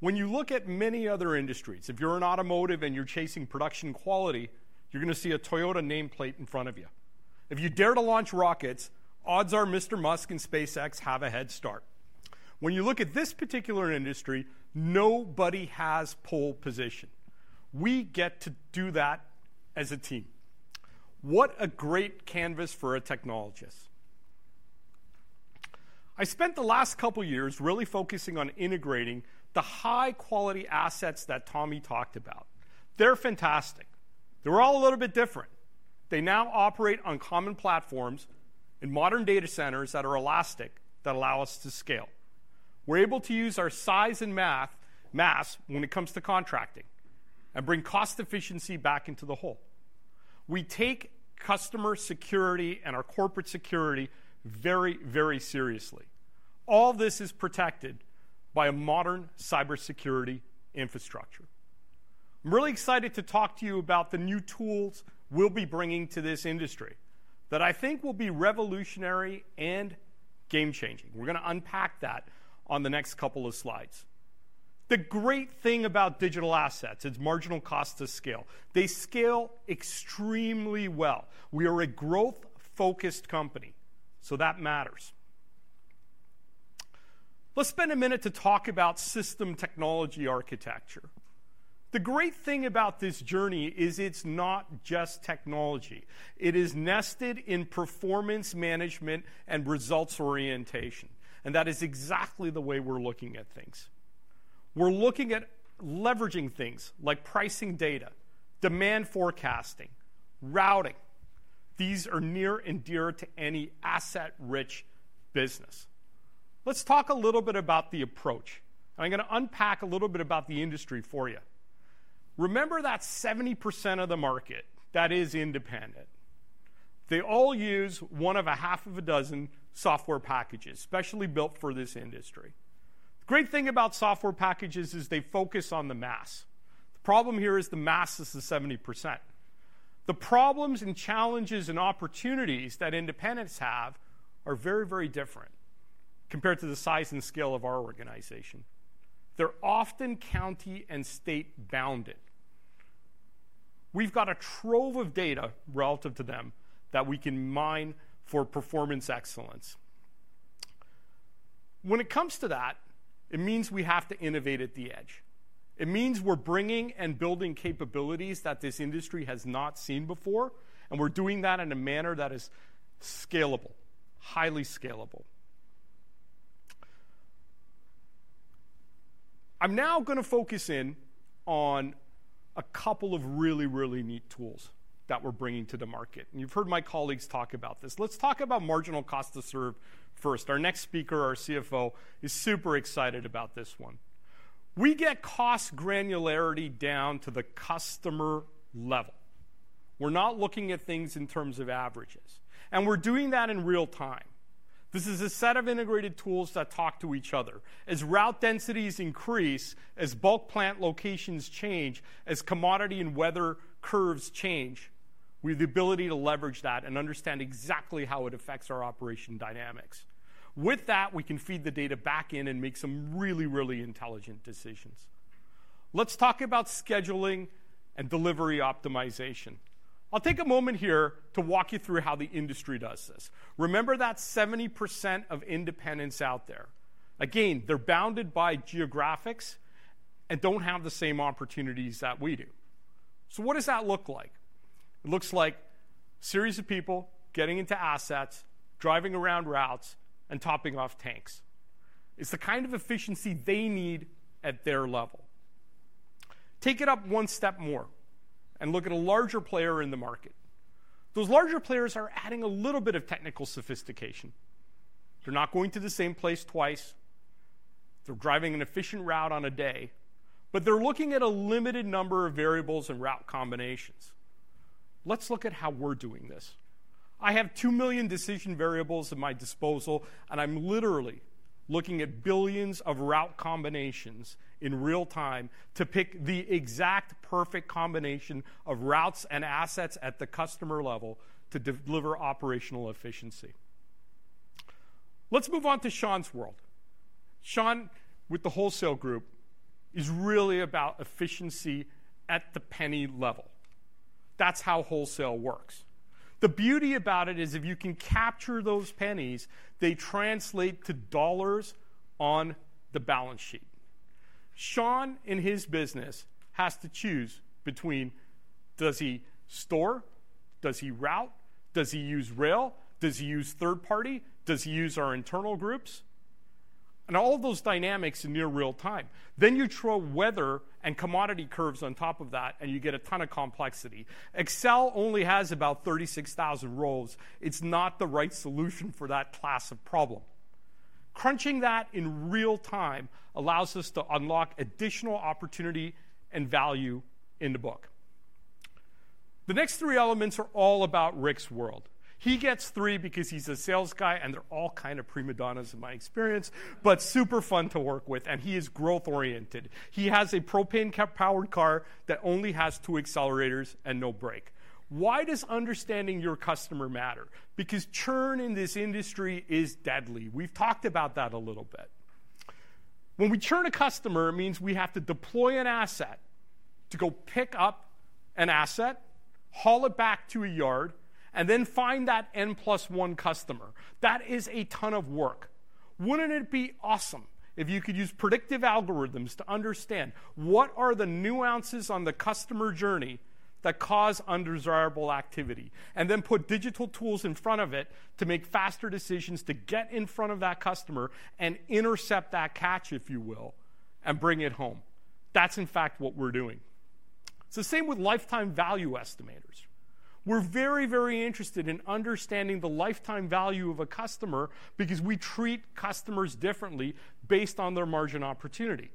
When you look at many other industries, if you're in automotive and you're chasing production quality, you're going to see a Toyota nameplate in front of you. If you dare to launch rockets, odds are Mr. Musk and SpaceX have a head start. When you look at this particular industry, nobody has pole position. We get to do that as a team. What a great canvas for a technologist. I spent the last couple of years really focusing on integrating the high-quality assets that Tommy talked about. They're fantastic. They're all a little bit different. They now operate on common platforms in modern data centers that are elastic that allow us to scale. We're able to use our size and mass when it comes to contracting and bring cost efficiency back into the whole. We take customer security and our corporate security very, very seriously. All this is protected by a modern cybersecurity infrastructure. I'm really excited to talk to you about the new tools we'll be bringing to this industry that I think will be revolutionary and game-changing. We're going to unpack that on the next couple of slides. The great thing about digital assets is marginal cost to scale. They scale extremely well. We are a growth-focused company, so that matters. Let's spend a minute to talk about system technology architecture. The great thing about this journey is it's not just technology. It is nested in performance management and results orientation. That is exactly the way we're looking at things. We're looking at leveraging things like pricing data, demand forecasting, routing. These are near and dear to any asset-rich business. Let's talk a little bit about the approach. I'm going to unpack a little bit about the industry for you. Remember that 70% of the market that is independent. They all use one of a half of a dozen software packages specially built for this industry. The great thing about software packages is they focus on the mass. The problem here is the mass is the 70%. The problems and challenges and opportunities that independents have are very, very different compared to the size and scale of our organization. They're often county and state-bounded. We've got a trove of data relative to them that we can mine for performance excellence. When it comes to that, it means we have to innovate at the edge. It means we're bringing and building capabilities that this industry has not seen before, and we're doing that in a manner that is scalable, highly scalable. I'm now going to focus in on a couple of really, really neat tools that we're bringing to the market. You have heard my colleagues talk about this. Let's talk about marginal cost to serve first. Our next speaker, our CFO, is super excited about this one. We get cost granularity down to the customer level. We're not looking at things in terms of averages. We're doing that in real time. This is a set of integrated tools that talk to each other. As route densities increase, as bulk plant locations change, as commodity and weather curves change, we have the ability to leverage that and understand exactly how it affects our operation dynamics. With that, we can feed the data back in and make some really, really intelligent decisions. Let's talk about scheduling and delivery optimization. I'll take a moment here to walk you through how the industry does this. Remember that 70% of independents out there. Again, they're bounded by geographics and don't have the same opportunities that we do. What does that look like? It looks like a series of people getting into assets, driving around routes, and topping off tanks. It's the kind of efficiency they need at their level. Take it up one step more and look at a larger player in the market. Those larger players are adding a little bit of technical sophistication. They're not going to the same place twice. They're driving an efficient route on a day, but they're looking at a limited number of variables and route combinations. Let's look at how we're doing this. I have 2 million decision variables at my disposal, and I'm literally looking at billions of route combinations in real time to pick the exact perfect combination of routes and assets at the customer level to deliver operational efficiency. Let's move on to Sean's world. Sean, with the wholesale group, is really about efficiency at the penny level. That's how wholesale works. The beauty about it is if you can capture those pennies, they translate to dollars on the balance sheet. Sean, in his business, has to choose between does he store, does he route, does he use rail, does he use third party, does he use our internal groups, and all of those dynamics in near real time. You throw weather and commodity curves on top of that, and you get a ton of complexity. Excel only has about 36,000 rows. It's not the right solution for that class of problem. Crunching that in real time allows us to unlock additional opportunity and value in the book. The next three elements are all about Rick's world. He gets three because he's a sales guy, and they're all kind of prima donnas in my experience, but super fun to work with. He is growth-oriented. He has a propane-powered car that only has two accelerators and no brake. Why does understanding your customer matter? Because churn in this industry is deadly. We've talked about that a little bit. When we churn a customer, it means we have to deploy an asset to go pick up an asset, haul it back to a yard, and then find that N plus one customer. That is a ton of work. Wouldn't it be awesome if you could use predictive algorithms to understand what are the nuances on the customer journey that cause undesirable activity and then put digital tools in front of it to make faster decisions to get in front of that customer and intercept that catch, if you will, and bring it home? That's, in fact, what we're doing. It's the same with lifetime value estimators. We're very, very interested in understanding the lifetime value of a customer because we treat customers differently based on their margin opportunity.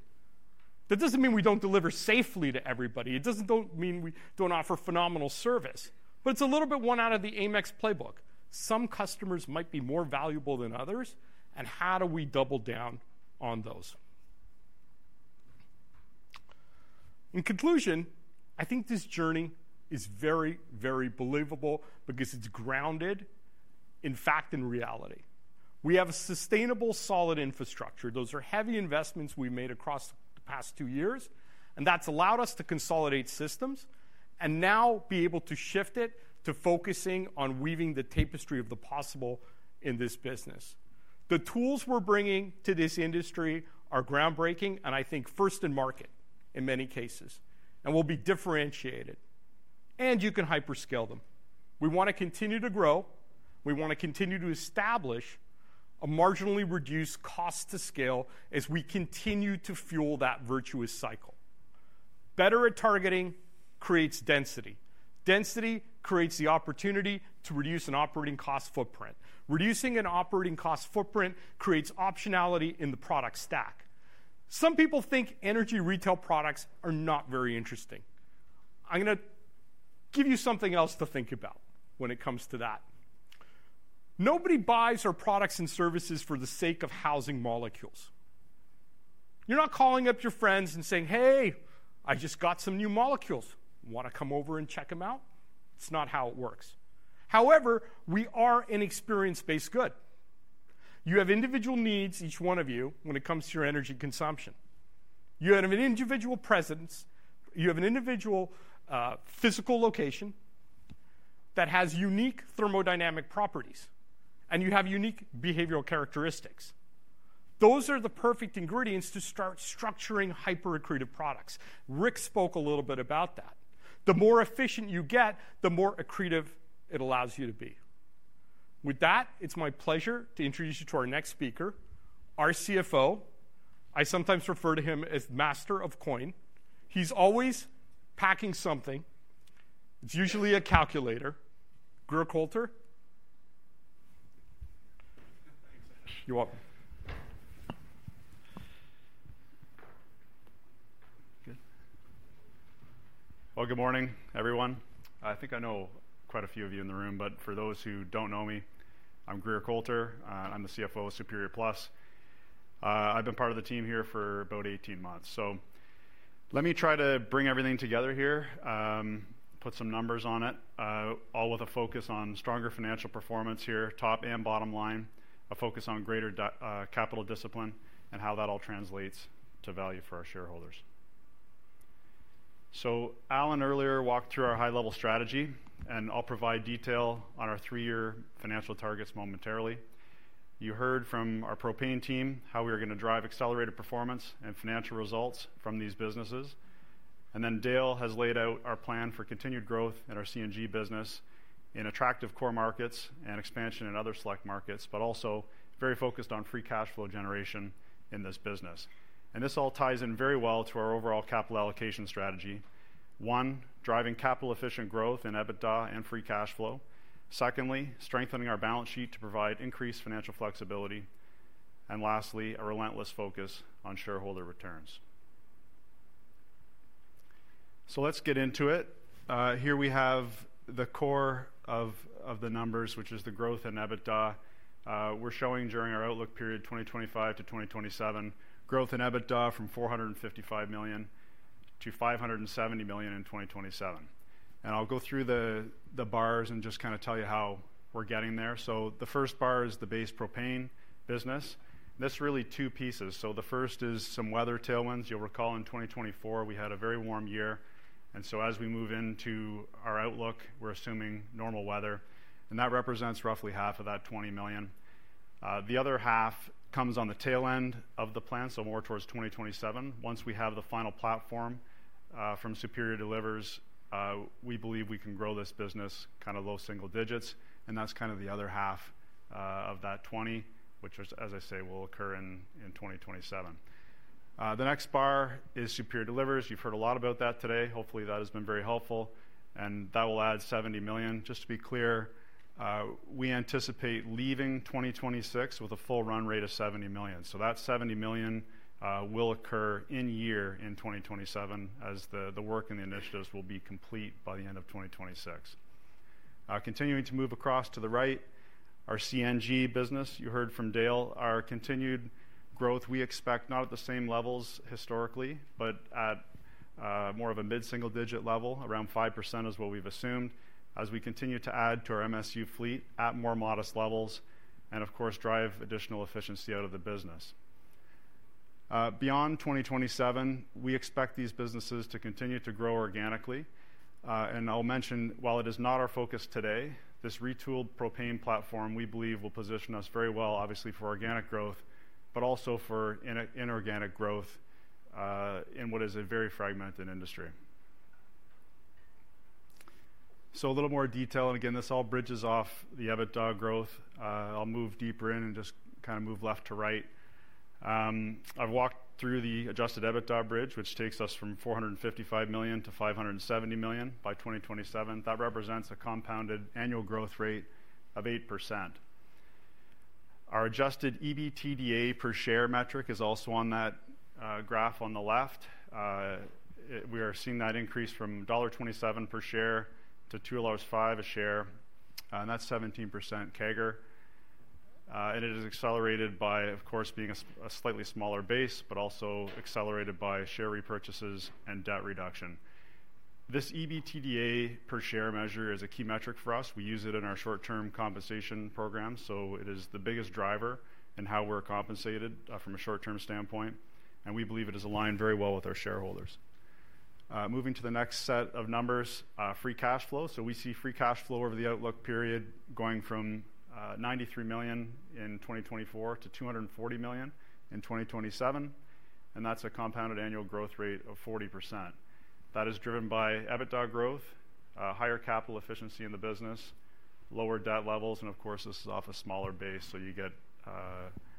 That does not mean we do not deliver safely to everybody. It does not mean we do not offer phenomenal service, but it is a little bit one out of the Amex playbook. Some customers might be more valuable than others, and how do we double down on those? In conclusion, I think this journey is very, very believable because it is grounded, in fact, in reality. We have a sustainable, solid infrastructure. Those are heavy investments we made across the past two years, and that has allowed us to consolidate systems and now be able to shift it to focusing on weaving the tapestry of the possible in this business. The tools we are bringing to this industry are groundbreaking and I think first in market in many cases and will be differentiated. You can hyperscale them. We want to continue to grow. We want to continue to establish a marginally reduced cost to scale as we continue to fuel that virtuous cycle. Better at targeting creates density. Density creates the opportunity to reduce an operating cost footprint. Reducing an operating cost footprint creates optionality in the product stack. Some people think energy retail products are not very interesting. I'm going to give you something else to think about when it comes to that. Nobody buys our products and services for the sake of housing molecules. You're not calling up your friends and saying, "Hey, I just got some new molecules. Want to come over and check them out?" It's not how it works. However, we are an experience-based good. You have individual needs, each one of you, when it comes to your energy consumption. You have an individual presence. You have an individual physical location that has unique thermodynamic properties, and you have unique behavioral characteristics. Those are the perfect ingredients to start structuring hyper-accretive products. Rick spoke a little bit about that. The more efficient you get, the more accretive it allows you to be. With that, it's my pleasure to introduce you to our next speaker, our CFO. I sometimes refer to him as Master of Coin. He's always packing something. It's usually a calculator. Grier Colter. Thanks, Ash. You're welcome. Good. Good morning, everyone. I think I know quite a few of you in the room, but for those who do not know me, I am Grier Colter. I am the CFO of Superior Plus. I have been part of the team here for about 18 months. Let me try to bring everything together here, put some numbers on it, all with a focus on stronger financial performance here, top and bottom line, a focus on greater capital discipline and how that all translates to value for our shareholders. Alan earlier walked through our high-level strategy, and I will provide detail on our three-year financial targets momentarily. You heard from our propane team how we are going to drive accelerated performance and financial results from these businesses. Dale has laid out our plan for continued growth in our CNG business in attractive core markets and expansion in other select markets, but also very focused on free cash flow generation in this business. This all ties in very well to our overall capital allocation strategy. One, driving capital-efficient growth in EBITDA and free cash flow. Secondly, strengthening our balance sheet to provide increased financial flexibility. Lastly, a relentless focus on shareholder returns. Let's get into it. Here we have the core of the numbers, which is the growth in EBITDA. We're showing during our outlook period 2025 to 2027, growth in EBITDA from 455 million to 570 million in 2027. I'll go through the bars and just kind of tell you how we're getting there. The first bar is the base propane business. That's really two pieces. The first is some weather tailwinds. You'll recall in 2024, we had a very warm year. As we move into our outlook, we're assuming normal weather, and that represents roughly half of that 20 million. The other half comes on the tail end of the plan, more towards 2027. Once we have the final platform from Superior Delivers, we believe we can grow this business kind of low single digits. That's kind of the other half of that 20 million, which, as I say, will occur in 2027. The next bar is Superior Delivers. You've heard a lot about that today. Hopefully, that has been very helpful. That will add 70 million. Just to be clear, we anticipate leaving 2026 with a full run rate of 70 million. That 70 million will occur in year 2027 as the work and the initiatives will be complete by the end of 2026. Continuing to move across to the right, our CNG business. You heard from Dale. Our continued growth, we expect not at the same levels historically, but at more of a mid-single digit level. Around 5% is what we've assumed as we continue to add to our MSU fleet at more modest levels and, of course, drive additional efficiency out of the business. Beyond 2027, we expect these businesses to continue to grow organically. I'll mention, while it is not our focus today, this retooled propane platform, we believe, will position us very well, obviously, for organic growth, but also for inorganic growth in what is a very fragmented industry. A little more detail. Again, this all bridges off the EBITDA growth. I'll move deeper in and just kind of move left to right. I've walked through the adjusted EBITDA bridge, which takes us from 455 million to 570 million by 2027. That represents a compounded annual growth rate of 8%. Our adjusted EBITDA per share metric is also on that graph on the left. We are seeing that increase from dollar 1.27 per share to 2.05 dollars a share. That's 17% CAGR. It is accelerated by, of course, being a slightly smaller base, but also accelerated by share repurchases and debt reduction. This EBITDA per share measure is a key metric for us. We use it in our short-term compensation program. It is the biggest driver in how we're compensated from a short-term standpoint. We believe it is aligned very well with our shareholders. Moving to the next set of numbers, free cash flow. We see free cash flow over the outlook period going from 93 million in 2024 to 240 million in 2027. That is a compounded annual growth rate of 40%. That is driven by EBITDA growth, higher capital efficiency in the business, lower debt levels. Of course, this is off a smaller base, so you get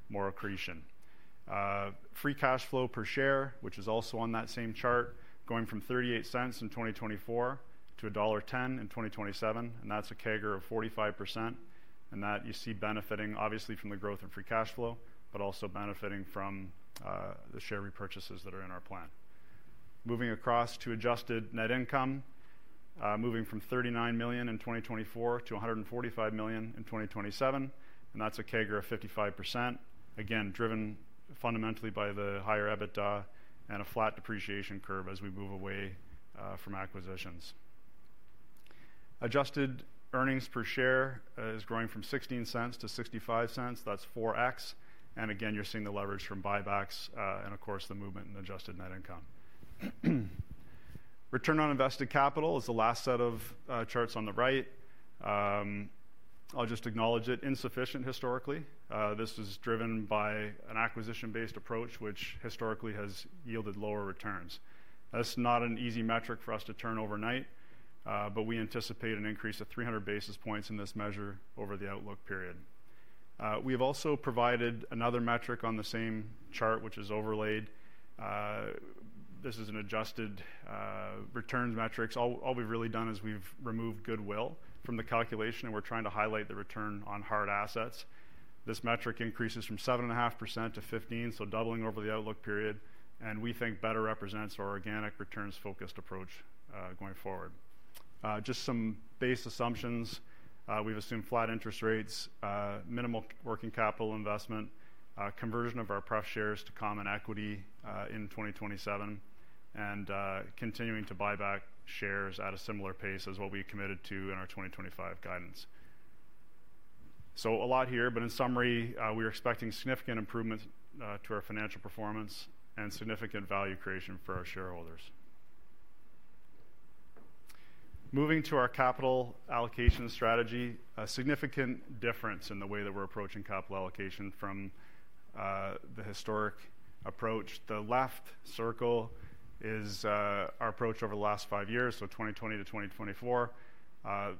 more accretion. Free cash flow per share, which is also on that same chart, going from 0.38 in 2024 to dollar 1.10 in 2027. That is a CAGR of 45%. That you see benefiting, obviously, from the growth in free cash flow, but also benefiting from the share repurchases that are in our plan. Moving across to adjusted net income, moving from 39 million in 2024 to 145 million in 2027. That is a CAGR of 55%, again, driven fundamentally by the higher EBITDA and a flat depreciation curve as we move away from acquisitions. Adjusted earnings per share is growing from 0.16 to 0.65. That is 4X. Again, you are seeing the leverage from buybacks and, of course, the movement in adjusted net income. Return on invested capital is the last set of charts on the right. I will just acknowledge it is insufficient historically. This is driven by an acquisition-based approach, which historically has yielded lower returns. That is not an easy metric for us to turn overnight, but we anticipate an increase of 300 basis points in this measure over the outlook period. We have also provided another metric on the same chart, which is overlaid. This is an adjusted returns metric. All we've really done is we've removed goodwill from the calculation, and we're trying to highlight the return on hard assets. This metric increases from 7.5% to 15%, so doubling over the outlook period. We think this better represents our organic returns-focused approach going forward. Just some base assumptions. We've assumed flat interest rates, minimal working capital investment, conversion of our prep shares to common equity in 2027, and continuing to buy back shares at a similar pace as what we committed to in our 2025 guidance. A lot here, but in summary, we are expecting significant improvements to our financial performance and significant value creation for our shareholders. Moving to our capital allocation strategy, a significant difference in the way that we're approaching capital allocation from the historic approach. The left circle is our approach over the last five years, so 2020 to 2024.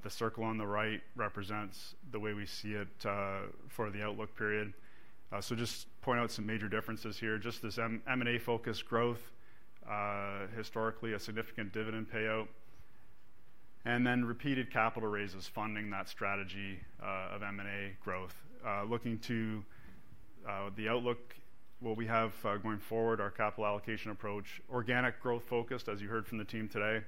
The circle on the right represents the way we see it for the outlook period. Just point out some major differences here. Just this M&A-focused growth, historically a significant dividend payout, and then repeated capital raises funding that strategy of M&A growth. Looking to the outlook, what we have going forward, our capital allocation approach, organic growth-focused, as you heard from the team today,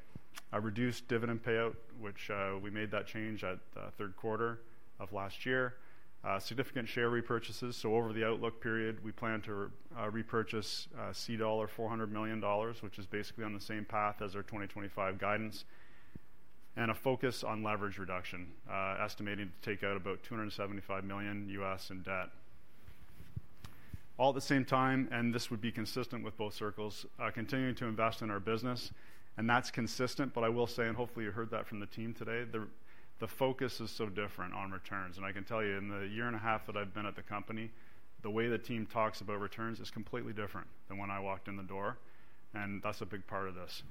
a reduced dividend payout, which we made that change at third quarter of last year. Significant share repurchases. Over the outlook period, we plan to repurchase dollar 400 million, which is basically on the same path as our 2025 guidance, and a focus on leverage reduction, estimating to take out about 275 million US in debt. All at the same time, and this would be consistent with both circles, continuing to invest in our business. That is consistent, but I will say, and hopefully you heard that from the team today, the focus is so different on returns. I can tell you in the year and a half that I've been at the company, the way the team talks about returns is completely different than when I walked in the door. That is a big part of this.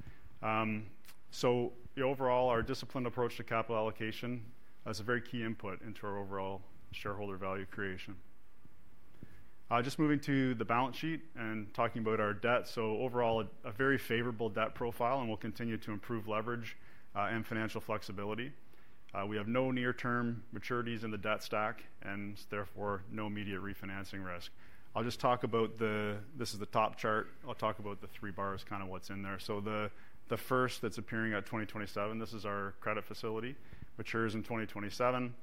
Overall, our disciplined approach to capital allocation is a very key input into our overall shareholder value creation. Moving to the balance sheet and talking about our debt. Overall, a very favorable debt profile, and we will continue to improve leverage and financial flexibility. We have no near-term maturities in the debt stack, and therefore no immediate refinancing risk. I will just talk about the—this is the top chart. I will talk about the three bars, kind of what is in there. The first that's appearing at 2027, this is our credit facility, matures in 2027.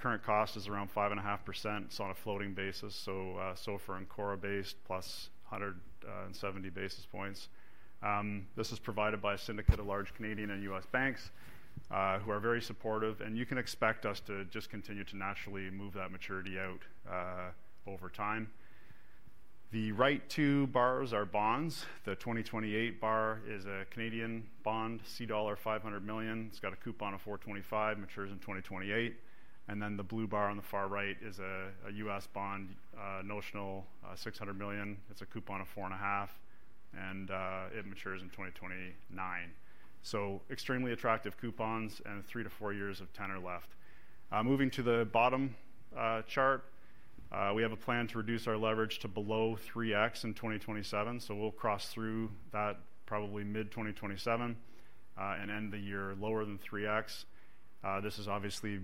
Current cost is around 5.5%. It's on a floating basis, so far in CORA-based plus 170 basis points. This is provided by a syndicate of large Canadian and US banks who are very supportive. You can expect us to just continue to naturally move that maturity out over time. The right two bars are bonds. The 2028 bar is a Canadian bond, dollar 500 million. It's got a coupon of 4.25%, matures in 2028. The blue bar on the far right is a US bond, notional 600 million. It's a coupon of 4.5%, and it matures in 2029. Extremely attractive coupons and three to four years of tenor left. Moving to the bottom chart, we have a plan to reduce our leverage to below 3X in 2027. We'll cross through that probably mid-2027 and end the year lower than 3X. This is obviously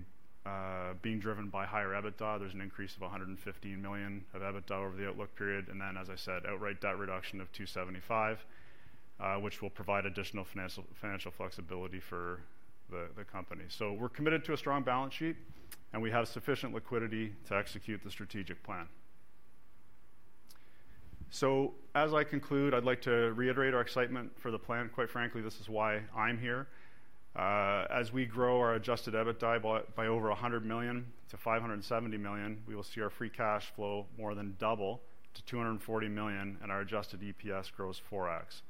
being driven by higher EBITDA. There's an increase of 115 million of EBITDA over the outlook period. As I said, outright debt reduction of 275 million, which will provide additional financial flexibility for the company. We're committed to a strong balance sheet, and we have sufficient liquidity to execute the strategic plan. As I conclude, I'd like to reiterate our excitement for the plan. Quite frankly, this is why I'm here. As we grow our adjusted EBITDA by over 100 million to 570 million, we will see our free cash flow more than double to 240 million, and our adjusted EPS grows 4X.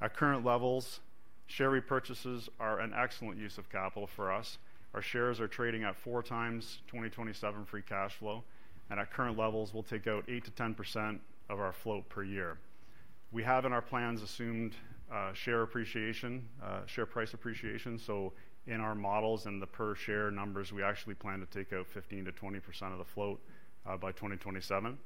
At current levels, share repurchases are an excellent use of capital for us. Our shares are trading at four times 2027 free cash flow. At current levels, we'll take out 8-10% of our float per year. We have in our plans assumed share appreciation, share price appreciation. In our models and the per share numbers, we actually plan to take out 15-20% of the float by 2027.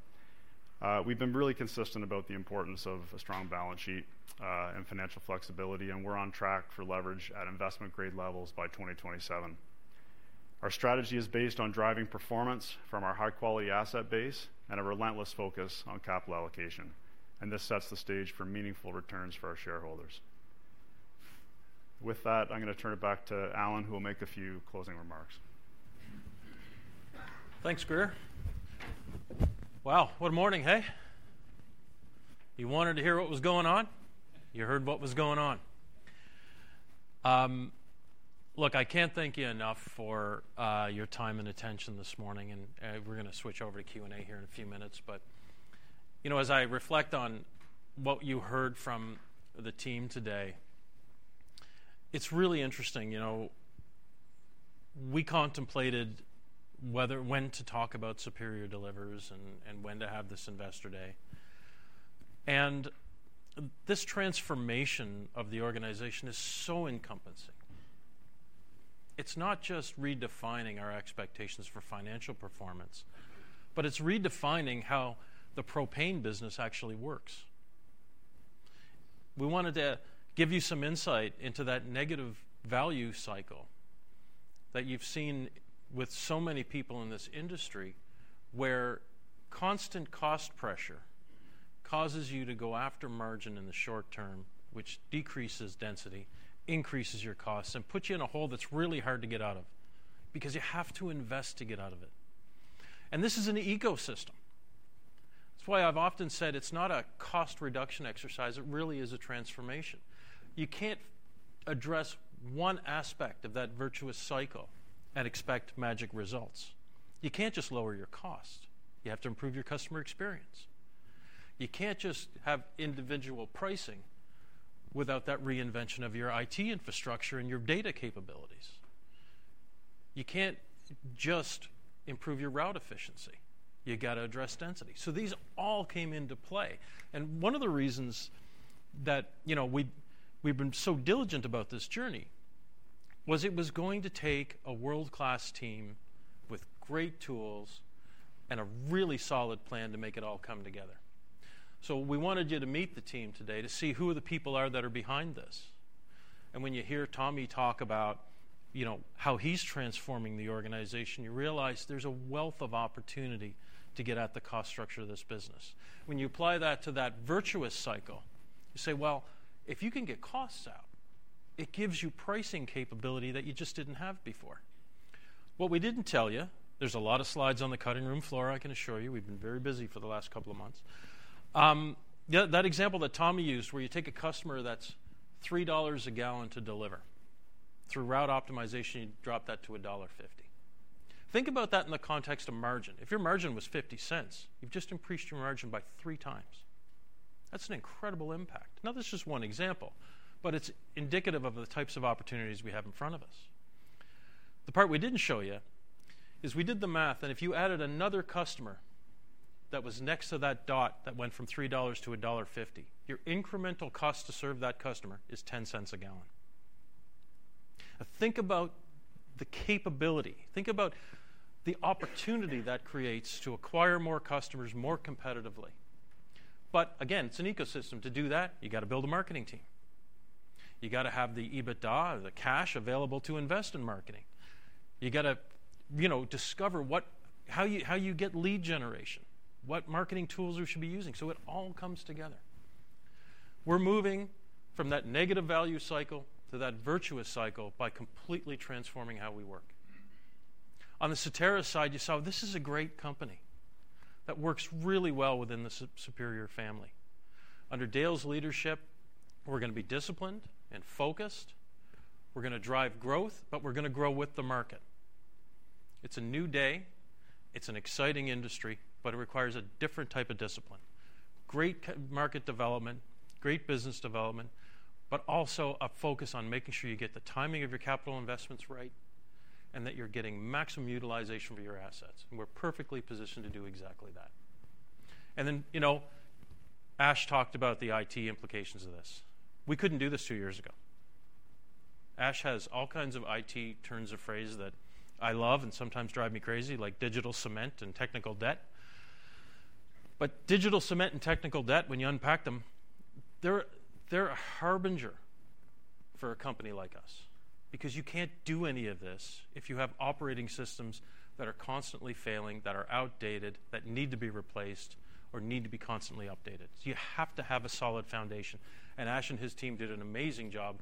We've been really consistent about the importance of a strong balance sheet and financial flexibility, and we're on track for leverage at investment-grade levels by 2027. Our strategy is based on driving performance from our high-quality asset base and a relentless focus on capital allocation. This sets the stage for meaningful returns for our shareholders. With that, I'm going to turn it back to Allan, who will make a few closing remarks. Thanks, Grier. Wow, what a morning, hey? You wanted to hear what was going on. You heard what was going on. Look, I can't thank you enough for your time and attention this morning. We're going to switch over to Q&A here in a few minutes. As I reflect on what you heard from the team today, it's really interesting. We contemplated when to talk about Superior Delivers and when to have this investor day. This transformation of the organization is so encompassing. It's not just redefining our expectations for financial performance, it's redefining how the propane business actually works. We wanted to give you some insight into that negative value cycle that you've seen with so many people in this industry where constant cost pressure causes you to go after margin in the short term, which decreases density, increases your costs, and puts you in a hole that's really hard to get out of because you have to invest to get out of it. This is an ecosystem. That's why I've often said it's not a cost reduction exercise. It really is a transformation. You can't address one aspect of that virtuous cycle and expect magic results. You can't just lower your cost. You have to improve your customer experience. You can't just have individual pricing without that reinvention of your IT infrastructure and your data capabilities. You can't just improve your route efficiency. You got to address density. These all came into play. One of the reasons that we've been so diligent about this journey was it was going to take a world-class team with great tools and a really solid plan to make it all come together. We wanted you to meet the team today to see who the people are that are behind this. When you hear Tommy talk about how he's transforming the organization, you realize there's a wealth of opportunity to get at the cost structure of this business. When you apply that to that virtuous cycle, you say, "If you can get costs out, it gives you pricing capability that you just didn't have before." What we didn't tell you, there's a lot of slides on the cutting room floor, I can assure you. We've been very busy for the last couple of months. That example that Tommy used where you take a customer that's 3 dollars a gallon to deliver. Through route optimization, you drop that to dollar 1.50. Think about that in the context of margin. If your margin was 0.50, you've just increased your margin by three times. That's an incredible impact. Now, this is just one example, but it's indicative of the types of opportunities we have in front of us. The part we didn't show you is we did the math, and if you added another customer that was next to that dot that went from 3 dollars to dollar 1.50, your incremental cost to serve that customer is 10 cents a gallon. Think about the capability. Think about the opportunity that creates to acquire more customers more competitively. Again, it's an ecosystem. To do that, you got to build a marketing team. You got to have the EBITDA, the cash available to invest in marketing. You got to discover how you get lead generation, what marketing tools you should be using. It all comes together. We're moving from that negative value cycle to that virtuous cycle by completely transforming how we work. On the Soteris side, you saw this is a great company that works really well within the Superior family. Under Dale's leadership, we're going to be disciplined and focused. We're going to drive growth, but we're going to grow with the market. It's a new day. It's an exciting industry, but it requires a different type of discipline. Great market development, great business development, but also a focus on making sure you get the timing of your capital investments right and that you're getting maximum utilization for your assets. We're perfectly positioned to do exactly that. Ash talked about the IT implications of this. We couldn't do this two years ago. Ash has all kinds of IT terms of phrase that I love and sometimes drive me crazy, like digital cement and technical debt. Digital cement and technical debt, when you unpack them, they're a harbinger for a company like us because you can't do any of this if you have operating systems that are constantly failing, that are outdated, that need to be replaced or need to be constantly updated. You have to have a solid foundation. Ash and his team did an amazing job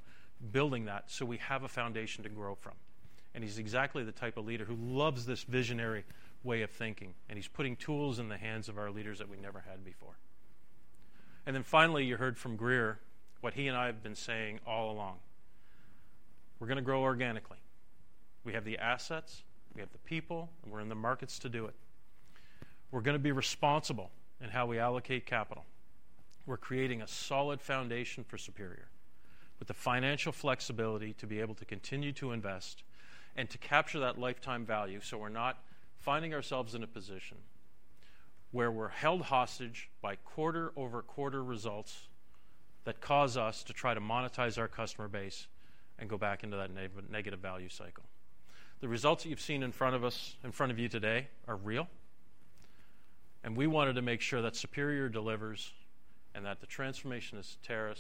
building that so we have a foundation to grow from. He's exactly the type of leader who loves this visionary way of thinking. He's putting tools in the hands of our leaders that we never had before. Finally, you heard from Grier what he and I have been saying all along. We're going to grow organically. We have the assets. We have the people. We're in the markets to do it. We're going to be responsible in how we allocate capital. We're creating a solid foundation for Superior with the financial flexibility to be able to continue to invest and to capture that lifetime value so we're not finding ourselves in a position where we're held hostage by quarter-over-quarter results that cause us to try to monetize our customer base and go back into that negative value cycle. The results that you've seen in front of us, in front of you today, are real. We wanted to make sure that Superior Delivers and that the transformation at Soteris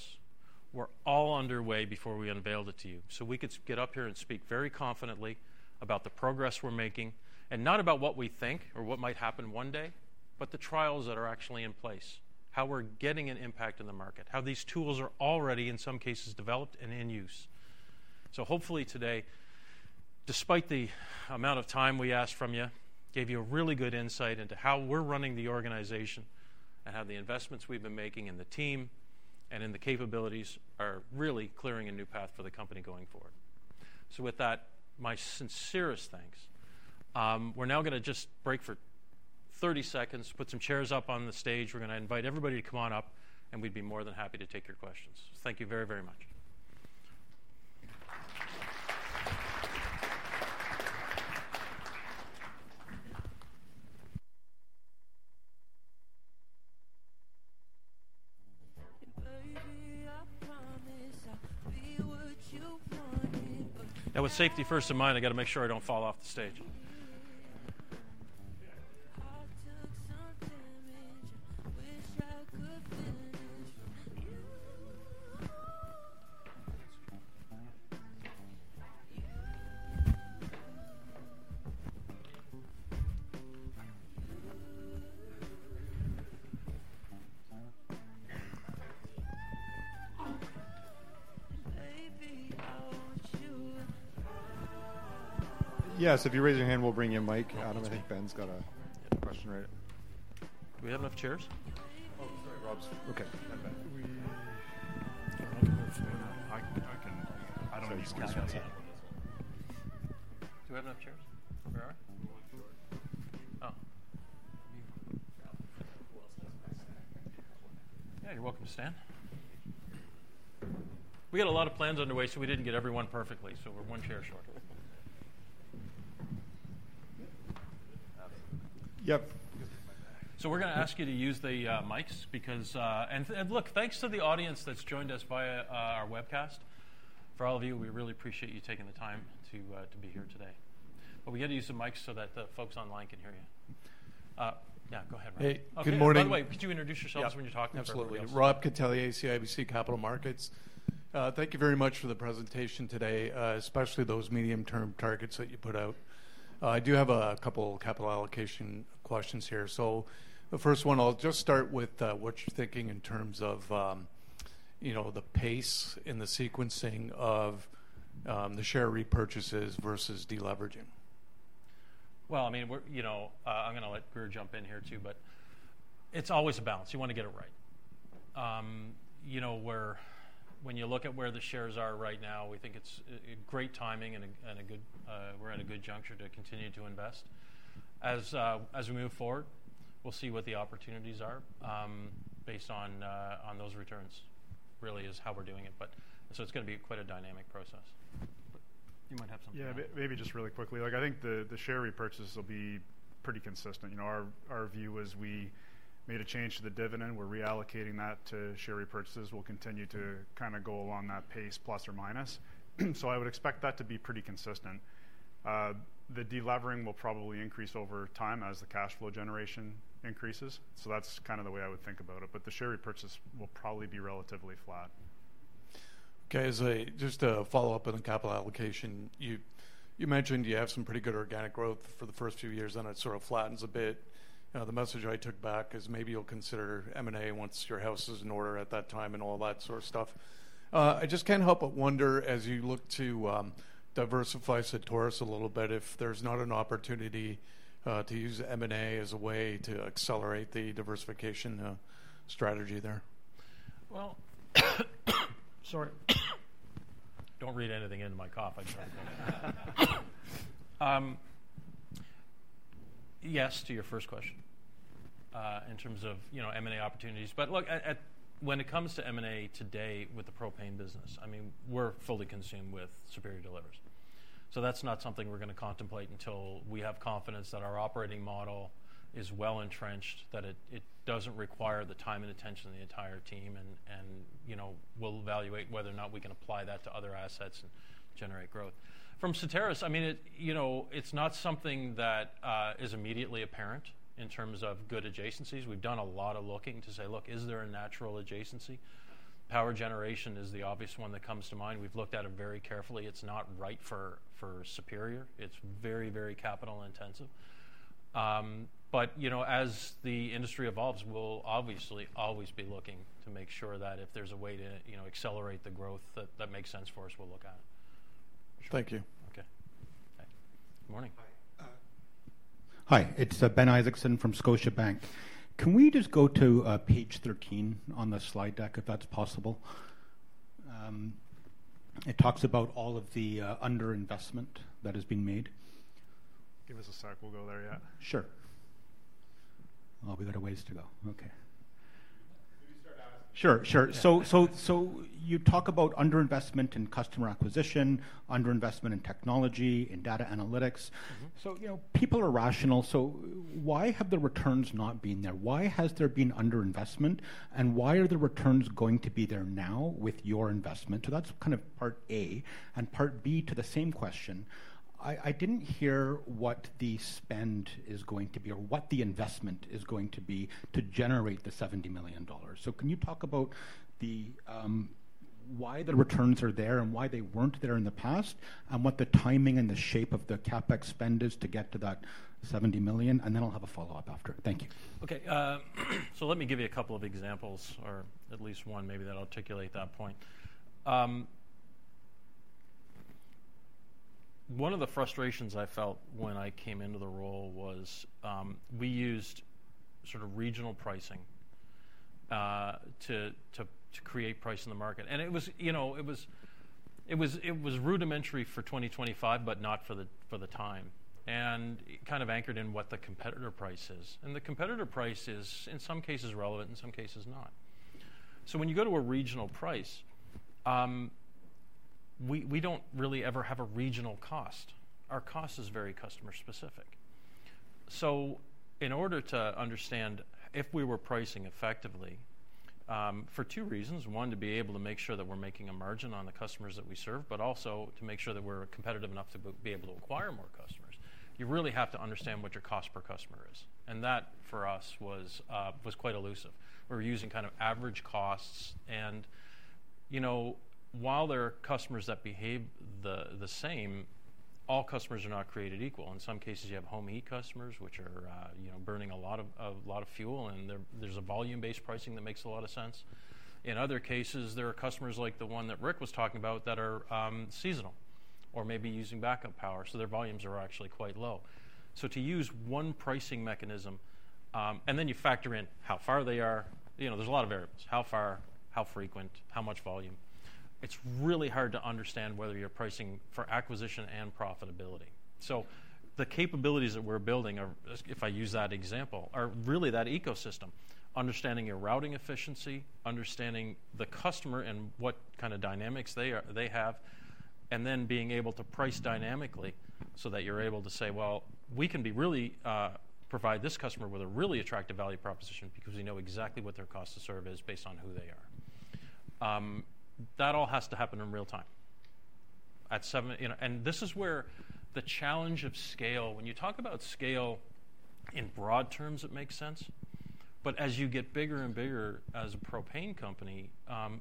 were all underway before we unveiled it to you so we could get up here and speak very confidently about the progress we're making and not about what we think or what might happen one day, but the trials that are actually in place, how we're getting an impact in the market, how these tools are already, in some cases, developed and in use. Hopefully today, despite the amount of time we asked from you, gave you a really good insight into how we're running the organization and how the investments we've been making in the team and in the capabilities are really clearing a new path for the company going forward. With that, my sincerest thanks. We're now going to just break for 30 seconds, put some chairs up on the stage. We're going to invite everybody to come on up, and we'd be more than happy to take your questions. Thank you very, very much. That was safety first of mind. I got to make sure I don't fall off the stage. (audio distortion) Yes, if you raise your hand, we'll bring in Mike. Adam, I think Ben's got a question right. Do we have enough chairs? Oh, sorry, Rob's. Okay. I don't know if you want to. I can. I don't need to go outside. Do we have enough chairs? There are? Oh. Yeah, you're welcome to stand. We had a lot of plans underway, so we didn't get everyone perfectly. So we're one chair short. Yep. We're going to ask you to use the mics because, and look, thanks to the audience that's joined us via our webcast. For all of you, we really appreciate you taking the time to be here today. But we got to use the mics so that the folks online can hear you. Yeah, go ahead, Rob. Hey. Good morning. By the way, could you introduce yourselves when you're talking? Absolutely. Rob Dorran, CIBC Capital Markets. Thank you very much for the presentation today, especially those medium-term targets that you put out. I do have a couple of capital allocation questions here. The first one, I'll just start with what you're thinking in terms of the pace and the sequencing of the share repurchases versus deleveraging. I mean, I'm going to let Grier jump in here too, but it's always a balance. You want to get it right. When you look at where the shares are right now, we think it's great timing and we're at a good juncture to continue to invest. As we move forward, we'll see what the opportunities are based on those returns, really, is how we're doing it. It's going to be quite a dynamic process. You might have something. Yeah, maybe just really quickly. I think the share repurchases will be pretty consistent. Our view is we made a change to the dividend. We're reallocating that to share repurchases. We'll continue to kind of go along that pace, plus or minus. I would expect that to be pretty consistent. The delevering will probably increase over time as the cash flow generation increases. That's kind of the way I would think about it. The share repurchase will probably be relatively flat. Okay, just to follow up on the capital allocation, you mentioned you have some pretty good organic growth for the first few years, and it sort of flattens a bit. The message I took back is maybe you'll consider M&A once your house is in order at that time and all that sort of stuff. I just can't help but wonder, as you look to diversify Soteris a little bit, if there's not an opportunity to use M&A as a way to accelerate the diversification strategy there. Sorry. Don't read anything into my cough. I'm trying to get out of here. Yes to your first question in terms of M&A opportunities. Look, when it comes to M&A today with the propane business, I mean, we're fully consumed with Superior Delivers. That's not something we're going to contemplate until we have confidence that our operating model is well entrenched, that it doesn't require the time and attention of the entire team. We'll evaluate whether or not we can apply that to other assets and generate growth. From Soteris, I mean, it's not something that is immediately apparent in terms of good adjacencies. We've done a lot of looking to say, "Look, is there a natural adjacency?" Power generation is the obvious one that comes to mind. We've looked at it very carefully. It's not right for Superior. It's very, very capital intensive. As the industry evolves, we'll obviously always be looking to make sure that if there's a way to accelerate the growth that makes sense for us, we'll look at it. Thank you. Okay. Good morning. Hi, it's Ben Isaacson from Scotiabank. Can we just go to page 13 on the slide deck if that's possible? It talks about all of the underinvestment that has been made. Give us a sec. We'll go there yet. Sure. We got a ways to go. Okay. Sure, sure. You talk about underinvestment in customer acquisition, underinvestment in technology, in data analytics. People are rational. Why have the returns not been there? Why has there been underinvestment? Why are the returns going to be there now with your investment? That's kind of part A. Part B to the same question, I didn't hear what the spend is going to be or what the investment is going to be to generate the 70 million dollars. Can you talk about why the returns are there and why they were not there in the past and what the timing and the shape of the CapEx spend is to get to that 70 million? I will have a follow-up after it. Thank you. Okay. Let me give you a couple of examples, or at least one, maybe, that articulate that point. One of the frustrations I felt when I came into the role was we used sort of regional pricing to create price in the market. It was rudimentary for 2025, but not for the time. It kind of anchored in what the competitor price is. The competitor price is, in some cases, relevant, in some cases, not. When you go to a regional price, we do not really ever have a regional cost. Our cost is very customer-specific. In order to understand if we were pricing effectively for two reasons, one, to be able to make sure that we're making a margin on the customers that we serve, but also to make sure that we're competitive enough to be able to acquire more customers, you really have to understand what your cost per customer is. That, for us, was quite elusive. We were using kind of average costs. While there are customers that behave the same, all customers are not created equal. In some cases, you have home heat customers, which are burning a lot of fuel, and there's a volume-based pricing that makes a lot of sense. In other cases, there are customers like the one that Rick was talking about that are seasonal or maybe using backup power. Their volumes are actually quite low. To use one pricing mechanism, and then you factor in how far they are, there's a lot of variables: how far, how frequent, how much volume. It's really hard to understand whether you're pricing for acquisition and profitability. The capabilities that we're building, if I use that example, are really that ecosystem: understanding your routing efficiency, understanding the customer and what kind of dynamics they have, and then being able to price dynamically so that you're able to say, "We can really provide this customer with a really attractive value proposition because we know exactly what their cost to serve is based on who they are." That all has to happen in real time. This is where the challenge of scale, when you talk about scale in broad terms, it makes sense. As you get bigger and bigger as a propane company,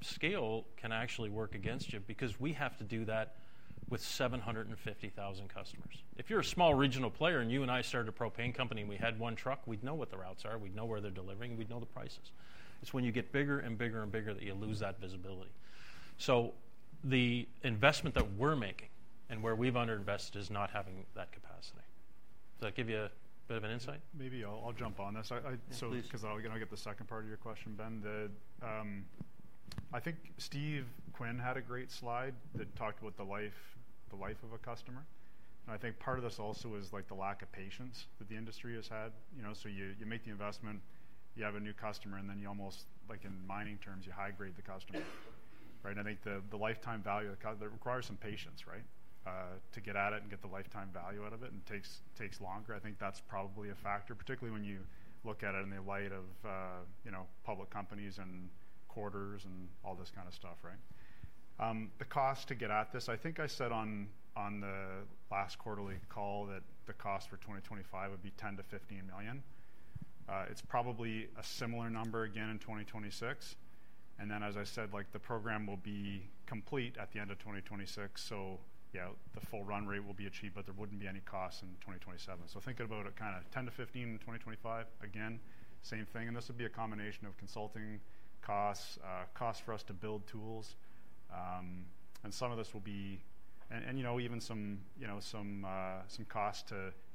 scale can actually work against you because we have to do that with 750,000 customers. If you're a small regional player and you and I started a propane company and we had one truck, we'd know what the routes are. We'd know where they're delivering. We'd know the prices. It's when you get bigger and bigger and bigger that you lose that visibility. The investment that we're making and where we've underinvested is not having that capacity. Does that give you a bit of an insight? Maybe I'll jump on this. I'll get the second part of your question, Ben. I think Steve Quinn had a great slide that talked about the life of a customer. I think part of this also is the lack of patience that the industry has had. You make the investment, you have a new customer, and then you almost, in mining terms, you high-grade the customer. Right? I think the lifetime value, that requires some patience, right, to get at it and get the lifetime value out of it and takes longer. I think that's probably a factor, particularly when you look at it in the light of public companies and quarters and all this kind of stuff, right? The cost to get at this, I think I said on the last quarterly call that the cost for 2025 would be 10 million-15 million. It's probably a similar number again in 2026. As I said, the program will be complete at the end of 2026. Yeah, the full run rate will be achieved, but there wouldn't be any costs in 2027. Think about it kind of 10-15 in 2025. Again, same thing. This would be a combination of consulting costs, costs for us to build tools, and some of this will be and even some costs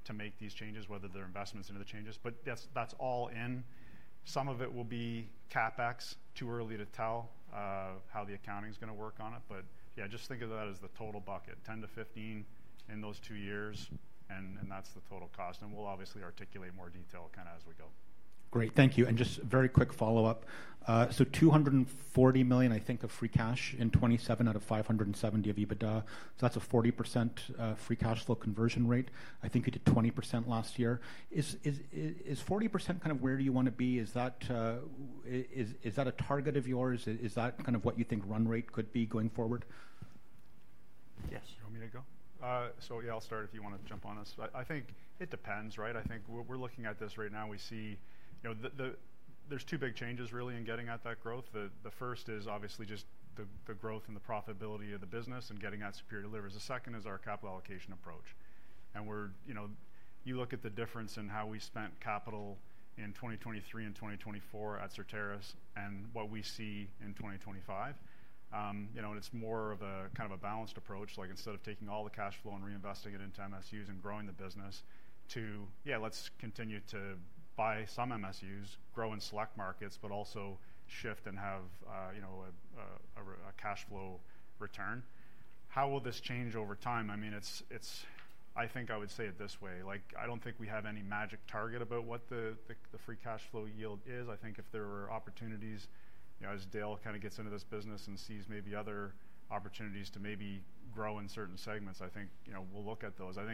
to make these changes, whether they're investments into the changes. That's all in. Some of it will be CapEx. Too early to tell how the accounting is going to work on it. Yeah, just think of that as the total bucket, 10-15 in those two years, and that's the total cost. We'll obviously articulate more detail kind of as we go. Great. Thank you. Just a very quick follow-up. 240 million, I think, of free cash in 2027 out of 570 million of EBITDA. That's a 40% free cash flow conversion rate. I think you did 20% last year. Is 40% kind of where you want to be? Is that a target of yours? Is that kind of what you think run rate could be going forward? Yes. You want me to go? Yeah, I'll start if you want to jump on this. I think it depends, right? I think we're looking at this right now. We see there's two big changes, really, in getting at that growth. The first is obviously just the growth and the profitability of the business and getting at Superior Delivers. The second is our capital allocation approach. You look at the difference in how we spent capital in 2023 and 2024 at Soteris and what we see in 2025. It is more of a kind of a balanced approach, like instead of taking all the cash flow and reinvesting it into MSUs and growing the business to, yeah, let's continue to buy some MSUs, grow in select markets, but also shift and have a cash flow return. How will this change over time? I mean, I think I would say it this way. I do not think we have any magic target about what the free cash flow yield is. I think if there were opportunities, as Dale kind of gets into this business and sees maybe other opportunities to maybe grow in certain segments, I think we will look at those. I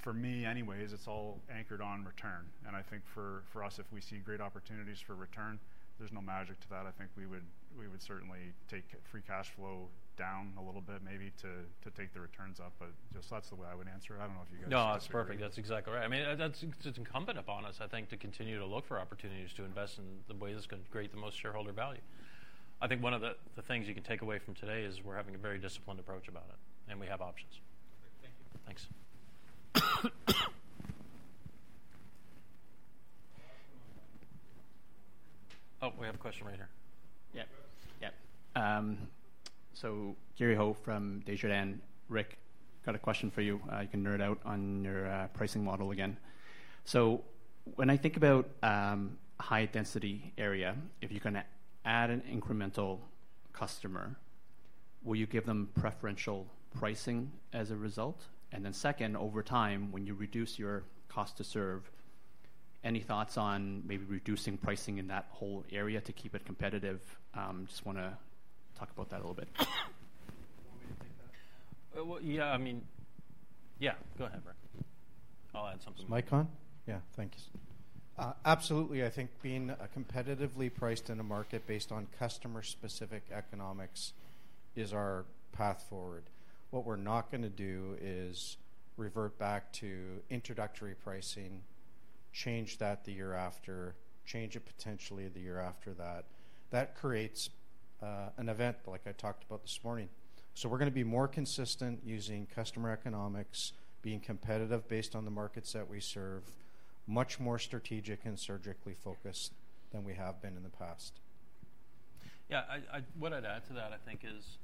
think for me, anyways, it is all anchored on return. I think for us, if we see great opportunities for return, there is no magic to that. I think we would certainly take free cash flow down a little bit, maybe, to take the returns up. That's the way I would answer it. I don't know if you guys— No, that's perfect. That's exactly right. I mean, it's incumbent upon us, I think, to continue to look for opportunities to invest in the way that's going to create the most shareholder value. I think one of the things you can take away from today is we're having a very disciplined approach about it, and we have options. Thank you. Thanks. Oh, we have a question right here. Yeah. So Gary Ho from Desjardins, Rick, got a question for you. You can nerd out on your pricing model again. When I think about a high-density area, if you're going to add an incremental customer, will you give them preferential pricing as a result? Over time, when you reduce your cost to serve, any thoughts on maybe reducing pricing in that whole area to keep it competitive? Just want to talk about that a little bit. Want me to take that? Yeah, I mean, yeah, go ahead, Rick. I'll add something. Mike Hahn? Yeah, thanks. Absolutely. I think being competitively priced in a market based on customer-specific economics is our path forward. What we're not going to do is revert back to introductory pricing, change that the year after, change it potentially the year after that. That creates an event like I talked about this morning. We are going to be more consistent using customer economics, being competitive based on the markets that we serve, much more strategic and surgically focused than we have been in the past. Yeah, what I'd add to that, I think, is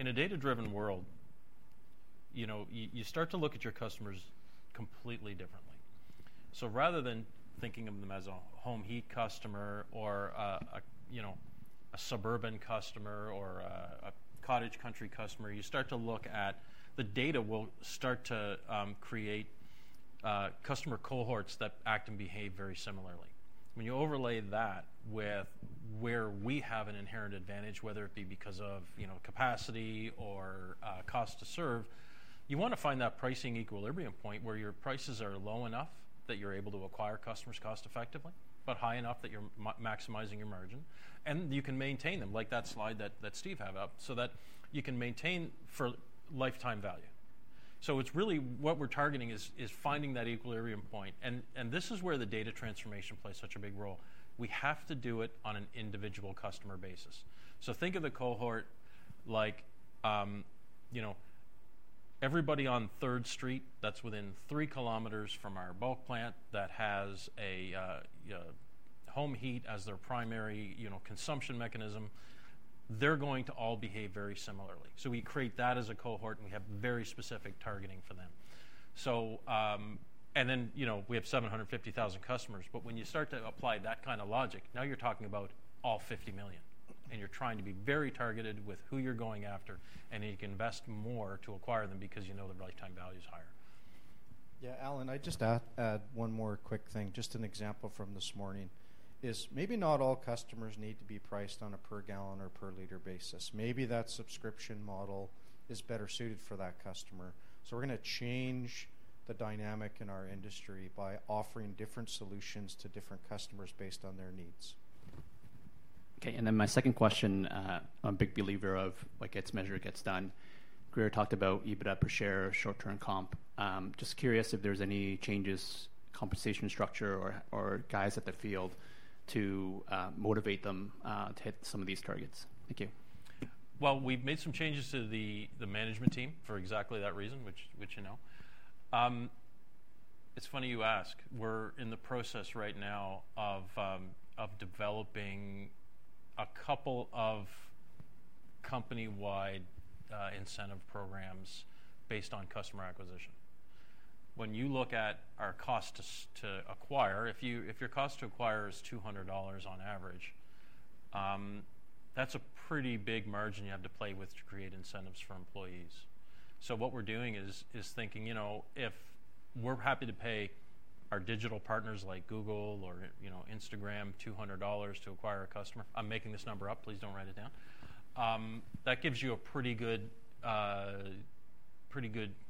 in a data-driven world, you start to look at your customers completely differently. Rather than thinking of them as a home heat customer or a suburban customer or a cottage country customer, you start to look at the data will start to create customer cohorts that act and behave very similarly. When you overlay that with where we have an inherent advantage, whether it be because of capacity or cost to serve, you want to find that pricing equilibrium point where your prices are low enough that you're able to acquire customers cost-effectively, but high enough that you're maximizing your margin. You can maintain them, like that slide that Steve had up, so that you can maintain for lifetime value. It's really what we're targeting is finding that equilibrium point. This is where the data transformation plays such a big role. We have to do it on an individual customer basis. Think of the cohort like everybody on Third Street. That is within 3 kilometers from our bulk plant that has home heat as their primary consumption mechanism. They are going to all behave very similarly. We create that as a cohort, and we have very specific targeting for them. We have 750,000 customers. When you start to apply that kind of logic, now you are talking about all 50 million. You are trying to be very targeted with who you are going after, and you can invest more to acquire them because you know the lifetime value is higher. Yeah, Allan, I'd just add one more quick thing, just an example from this morning, is maybe not all customers need to be priced on a per-gallon or per-liter basis. Maybe that subscription model is better suited for that customer. We're going to change the dynamic in our industry by offering different solutions to different customers based on their needs. Okay. My second question, I'm a big believer of what gets measured, gets done. Grier talked about EBITDA per share, short-term comp. Just curious if there's any changes, compensation structure, or guys at the field to motivate them to hit some of these targets. Thank you. We've made some changes to the management team for exactly that reason, which you know. It's funny you ask. We're in the process right now of developing a couple of company-wide incentive programs based on customer acquisition. When you look at our cost to acquire, if your cost to acquire is 200 dollars on average, that's a pretty big margin you have to play with to create incentives for employees. What we're doing is thinking if we're happy to pay our digital partners like Google or Instagram 200 dollars to acquire a customer, I'm making this number up. Please don't write it down. That gives you a pretty good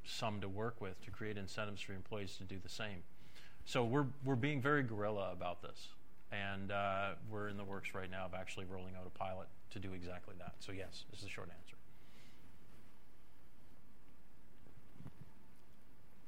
sum to work with to create incentives for employees to do the same. We're being very guerrilla about this. We're in the works right now of actually rolling out a pilot to do exactly that. Yes, this is a short answer.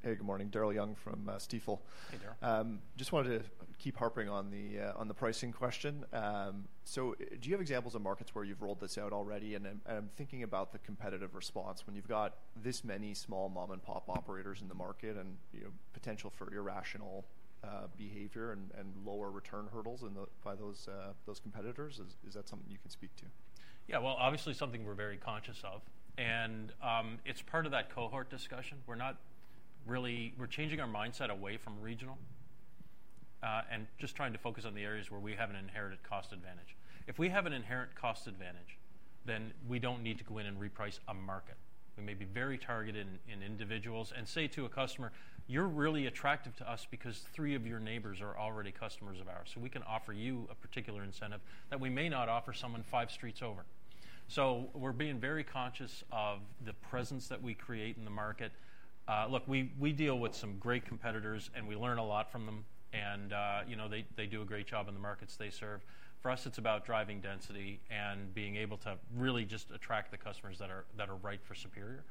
Hey, good morning. Daryl Young from Stifel. Hey, Daryl. Just wanted to keep harping on the pricing question. Do you have examples of markets where you've rolled this out already? I'm thinking about the competitive response. When you've got this many small mom-and-pop operators in the market and potential for irrational behavior and lower return hurdles by those competitors, is that something you can speak to? Yeah, obviously, something we're very conscious of. It's part of that cohort discussion. We're changing our mindset away from regional and just trying to focus on the areas where we have an inherent cost advantage. If we have an inherent cost advantage, then we don't need to go in and reprice a market. We may be very targeted in individuals and say to a customer, "You're really attractive to us because three of your neighbors are already customers of ours. So we can offer you a particular incentive that we may not offer someone five streets over." We're being very conscious of the presence that we create in the market. Look, we deal with some great competitors, and we learn a lot from them. They do a great job in the markets they serve. For us, it's about driving density and being able to really just attract the customers that are right for Superior.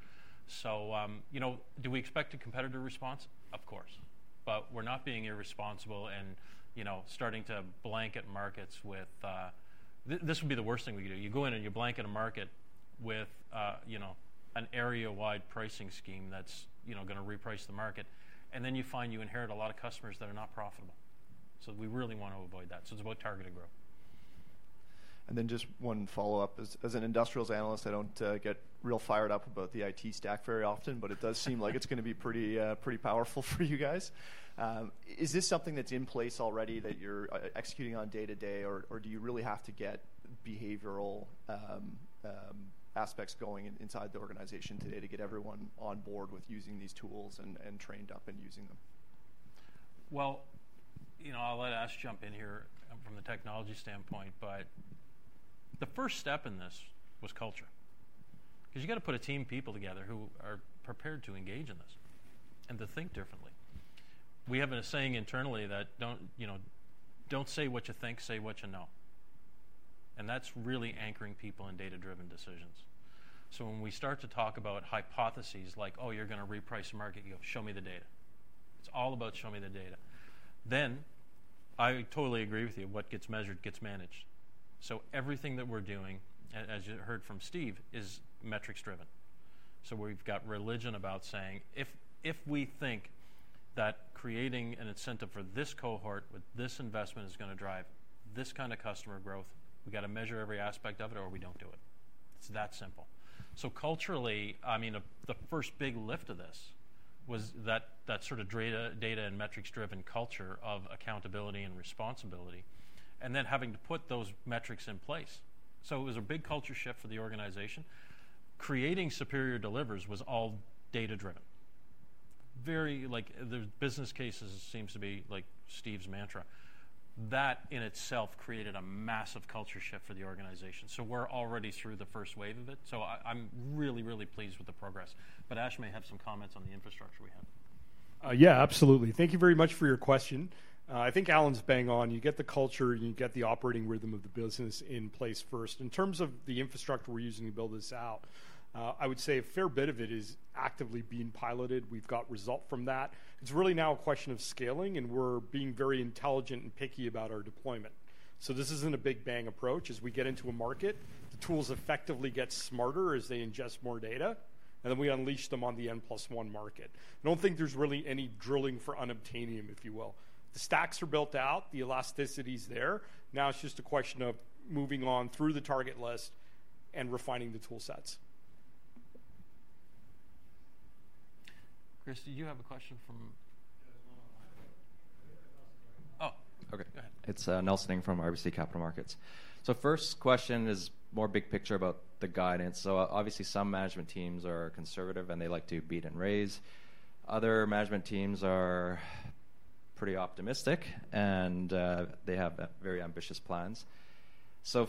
Do we expect a competitor response? Of course. We are not being irresponsible and starting to blanket markets with this. That would be the worst thing we could do. You go in and you blanket a market with an area-wide pricing scheme that's going to reprice the market, and then you find you inherit a lot of customers that are not profitable. We really want to avoid that. It is about targeted growth. Just one follow-up. As an industrials analyst, I don't get real fired up about the IT stack very often, but it does seem like it's going to be pretty powerful for you guys. Is this something that's in place already that you're executing on day-to-day, or do you really have to get behavioral aspects going inside the organization today to get everyone on board with using these tools and trained up and using them? I'll let Ash jump in here from the technology standpoint, but the first step in this was culture. Because you've got to put a team of people together who are prepared to engage in this and to think differently. We have a saying internally that, "Don't say what you think, say what you know." And that's really anchoring people in data-driven decisions. When we start to talk about hypotheses like, "Oh, you're going to reprice the market," you go, "Show me the data." It's all about show me the data. I totally agree with you. What gets measured gets managed. Everything that we're doing, as you heard from Steve, is metrics-driven. We've got religion about saying, "If we think that creating an incentive for this cohort with this investment is going to drive this kind of customer growth, we got to measure every aspect of it or we don't do it." It's that simple. Culturally, I mean, the first big lift of this was that sort of data and metrics-driven culture of accountability and responsibility, and then having to put those metrics in place. It was a big culture shift for the organization. Creating Superior Delivers was all data-driven. The business cases seem to be like Steve's mantra. That in itself created a massive culture shift for the organization. We are already through the first wave of it. I am really, really pleased with the progress. Ash may have some comments on the infrastructure we have. Yeah, absolutely. Thank you very much for your question. I think Allan's bang on. You get the culture, and you get the operating rhythm of the business in place first. In terms of the infrastructure we are using to build this out, I would say a fair bit of it is actively being piloted. We have got result from that. It is really now a question of scaling, and we are being very intelligent and picky about our deployment. This is not a big bang approach. As we get into a market, the tools effectively get smarter as they ingest more data, and then we unleash them on the N+1 market. I do not think there is really any drilling for unobtainium, if you will. The stacks are built out. The elasticity is there. Now it is just a question of moving on through the target list and refining the toolsets. Chris, did you have a question from? Oh, okay. It is Nelson Ng from RBC Capital Markets. First question is more big picture about the guidance. Obviously, some management teams are conservative, and they like to beat and raise. Other management teams are pretty optimistic, and they have very ambitious plans.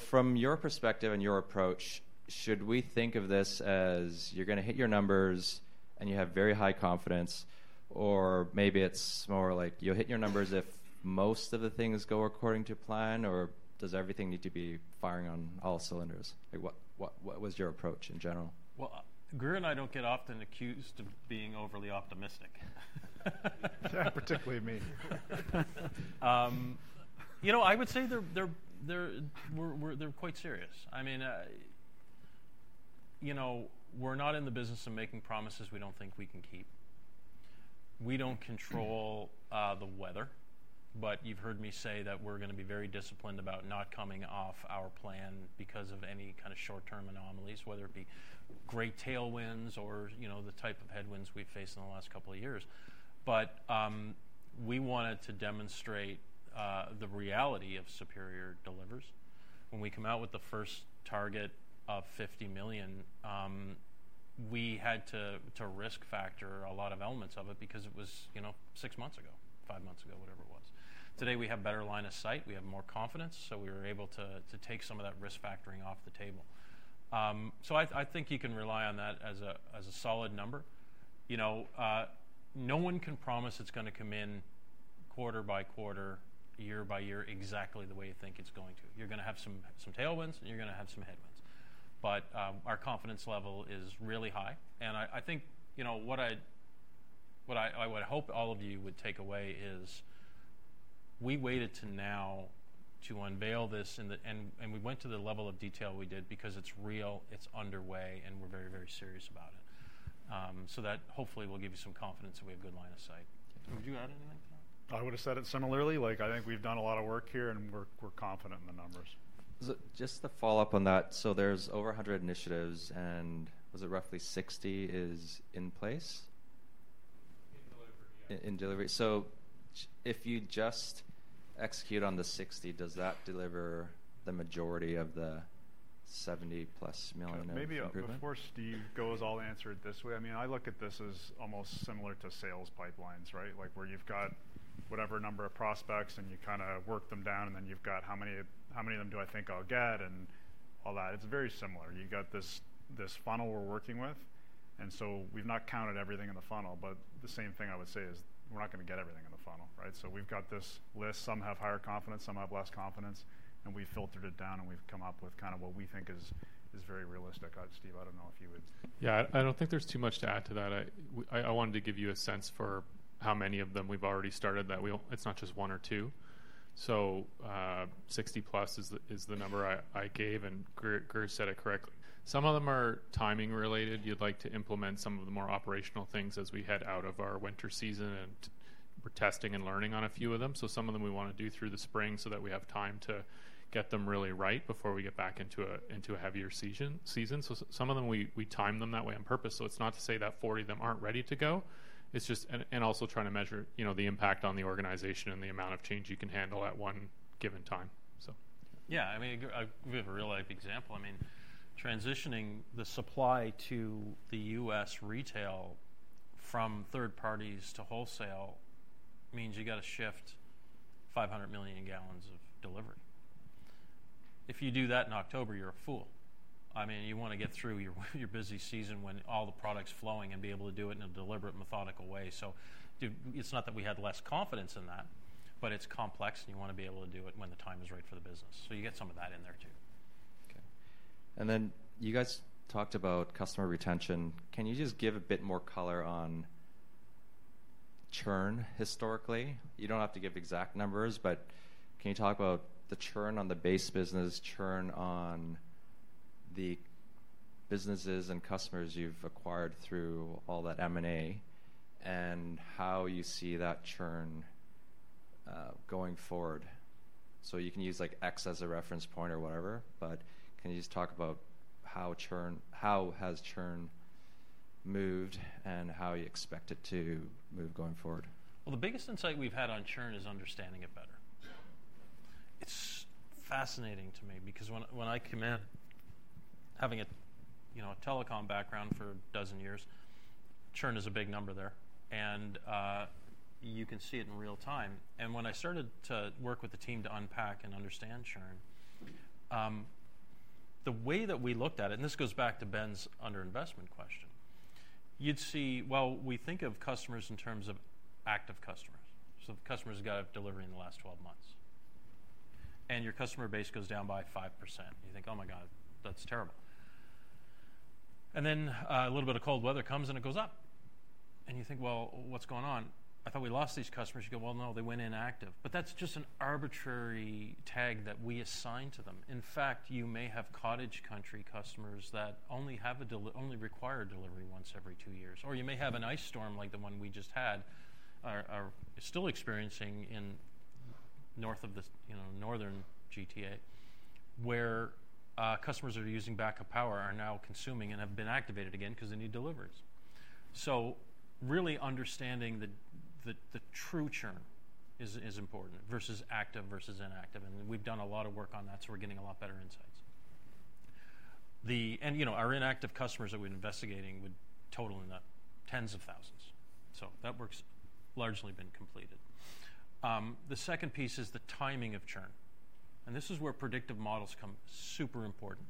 From your perspective and your approach, should we think of this as you're going to hit your numbers and you have very high confidence, or maybe it's more like you'll hit your numbers if most of the things go according to plan, or does everything need to be firing on all cylinders? What was your approach in general? Grier and I don't get often accused of being overly optimistic. Particularly me. I would say they're quite serious. I mean, we're not in the business of making promises we don't think we can keep. We don't control the weather, but you've heard me say that we're going to be very disciplined about not coming off our plan because of any kind of short-term anomalies, whether it be great tailwinds or the type of headwinds we've faced in the last couple of years. We wanted to demonstrate the reality of Superior Delivers. When we come out with the first target of 50 million, we had to risk factor a lot of elements of it because it was six months ago, five months ago, whatever it was. Today, we have better line of sight. We have more confidence. We were able to take some of that risk factoring off the table. I think you can rely on that as a solid number. No one can promise it's going to come in quarter by quarter, year by year, exactly the way you think it's going to. You're going to have some tailwinds, and you're going to have some headwinds. Our confidence level is really high. I think what I would hope all of you would take away is we waited to now to unveil this, and we went to the level of detail we did because it's real, it's underway, and we're very, very serious about it. That hopefully will give you some confidence that we have good line of sight. Would you add anything to that? I would have said it similarly. I think we've done a lot of work here, and we're confident in the numbers. Just to follow up on that, so there's over 100 initiatives, and was it roughly 60 is in place? In delivery, yeah. In delivery. If you just execute on the 60, does that deliver the majority of the 70 million-plus improvement? Maybe before Steve goes, I'll answer it this way, I mean, I look at this as almost similar to sales pipelines, right? Where you've got whatever number of prospects, and you kind of work them down, and then you've got how many of them do I think I'll get and all that. It's very similar. You've got this funnel we're working with. We've not counted everything in the funnel, but the same thing I would say is we're not going to get everything in the funnel, right? We've got this list. Some have higher confidence, some have less confidence. We've filtered it down, and we've come up with kind of what we think is very realistic. Steve, I don't know if you would. I don't think there's too much to add to that. I wanted to give you a sense for how many of them we've already started that. It's not just one or two. 60-plus is the number I gave, and Grier said it correctly. Some of them are timing-related. You'd like to implement some of the more operational things as we head out of our winter season, and we're testing and learning on a few of them. Some of them we want to do through the spring so that we have time to get them really right before we get back into a heavier season. Some of them we time them that way on purpose. It's not to say that 40 of them aren't ready to go. It's just, and also trying to measure the impact on the organization and the amount of change you can handle at one given time. Yeah, I mean, we have a real-life example. I mean, transitioning the supply to the US retail from third parties to wholesale means you got to shift 500 million gallons of delivery. If you do that in October, you're a fool. I mean, you want to get through your busy season when all the product's flowing and be able to do it in a deliberate, methodical way. It is not that we had less confidence in that, but it is complex, and you want to be able to do it when the time is right for the business. You get some of that in there too. Okay. You guys talked about customer retention. Can you just give a bit more color on churn historically? You do not have to give exact numbers, but can you talk about the churn on the base business, churn on the businesses and customers you have acquired through all that M&A, and how you see that churn going forward? You can use X as a reference point or whatever, but can you just talk about how has churn moved and how you expect it to move going forward? The biggest insight we've had on churn is understanding it better. It's fascinating to me because when I came in, having a telecom background for a dozen years, churn is a big number there. You can see it in real time. When I started to work with the team to unpack and understand churn, the way that we looked at it, and this goes back to Ben's under-investment question, you'd see, we think of customers in terms of active customers. The customer's got a delivery in the last 12 months. Your customer base goes down by 5%. You think, "Oh my God, that's terrible." Then a little bit of cold weather comes, and it goes up. You think, "What's going on? I thought we lost these customers." You go, "No, they went inactive." That is just an arbitrary tag that we assign to them. In fact, you may have cottage country customers that only require delivery once every two years. Or you may have an ice storm like the one we just had, are still experiencing in north of the northern GTA, where customers that are using backup power are now consuming and have been activated again because they need deliveries. Really understanding the true churn is important versus active versus inactive. We have done a lot of work on that, so we are getting a lot better insights. Our inactive customers that we are investigating would total in the tens of thousands. That work's largely been completed. The second piece is the timing of churn. This is where predictive models become super important.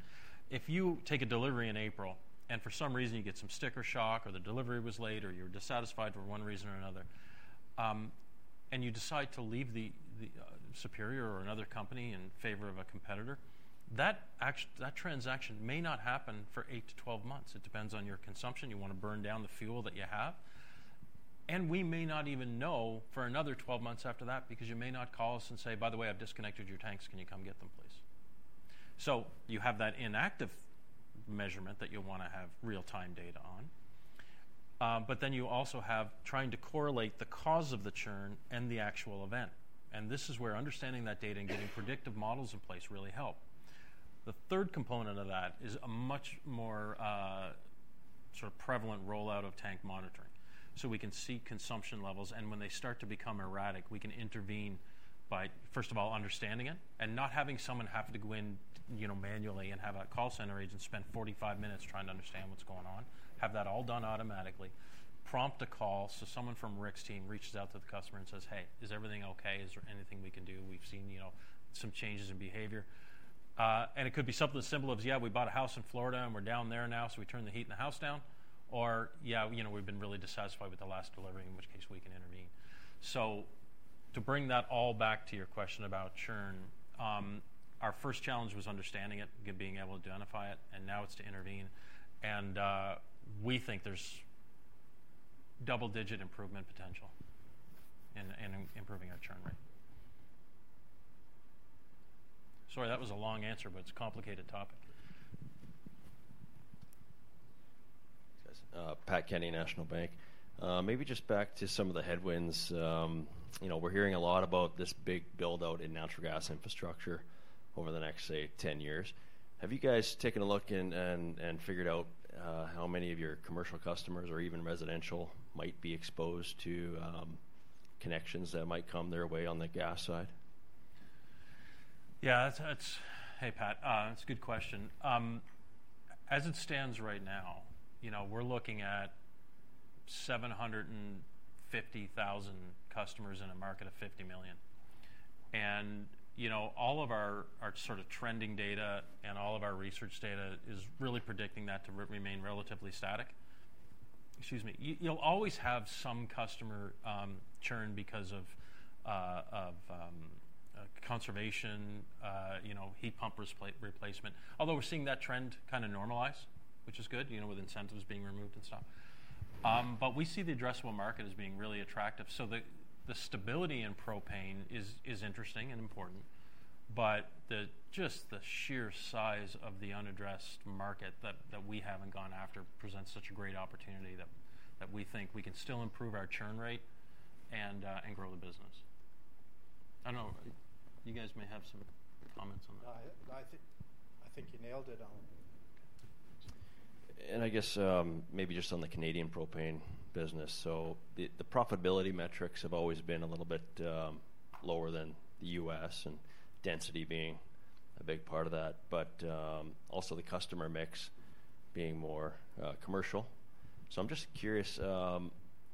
If you take a delivery in April, and for some reason you get some sticker shock, or the delivery was late, or you were dissatisfied for one reason or another, and you decide to leave Superior or another company in favor of a competitor, that transaction may not happen for 8-12 months. It depends on your consumption. You want to burn down the fuel that you have. We may not even know for another 12 months after that because you may not call us and say, "By the way, I've disconnected your tanks. Can you come get them, please?" You have that inactive measurement that you'll want to have real-time data on. Then you also have trying to correlate the cause of the churn and the actual event. This is where understanding that data and getting predictive models in place really help. The third component of that is a much more sort of prevalent rollout of tank monitoring. We can see consumption levels, and when they start to become erratic, we can intervene by, first of all, understanding it and not having someone have to go in manually and have a call center agent spend 45 minutes trying to understand what's going on, have that all done automatically, prompt a call. Someone from Rick's team reaches out to the customer and says, "Hey, is everything okay? Is there anything we can do? We've seen some changes in behavior. It could be something as simple as, "Yeah, we bought a house in Florida, and we're down there now, so we turned the heat in the house down," or, "Yeah, we've been really dissatisfied with the last delivery, in which case we can intervene." To bring that all back to your question about churn, our first challenge was understanding it, being able to identify it, and now it's to intervene. We think there's double-digit improvement potential in improving our churn rate. Sorry, that was a long answer, but it's a complicated topic. Pat Kennedy, National Bank. Maybe just back to some of the headwinds. We're hearing a lot about this big build-out in natural gas infrastructure over the next, say, 10 years. Have you guys taken a look and figured out how many of your commercial customers or even residential might be exposed to connections that might come their way on the gas side? Yeah, hey, Pat, that's a good question. As it stands right now, we're looking at 750,000 customers in a market of 50 million. All of our sort of trending data and all of our research data is really predicting that to remain relatively static. Excuse me. You'll always have some customer churn because of conservation, heat pump replacement. Although we're seeing that trend kind of normalize, which is good with incentives being removed and stuff. We see the addressable market as being really attractive. The stability in propane is interesting and important, but just the sheer size of the unaddressed market that we haven't gone after presents such a great opportunity that we think we can still improve our churn rate and grow the business. I don't know. You guys may have some comments on that. I think you nailed it on. I guess maybe just on the Canadian propane business. The profitability metrics have always been a little bit lower than the US, and density being a big part of that, but also the customer mix being more commercial. I'm just curious,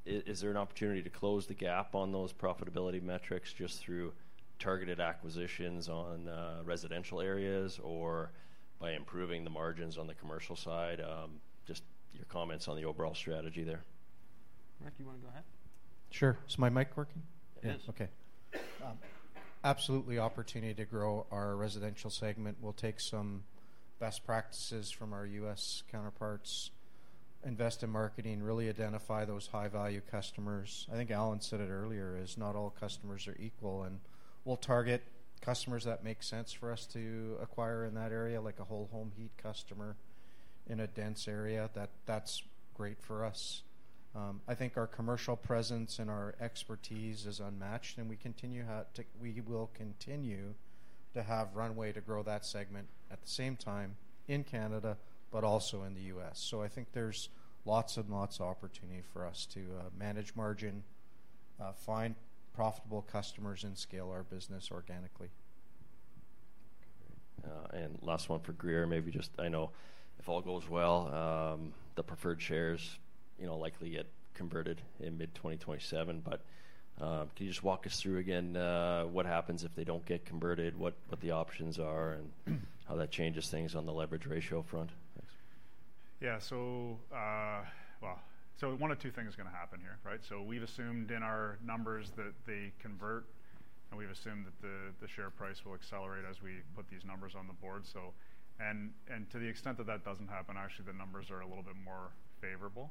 is there an opportunity to close the gap on those profitability metrics just through targeted acquisitions on residential areas or by improving the margins on the commercial side? Just your comments on the overall strategy there. Rick, you want to go ahead? Sure. Is my mic working? Yes. Okay. Absolutely opportunity to grow our residential segment. We'll take some best practices from our US counterparts, invest in marketing, really identify those high-value customers. I think Allan said it earlier, is not all customers are equal. We'll target customers that make sense for us to acquire in that area, like a whole home heat customer in a dense area. That's great for us. I think our commercial presence and our expertise is unmatched, and we will continue to have runway to grow that segment at the same time in Canada, but also in the US. I think there's lots and lots of opportunity for us to manage margin, find profitable customers, and scale our business organically. Last one for Grier maybe just, I know if all goes well, the preferred shares likely get converted in mid-2027. Can you just walk us through again what happens if they do not get converted, what the options are, and how that changes things on the leverage ratio front? Yeah. One of two things is going to happen here, right? We have assumed in our numbers that they convert, and we have assumed that the share price will accelerate as we put these numbers on the board. To the extent that that does not happen, actually the numbers are a little bit more favorable.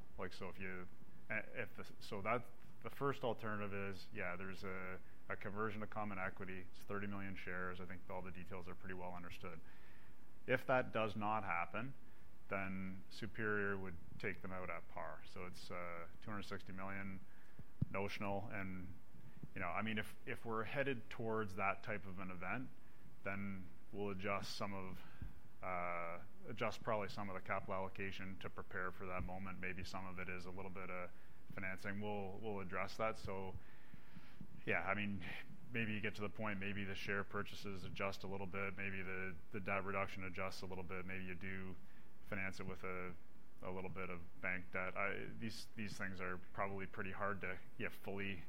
The first alternative is, yeah, there is a conversion to common equity. It is 30 million shares. I think all the details are pretty well understood. If that does not happen, then Superior Plus would take them out at par. It is 260 million notional. I mean, if we're headed towards that type of an event, then we'll adjust probably some of the capital allocation to prepare for that moment. Maybe some of it is a little bit of financing. We'll address that. Yeah, I mean, maybe you get to the point, maybe the share purchases adjust a little bit. Maybe the debt reduction adjusts a little bit. Maybe you do finance it with a little bit of bank debt. These things are probably pretty hard to fully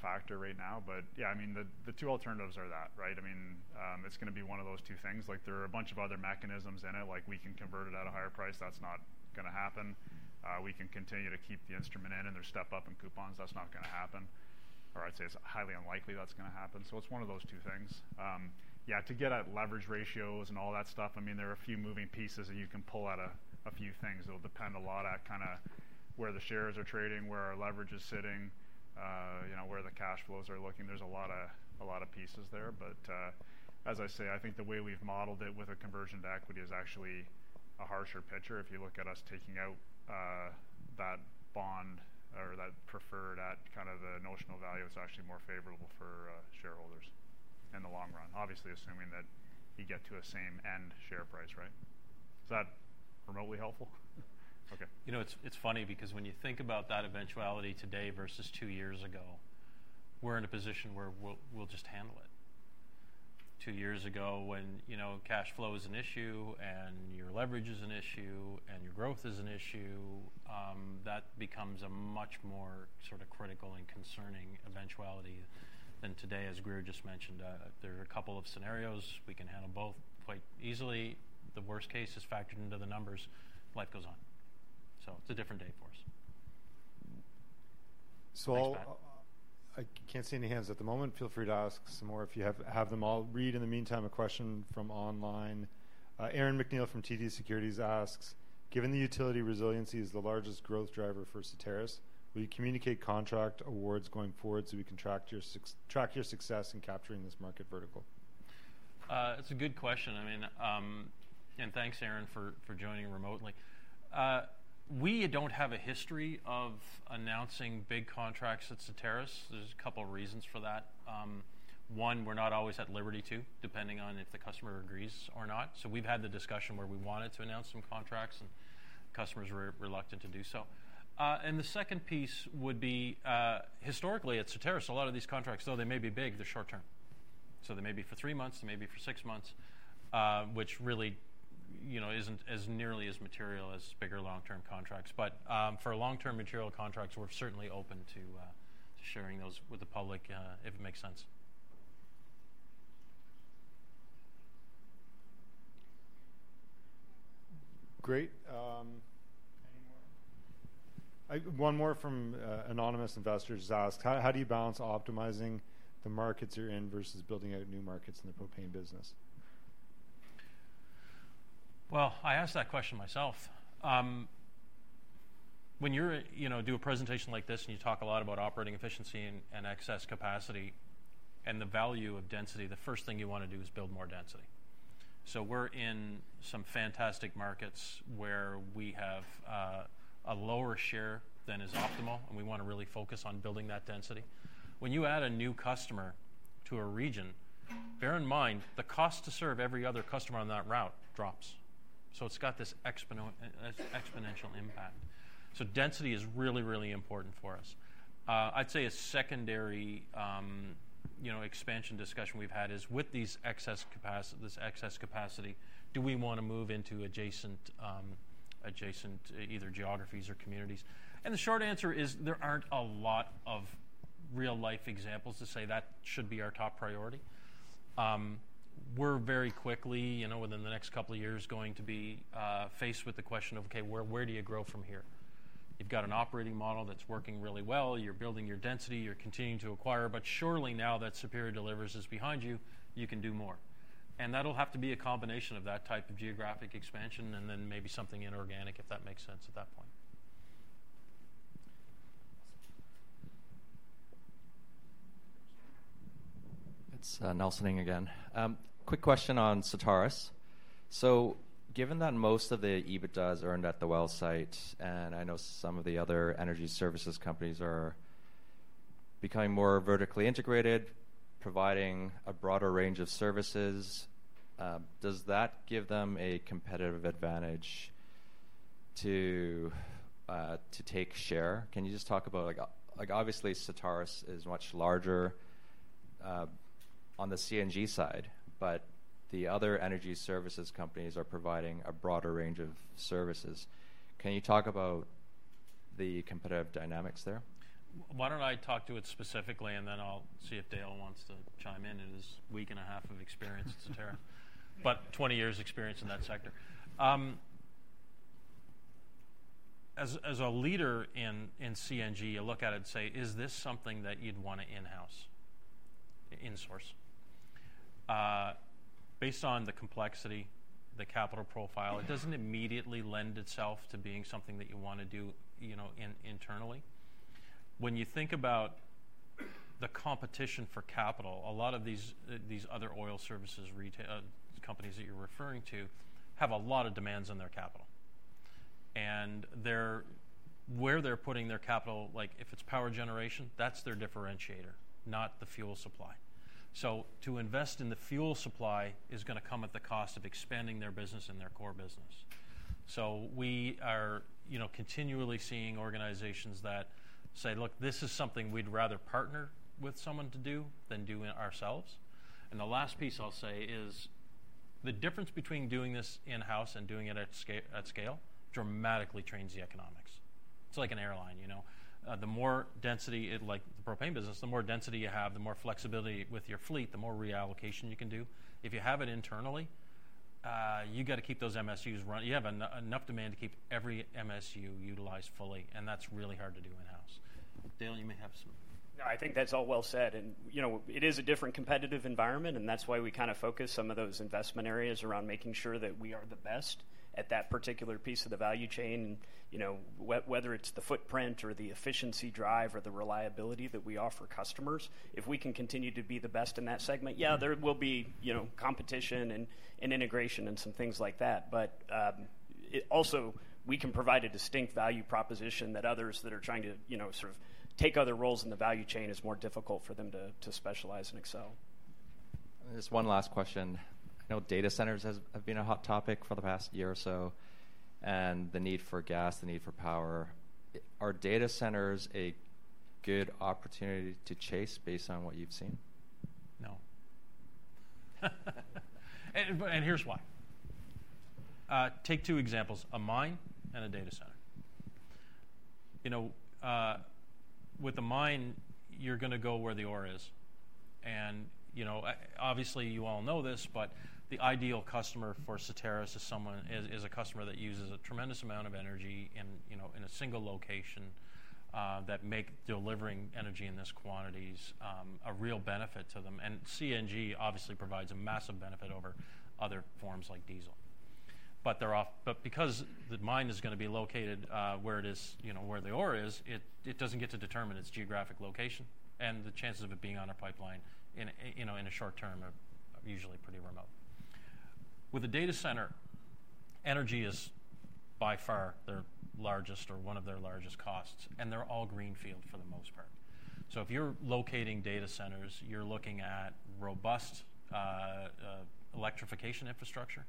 factor right now. Yeah, I mean, the two alternatives are that, right? I mean, it's going to be one of those two things. There are a bunch of other mechanisms in it. We can convert it at a higher price. That's not going to happen. We can continue to keep the instrument in, and there's step-up and coupons. That's not going to happen. I'd say it's highly unlikely that's going to happen. It's one of those two things. Yeah, to get at leverage ratios and all that stuff, I mean, there are a few moving pieces that you can pull out of a few things. It'll depend a lot on kind of where the shares are trading, where our leverage is sitting, where the cash flows are looking. There's a lot of pieces there. As I say, I think the way we've modeled it with a conversion to equity is actually a harsher picture if you look at us taking out that bond or that preferred at kind of a notional value. It's actually more favorable for shareholders in the long run, obviously assuming that you get to a same-end share price, right? Is that remotely helpful? Okay. It's funny because when you think about that eventuality today versus two years ago, we're in a position where we'll just handle it. Two years ago when cash flow is an issue and your leverage is an issue and your growth is an issue, that becomes a much more sort of critical and concerning eventuality than today. As Grier just mentioned, there are a couple of scenarios. We can handle both quite easily. The worst case is factored into the numbers. Life goes on. It is a different day for us. I can't see any hands at the moment. Feel free to ask some more if you have them. I'll read, in the meantime, a question from online. Aaron McNeil from TD Securities asks, "Given the utility resiliency is the largest growth driver for Soteris, will you communicate contract awards going forward so we can track your success in capturing this market vertical?" That's a good question. I mean, and thanks, Aaron, for joining remotely. We don't have a history of announcing big contracts at Soteris. There's a couple of reasons for that. One, we're not always at liberty to, depending on if the customer agrees or not. We have had the discussion where we wanted to announce some contracts, and customers were reluctant to do so. The second piece would be, historically at Soteris, a lot of these contracts, though they may be big, they're short-term. They may be for three months. They may be for six months, which really isn't as nearly as material as bigger long-term contracts. For long-term material contracts, we're certainly open to sharing those with the public if it makes sense. Great. Any more? One more from anonymous investors asked, "How do you balance optimizing the markets you're in versus building out new markets in the propane business?" I asked that question myself. When you do a presentation like this and you talk a lot about operating efficiency and excess capacity and the value of density, the first thing you want to do is build more density. We're in some fantastic markets where we have a lower share than is optimal, and we want to really focus on building that density. When you add a new customer to a region, bear in mind the cost to serve every other customer on that route drops. It's got this exponential impact. Density is really, really important for us. I'd say a secondary expansion discussion we've had is with this excess capacity, do we want to move into adjacent either geographies or communities? The short answer is there aren't a lot of real-life examples to say that should be our top priority. We're very quickly, within the next couple of years, going to be faced with the question of, "Okay, where do you grow from here?" You've got an operating model that's working really well. You're building your density. You're continuing to acquire. Surely now that Superior Delivers is behind you, you can do more. That'll have to be a combination of that type of geographic expansion and then maybe something inorganic, if that makes sense at that point. It's Nelson Ng again. Quick question on Soteris. Given that most of the EBITDA is earned at the well site, and I know some of the other energy services companies are becoming more vertically integrated, providing a broader range of services, does that give them a competitive advantage to take share? Can you just talk about, obviously, Soteris is much larger on the CNG side, but the other energy services companies are providing a broader range of services. Can you talk about the competitive dynamics there? Why don't I talk to it specifically, and then I'll see if Dale wants to chime in. It is a week and a half of experience at Soteris, but 20 years' experience in that sector. As a leader in CNG, you look at it and say, "Is this something that you'd want to in-house, in-source?" Based on the complexity, the capital profile, it doesn't immediately lend itself to being something that you want to do internally. When you think about the competition for capital, a lot of these other oil services companies that you're referring to have a lot of demands on their capital. Where they're putting their capital, if it's power generation, that's their differentiator, not the fuel supply. To invest in the fuel supply is going to come at the cost of expanding their business and their core business. We are continually seeing organizations that say, "Look, this is something we'd rather partner with someone to do than do it ourselves." The last piece I'll say is the difference between doing this in-house and doing it at scale dramatically trains the economics. It's like an airline. The more density the propane business, the more density you have, the more flexibility with your fleet, the more reallocation you can do. If you have it internally, you got to keep those MSUs running. You have enough demand to keep every MSU utilized fully, and that's really hard to do in-house. Dale, you may have some. No, I think that's all well said. It is a different competitive environment, and that's why we kind of focus some of those investment areas around making sure that we are the best at that particular piece of the value chain. Whether it's the footprint or the efficiency drive or the reliability that we offer customers, if we can continue to be the best in that segment, yeah, there will be competition and integration and some things like that. Also, we can provide a distinct value proposition that others that are trying to sort of take other roles in the value chain, it is more difficult for them to specialize and excel. Just one last question. I know data centers have been a hot topic for the past year or so, and the need for gas, the need for power. Are data centers a good opportunity to chase based on what you've seen? No. And here's why. Take two examples, a mine and a data center. With a mine, you're going to go where the ore is. Obviously, you all know this, but the ideal customer for Soteris is a customer that uses a tremendous amount of energy in a single location that makes delivering energy in these quantities a real benefit to them. CNG obviously provides a massive benefit over other forms like diesel. Because the mine is going to be located where the ore is, it does not get to determine its geographic location. The chances of it being on a pipeline in the short term are usually pretty remote. With a data center, energy is by far their largest or one of their largest costs, and they are all greenfield for the most part. If you are locating data centers, you are looking at robust electrification infrastructure,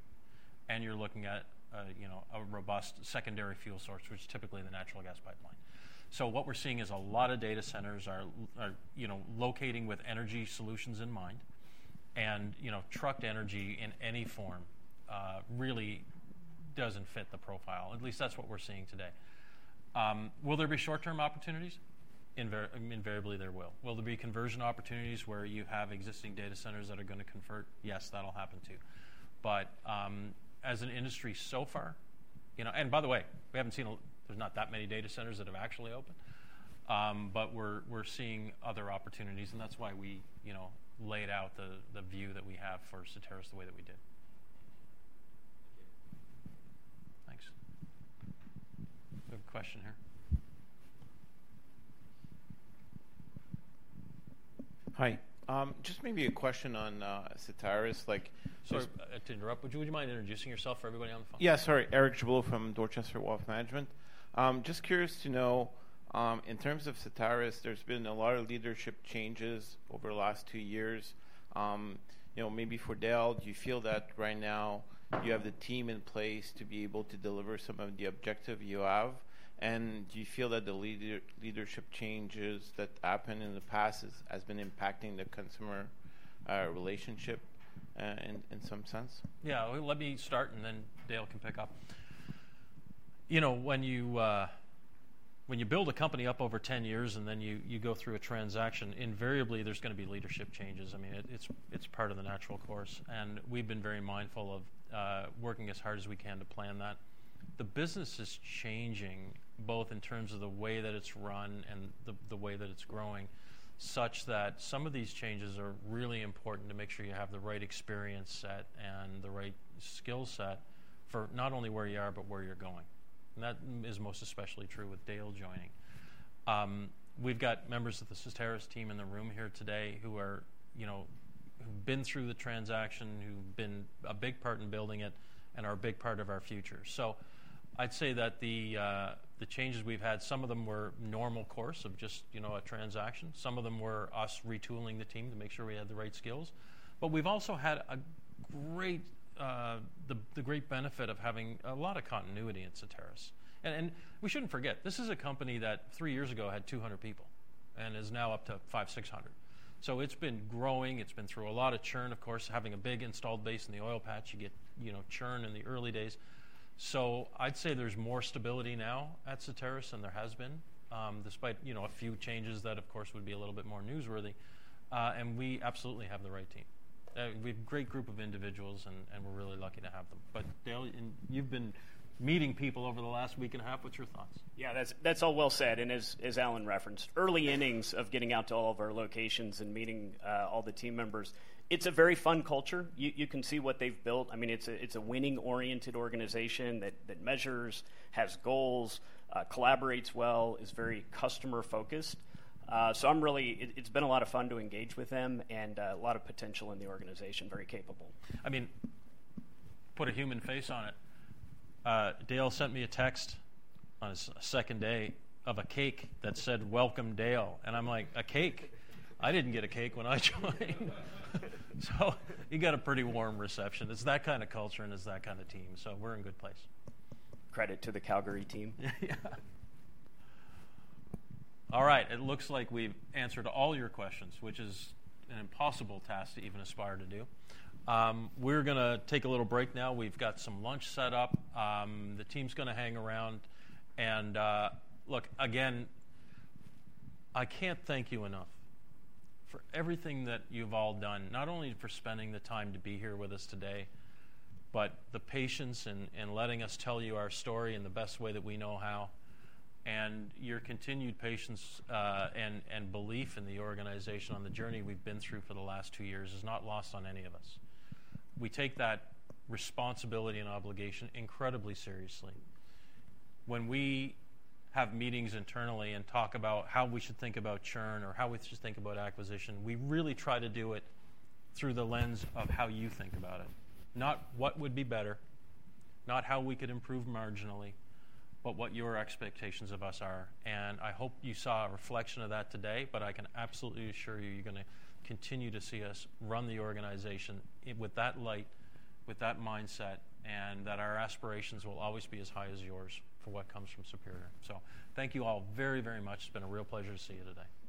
and you are looking at a robust secondary fuel source, which is typically the natural gas pipeline. What we are seeing is a lot of data centers are locating with energy solutions in mind. Trucked energy in any form really does not fit the profile. At least that is what we are seeing today. Will there be short-term opportunities? Invariably, there will. Will there be conversion opportunities where you have existing data centers that are going to convert? Yes, that will happen too. As an industry so far—and by the way, we have not seen there are not that many data centers that have actually opened—we are seeing other opportunities. That is why we laid out the view that we have for Soteris the way that we did. Thanks. We have a question here. Hi. Just maybe a question on Soteris. Sorry to interrupt. Would you mind introducing yourself for everybody on the phone? Yeah, sorry. Eric Gibouleau from Dorchester Wealth Management. Just curious to know, in terms of Soteris, there's been a lot of leadership changes over the last two years. Maybe for Dale, do you feel that right now you have the team in place to be able to deliver some of the objectives you have? Do you feel that the leadership changes that happened in the past have been impacting the consumer relationship in some sense? Yeah. Let me start, then Dale can pick up. When you build a company up over 10 years and then you go through a transaction, invariably, there's going to be leadership changes. I mean, it's part of the natural course. We've been very mindful of working as hard as we can to plan that. The business is changing both in terms of the way that it's run and the way that it's growing such that some of these changes are really important to make sure you have the right experience set and the right skill set for not only where you are but where you're going. That is most especially true with Dale joining. We've got members of the Soteris team in the room here today who've been through the transaction, who've been a big part in building it, and are a big part of our future. I'd say that the changes we've had, some of them were normal course of just a transaction. Some of them were us retooling the team to make sure we had the right skills. We've also had the great benefit of having a lot of continuity in Soteris. We should not forget, this is a company that three years ago had 200 people and is now up to 5,600. It has been growing. It has been through a lot of churn. Of course, having a big installed base in the oil patch, you get churn in the early days. I would say there is more stability now at Soteris than there has been, despite a few changes that, of course, would be a little bit more newsworthy. We absolutely have the right team. We have a great group of individuals, and we are really lucky to have them. Dale, you have been meeting people over the last week and a half. What are your thoughts? Yeah, that is all well said. As Allan referenced, early innings of getting out to all of our locations and meeting all the team members, it is a very fun culture. You can see what they've built. I mean, it's a winning-oriented organization that measures, has goals, collaborates well, is very customer-focused. It's been a lot of fun to engage with them and a lot of potential in the organization, very capable. I mean, put a human face on it. Dale sent me a text on his second day of a cake that said, "Welcome, Dale." I'm like, "A cake? I didn't get a cake when I joined." You got a pretty warm reception. It's that kind of culture and it's that kind of team. We're in a good place. Credit to the Calgary team. All right. It looks like we've answered all your questions, which is an impossible task to even aspire to do. We're going to take a little break now. We've got some lunch set up. The team's going to hang around. Look, again, I can't thank you enough for everything that you've all done, not only for spending the time to be here with us today, but the patience in letting us tell you our story in the best way that we know how. Your continued patience and belief in the organization on the journey we've been through for the last two years is not lost on any of us. We take that responsibility and obligation incredibly seriously. When we have meetings internally and talk about how we should think about churn or how we should think about acquisition, we really try to do it through the lens of how you think about it. Not what would be better, not how we could improve marginally, but what your expectations of us are. I hope you saw a reflection of that today, but I can absolutely assure you you're going to continue to see us run the organization with that light, with that mindset, and that our aspirations will always be as high as yours for what comes from Superior. Thank you all very, very much. It's been a real pleasure to see you today. Thanks.